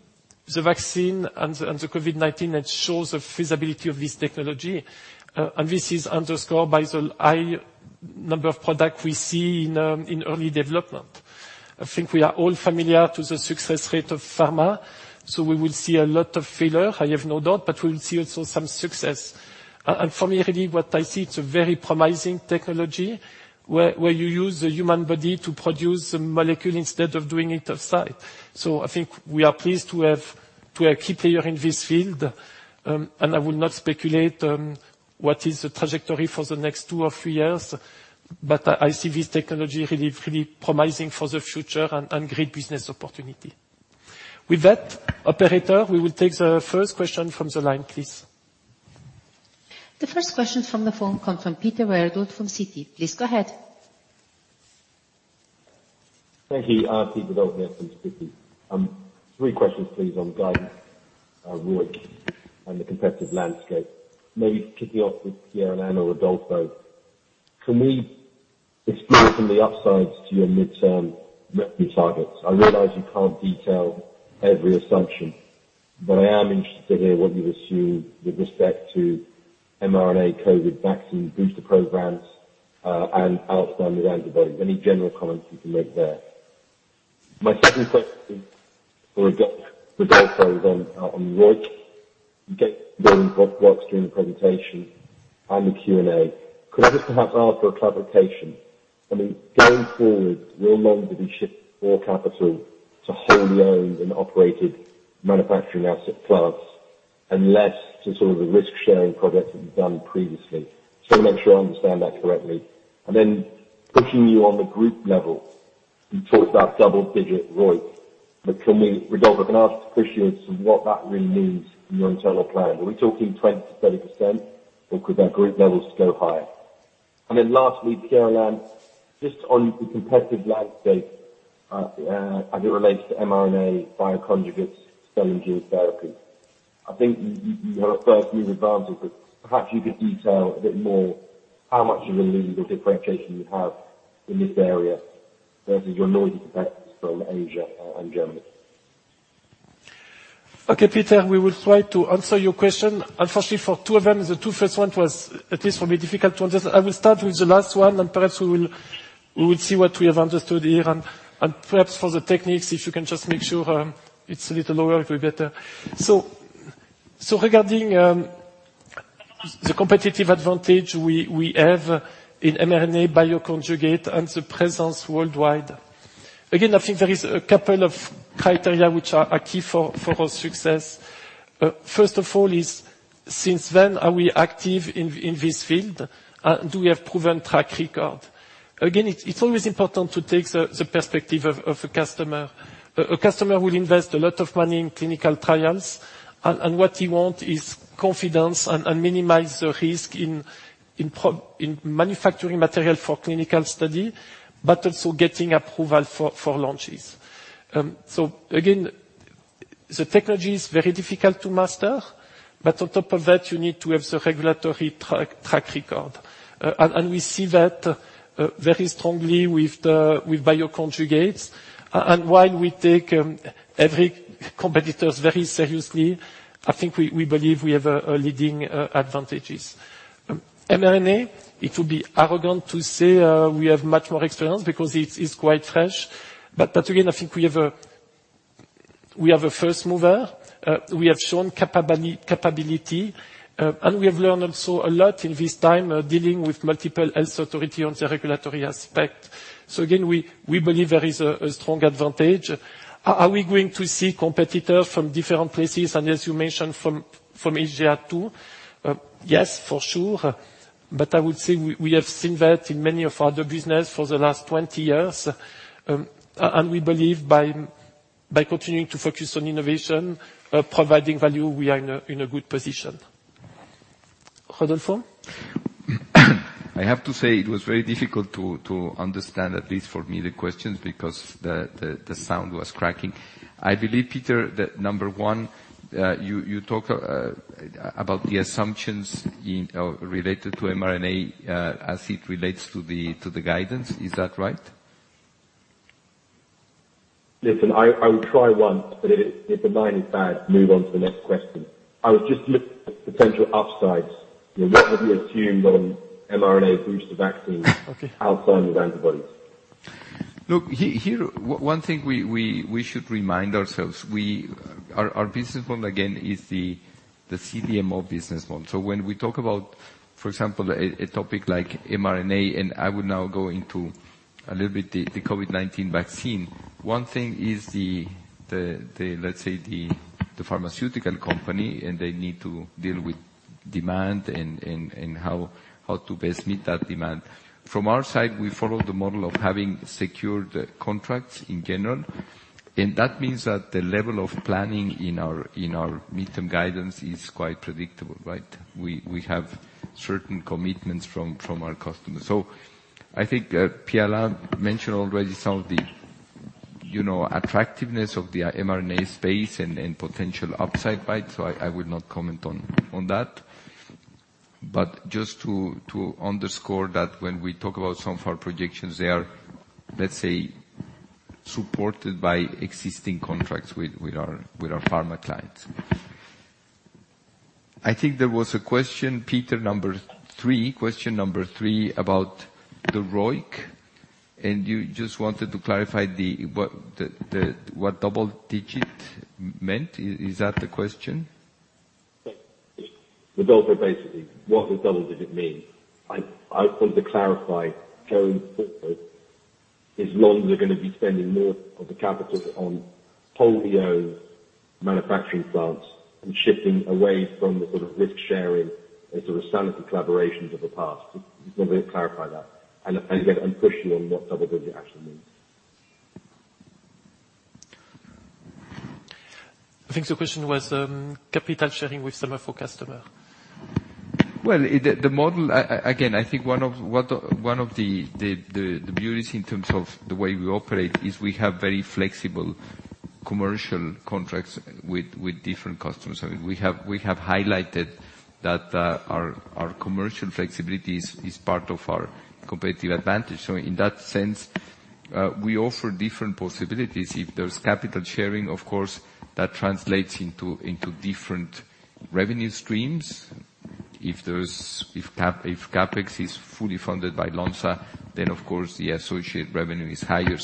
the vaccine and the COVID-19, it shows the feasibility of this technology. This is underscored by the high number of product we see in early development. I think we are all familiar to the success rate of pharma. We will see a lot of failure, I have no doubt, but we will see also some success. For me, really, what I see, it's a very promising technology, where you use the human body to produce a molecule instead of doing it outside. I think we are pleased to be a key player in this field. I will not speculate what is the trajectory for the next two or three years. I see this technology really promising for the future and great business opportunity. With that, operator, we will take the first question from the line, please. The first question from the phone comes from Peter Verdult from Citi. Please go ahead. Thank you. Peter Verdult from Citi. Three questions, please, on guidance, ROIC, and the competitive landscape. Maybe kicking off with Pierre-Alain or Rodolfo. Can we explore from the upsides to your midterm revenue targets? I realize you can't detail every assumption, but I am interested to hear what you assume with respect to mRNA COVID vaccine booster programs, and outside with antibodies. Any general comments you can make there? My second question is for Rodolfo then on ROIC. Again, during what works during the presentation and the Q&A. Could I just perhaps ask for a clarification? I mean, going forward, will Lonza be shifting more capital to wholly owned and operated manufacturing asset class, and less to sort of the risk-sharing projects that you've done previously? Just want to make sure I understand that correctly. Pushing you on the group level, you talked about double-digit ROIC. Can we, Rodolfo, can I push you on to what that really means from your internal plan? Are we talking 20%-30%, or could that group levels go higher? Lastly, Pierre-Alain, just on the competitive landscape as it relates to mRNA bioconjugates cell and gene therapy. I think you have a fair few advantages, but perhaps you could detail a bit more how much of a lead or differentiation you have in this area, versus your noisy competitors from Asia and Germany. Okay, Peter, we will try to answer your question. Unfortunately, for two of them, the two first one was at least for me, difficult to understand. I will start with the last one, and perhaps we will see what we have understood here and perhaps for the techniques, if you can just make sure, it's a little lower, it'll be better. Regarding the competitive advantage we have in mRNA bioconjugate and the presence worldwide. Again, I think there is a couple of criteria which are key for our success. First of all is, since when are we active in this field? Do we have proven track record? Again, it's always important to take the perspective of a customer. A customer will invest a lot of money in clinical trials, and what he want is confidence and minimize the risk in manufacturing material for clinical study, but also getting approval for launches. Again, the technology is very difficult to master. On top of that, you need to have the regulatory track record. We see that very strongly with bioconjugates. While we take every competitors very seriously, I think we believe we have a leading advantages. mRNA, it would be arrogant to say we have much more experience because it's quite fresh. Again, I think we are the first mover. We have shown capability. We have learned also a lot in this time, dealing with multiple health authority on the regulatory aspect. Again, we believe there is a strong advantage. Are we going to see competitors from different places, as you mentioned, from Asia too? Yes, for sure. I would say we have seen that in many other businesses for the last 20 years. We believe by continuing to focus on innovation, providing value, we are in a good position. Rodolfo? I have to say it was very difficult to understand, at least for me, the questions because the sound was cracking. I believe, Peter, that number 1, you talk about the assumptions related to mRNA, as it relates to the guidance. Is that right? Listen, I will try once, but if the line is bad, move on to the next question. I was just looking at the potential upsides. What have you assumed on mRNA booster vaccines? Okay outside of antibodies? Look, here, one thing we should remind ourselves. Our business model, again, is the CDMO business model. When we talk about, for example, a topic like mRNA, and I would now go into a little bit, the COVID-19 vaccine. One thing is, let's say, the pharmaceutical company, and they need to deal with demand and how to best meet that demand. From our side, we follow the model of having secured contracts in general, and that means that the level of planning in our medium guidance is quite predictable. We have certain commitments from our customers. I think Pierre mentioned already some of the attractiveness of the mRNA space and potential upside. I would not comment on that. Just to underscore that when we talk about some of our projections, they are, let's say, supported by existing contracts with our pharma clients. I think there was a question, Peter, number three. Question number three about the ROIC, and you just wanted to clarify what double digit meant. Is that the question? Yes. With Lonza, basically, what does double digit mean? I want to clarify going forward, is Lonza going to be spending more of the capital on wholly owned manufacturing plants and shifting away from the sort of risk sharing and sort of Sanofi collaborations of the past? Just clarify that and again, and push you on what double digit actually means. I think the question was capital sharing with some of our customer. The model, again, I think one of the beauties in terms of the way we operate is we have very flexible commercial contracts with different customers. We have highlighted that our commercial flexibility is part of our competitive advantage. In that sense, we offer different possibilities. If there's capital sharing, of course, that translates into different revenue streams. If CapEx is fully funded by Lonza, then of course the associate revenue is higher.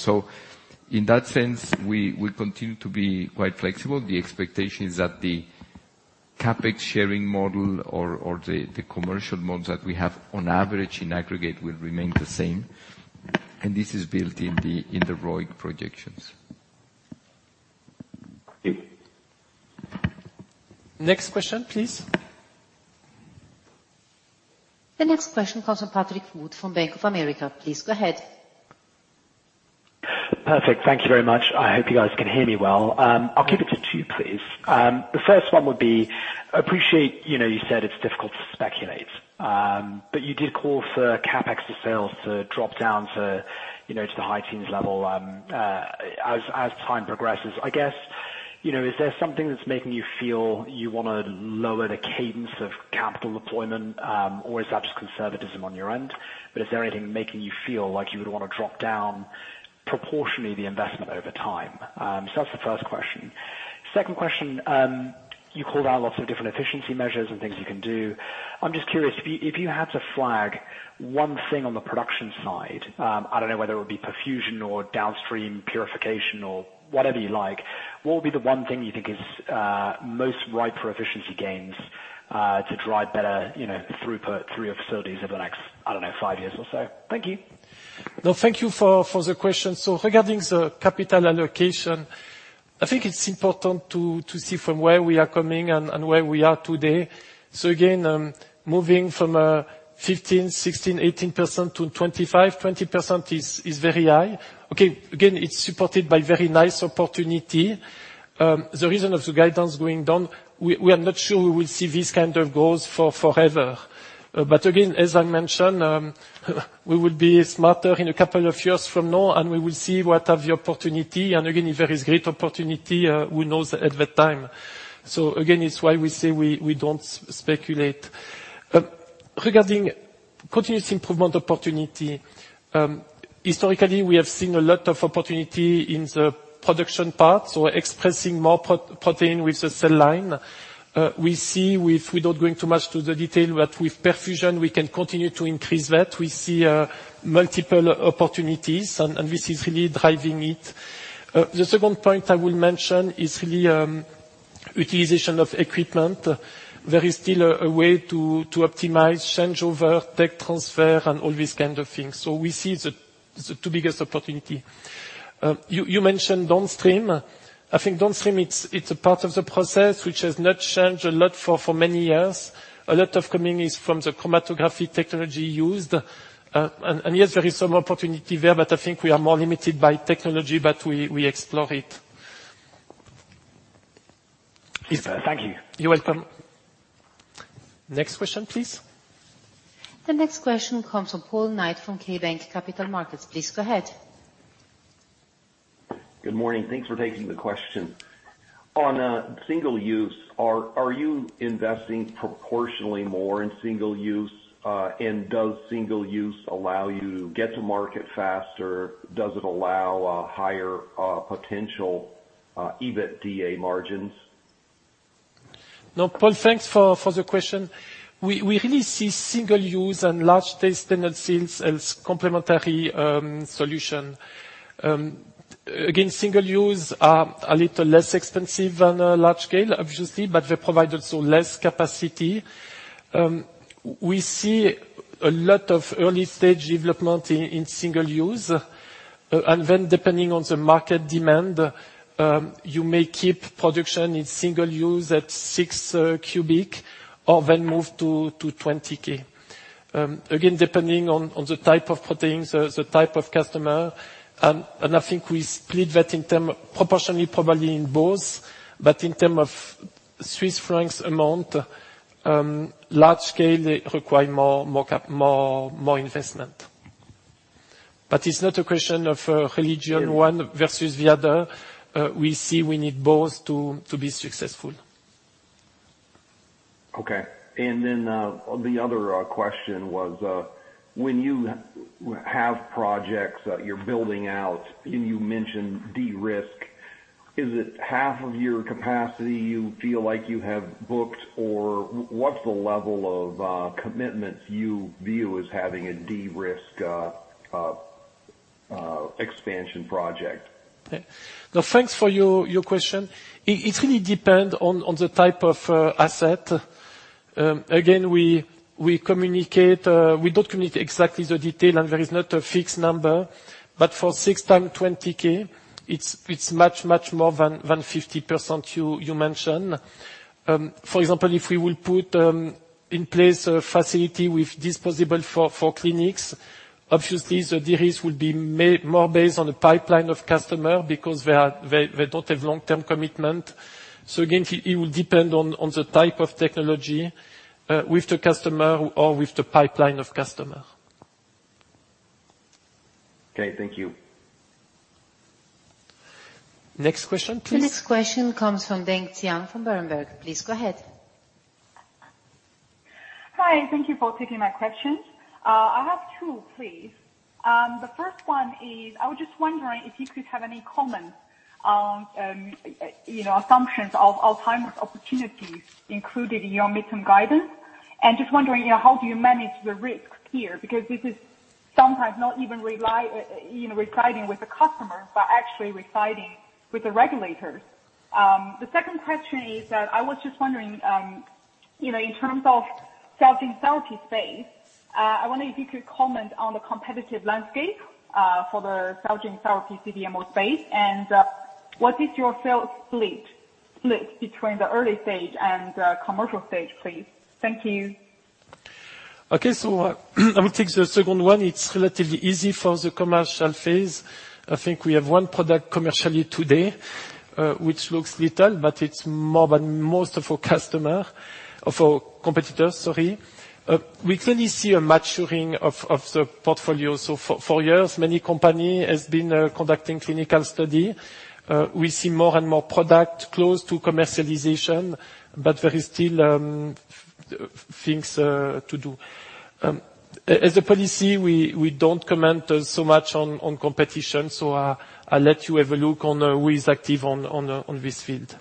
In that sense, we continue to be quite flexible. The expectation is that the CapEx sharing model or the commercial model that we have on average in aggregate will remain the same, and this is built in the ROIC projections. Thank you. Next question, please. The next question comes from Patrick Wood from Bank of America. Please go ahead. Perfect. Thank you very much. I hope you guys can hear me well. I'll keep it to two, please. The first one would be, appreciate you said it's difficult to speculate, but you did call for CapEx to sales to drop down to the high teens level as time progresses. I guess, is there something that's making you feel you want to lower the cadence of capital deployment? Is that just conservatism on your end? Is there anything making you feel like you would want to drop down proportionally the investment over time? That's the first question. Second question. You called out lots of different efficiency measures and things you can do. I'm just curious, if you had to flag one thing on the production side, I don't know whether it would be perfusion or downstream purification or whatever you like, what would be the one thing you think is most ripe for efficiency gains to drive better throughput through your facilities over the next, I don't know, five years or so? Thank you. No, thank you for the question. Regarding the capital allocation, I think it is important to see from where we are coming and where we are today. Again, moving from 15%, 16%, 18% to 25%, 20% is very high. Okay. Again, it is supported by very nice opportunity. The reason of the guidance going down, we are not sure we will see these kind of growth forever. Again, as I mentioned, we will be smarter in a couple of years from now, and we will see what are the opportunity. Again, if there is great opportunity, who knows at that time. Again, it's why we say we don't speculate. Regarding continuous improvement opportunity. Historically, we have seen a lot of opportunity in the production part, so expressing more protein with the cell line. Without going too much to the detail, but with perfusion, we can continue to increase that. We see multiple opportunities. This is really driving it. The second point I will mention is really utilization of equipment. There is still a way to optimize changeover, tech transfer and all these kind of things. We see the two biggest opportunities. You mentioned downstream. I think downstream, it's a part of the process which has not changed a lot for many years. A lot of the change is from the chromatography technology used. Yes, there is some opportunity there, but I think we are more limited by technology, but we explore it. Yes. Thank you. You're welcome. Next question, please. The next question comes from Paul Knight from KeyBanc Capital Markets. Please go ahead. Good morning. Thanks for taking the question. On single use, are you investing proportionally more in single use? Does single use allow you to get to market faster? Does it allow a higher potential EBITDA margins? No, Paul, thanks for the question. We really see single-use and large-scale standard cells as complementary solution. Single-use are a little less expensive than a large scale, obviously, but they provide also less capacity. We see a lot of early-stage development in single-use. Depending on the market demand, you may keep production in single-use at six cubic or then move to 20K. Depending on the type of protein, the type of customer, and I think we split that proportionally probably in both, but in term of CHF amount, large scale require more investment. It's not a question of religion, one versus the other. We see we need both to be successful. Okay. The other question was, when you have projects that you're building out, and you mentioned de-risk, is it half of your capacity you feel like you have booked, or what's the level of commitments you view as having a de-risk expansion project? Okay. Thanks for your question. It really depends on the type of asset. We don't communicate exactly the detail, and there is not a fixed number. For six times 20K, it's much, much more than 50% you mentioned. For example, if we will put in place a facility with disposable for clinics, obviously the de-risk would be more based on the pipeline of customers, because they don't have long-term commitment. It will depend on the type of technology, with the customer or with the pipeline of customers. Okay, thank you. Next question, please. The next question comes from Xian Deng from Berenberg. Please go ahead. Hi, thank you for taking my questions. I have two, please. The first one is, I was just wondering if you could have any comments on assumptions of Alzheimer's opportunities included in your midterm guidance. Just wondering, how do you manage the risk here? Because this is sometimes not even residing with the customer, but actually residing with the regulators. The second question is that I was just wondering, in terms of Cell & Gene therapy space, I wonder if you could comment on the competitive landscape for the Cell & Gene therapy CDMO space. What is your sales split between the early stage and commercial stage, please? Thank you. Okay. I will take the second one. It's relatively easy for the commercial phase. I think we have one product commercially today, which looks little, but it's more than most of our competitors. We clearly see a maturing of the portfolio. For years, many company has been conducting clinical study. We see more and more product close to commercialization, but there is still things to do. As a policy, we don't comment so much on competition. I'll let you have a look on who is active on this field.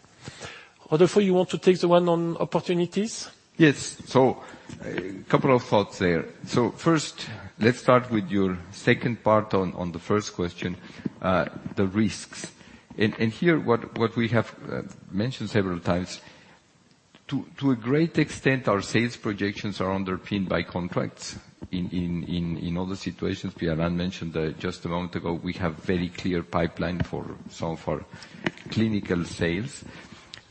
Rodolfo, you want to take the one on opportunities? Yes. A couple of thoughts there. First, let's start with your second part on the first question, the risks. Here, what we have mentioned several times, to a great extent, our sales projections are underpinned by contracts. In other situations, Pierre-Alain mentioned just a moment ago, we have very clear pipeline for some of our clinical sales.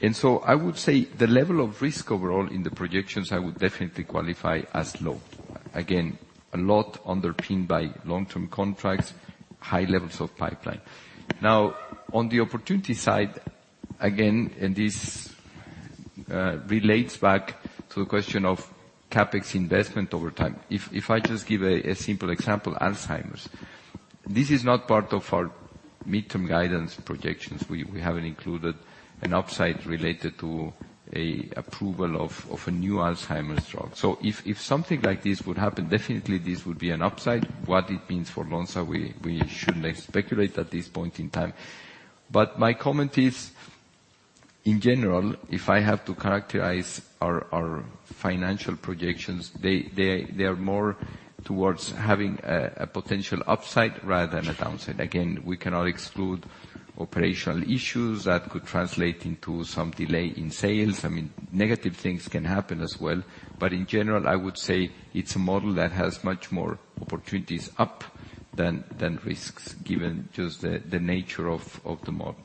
I would say the level of risk overall in the projections, I would definitely qualify as low. Again, a lot underpinned by long-term contracts, high levels of pipeline. On the opportunity side, again, this relates back to the question of CapEx investment over time. If I just give a simple example, Alzheimer's. This is not part of our midterm guidance projections. We haven't included an upside related to an approval of a new Alzheimer's drug. If something like this would happen, definitely this would be an upside. What it means for Lonza, we shouldn't speculate at this point in time. My comment is, in general, if I have to characterize our financial projections, they are more towards having a potential upside rather than a downside. Again, we cannot exclude operational issues that could translate into some delay in sales. Negative things can happen as well. In general, I would say it's a model that has much more opportunities up than risks, given just the nature of the model.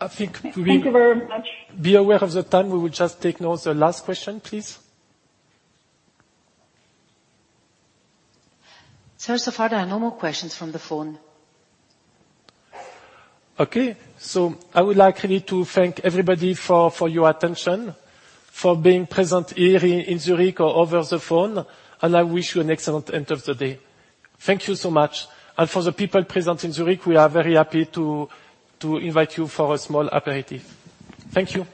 I think to be Thank you very much. Be aware of the time, we will just take now the last question, please. Sir, so far there are no more questions from the phone. Okay. I would like really to thank everybody for your attention, for being present here in Zurich or over the phone. I wish you an excellent end of the day. Thank you so much. For the people present in Zurich, we are very happy to invite you for a small aperitif. Thank you.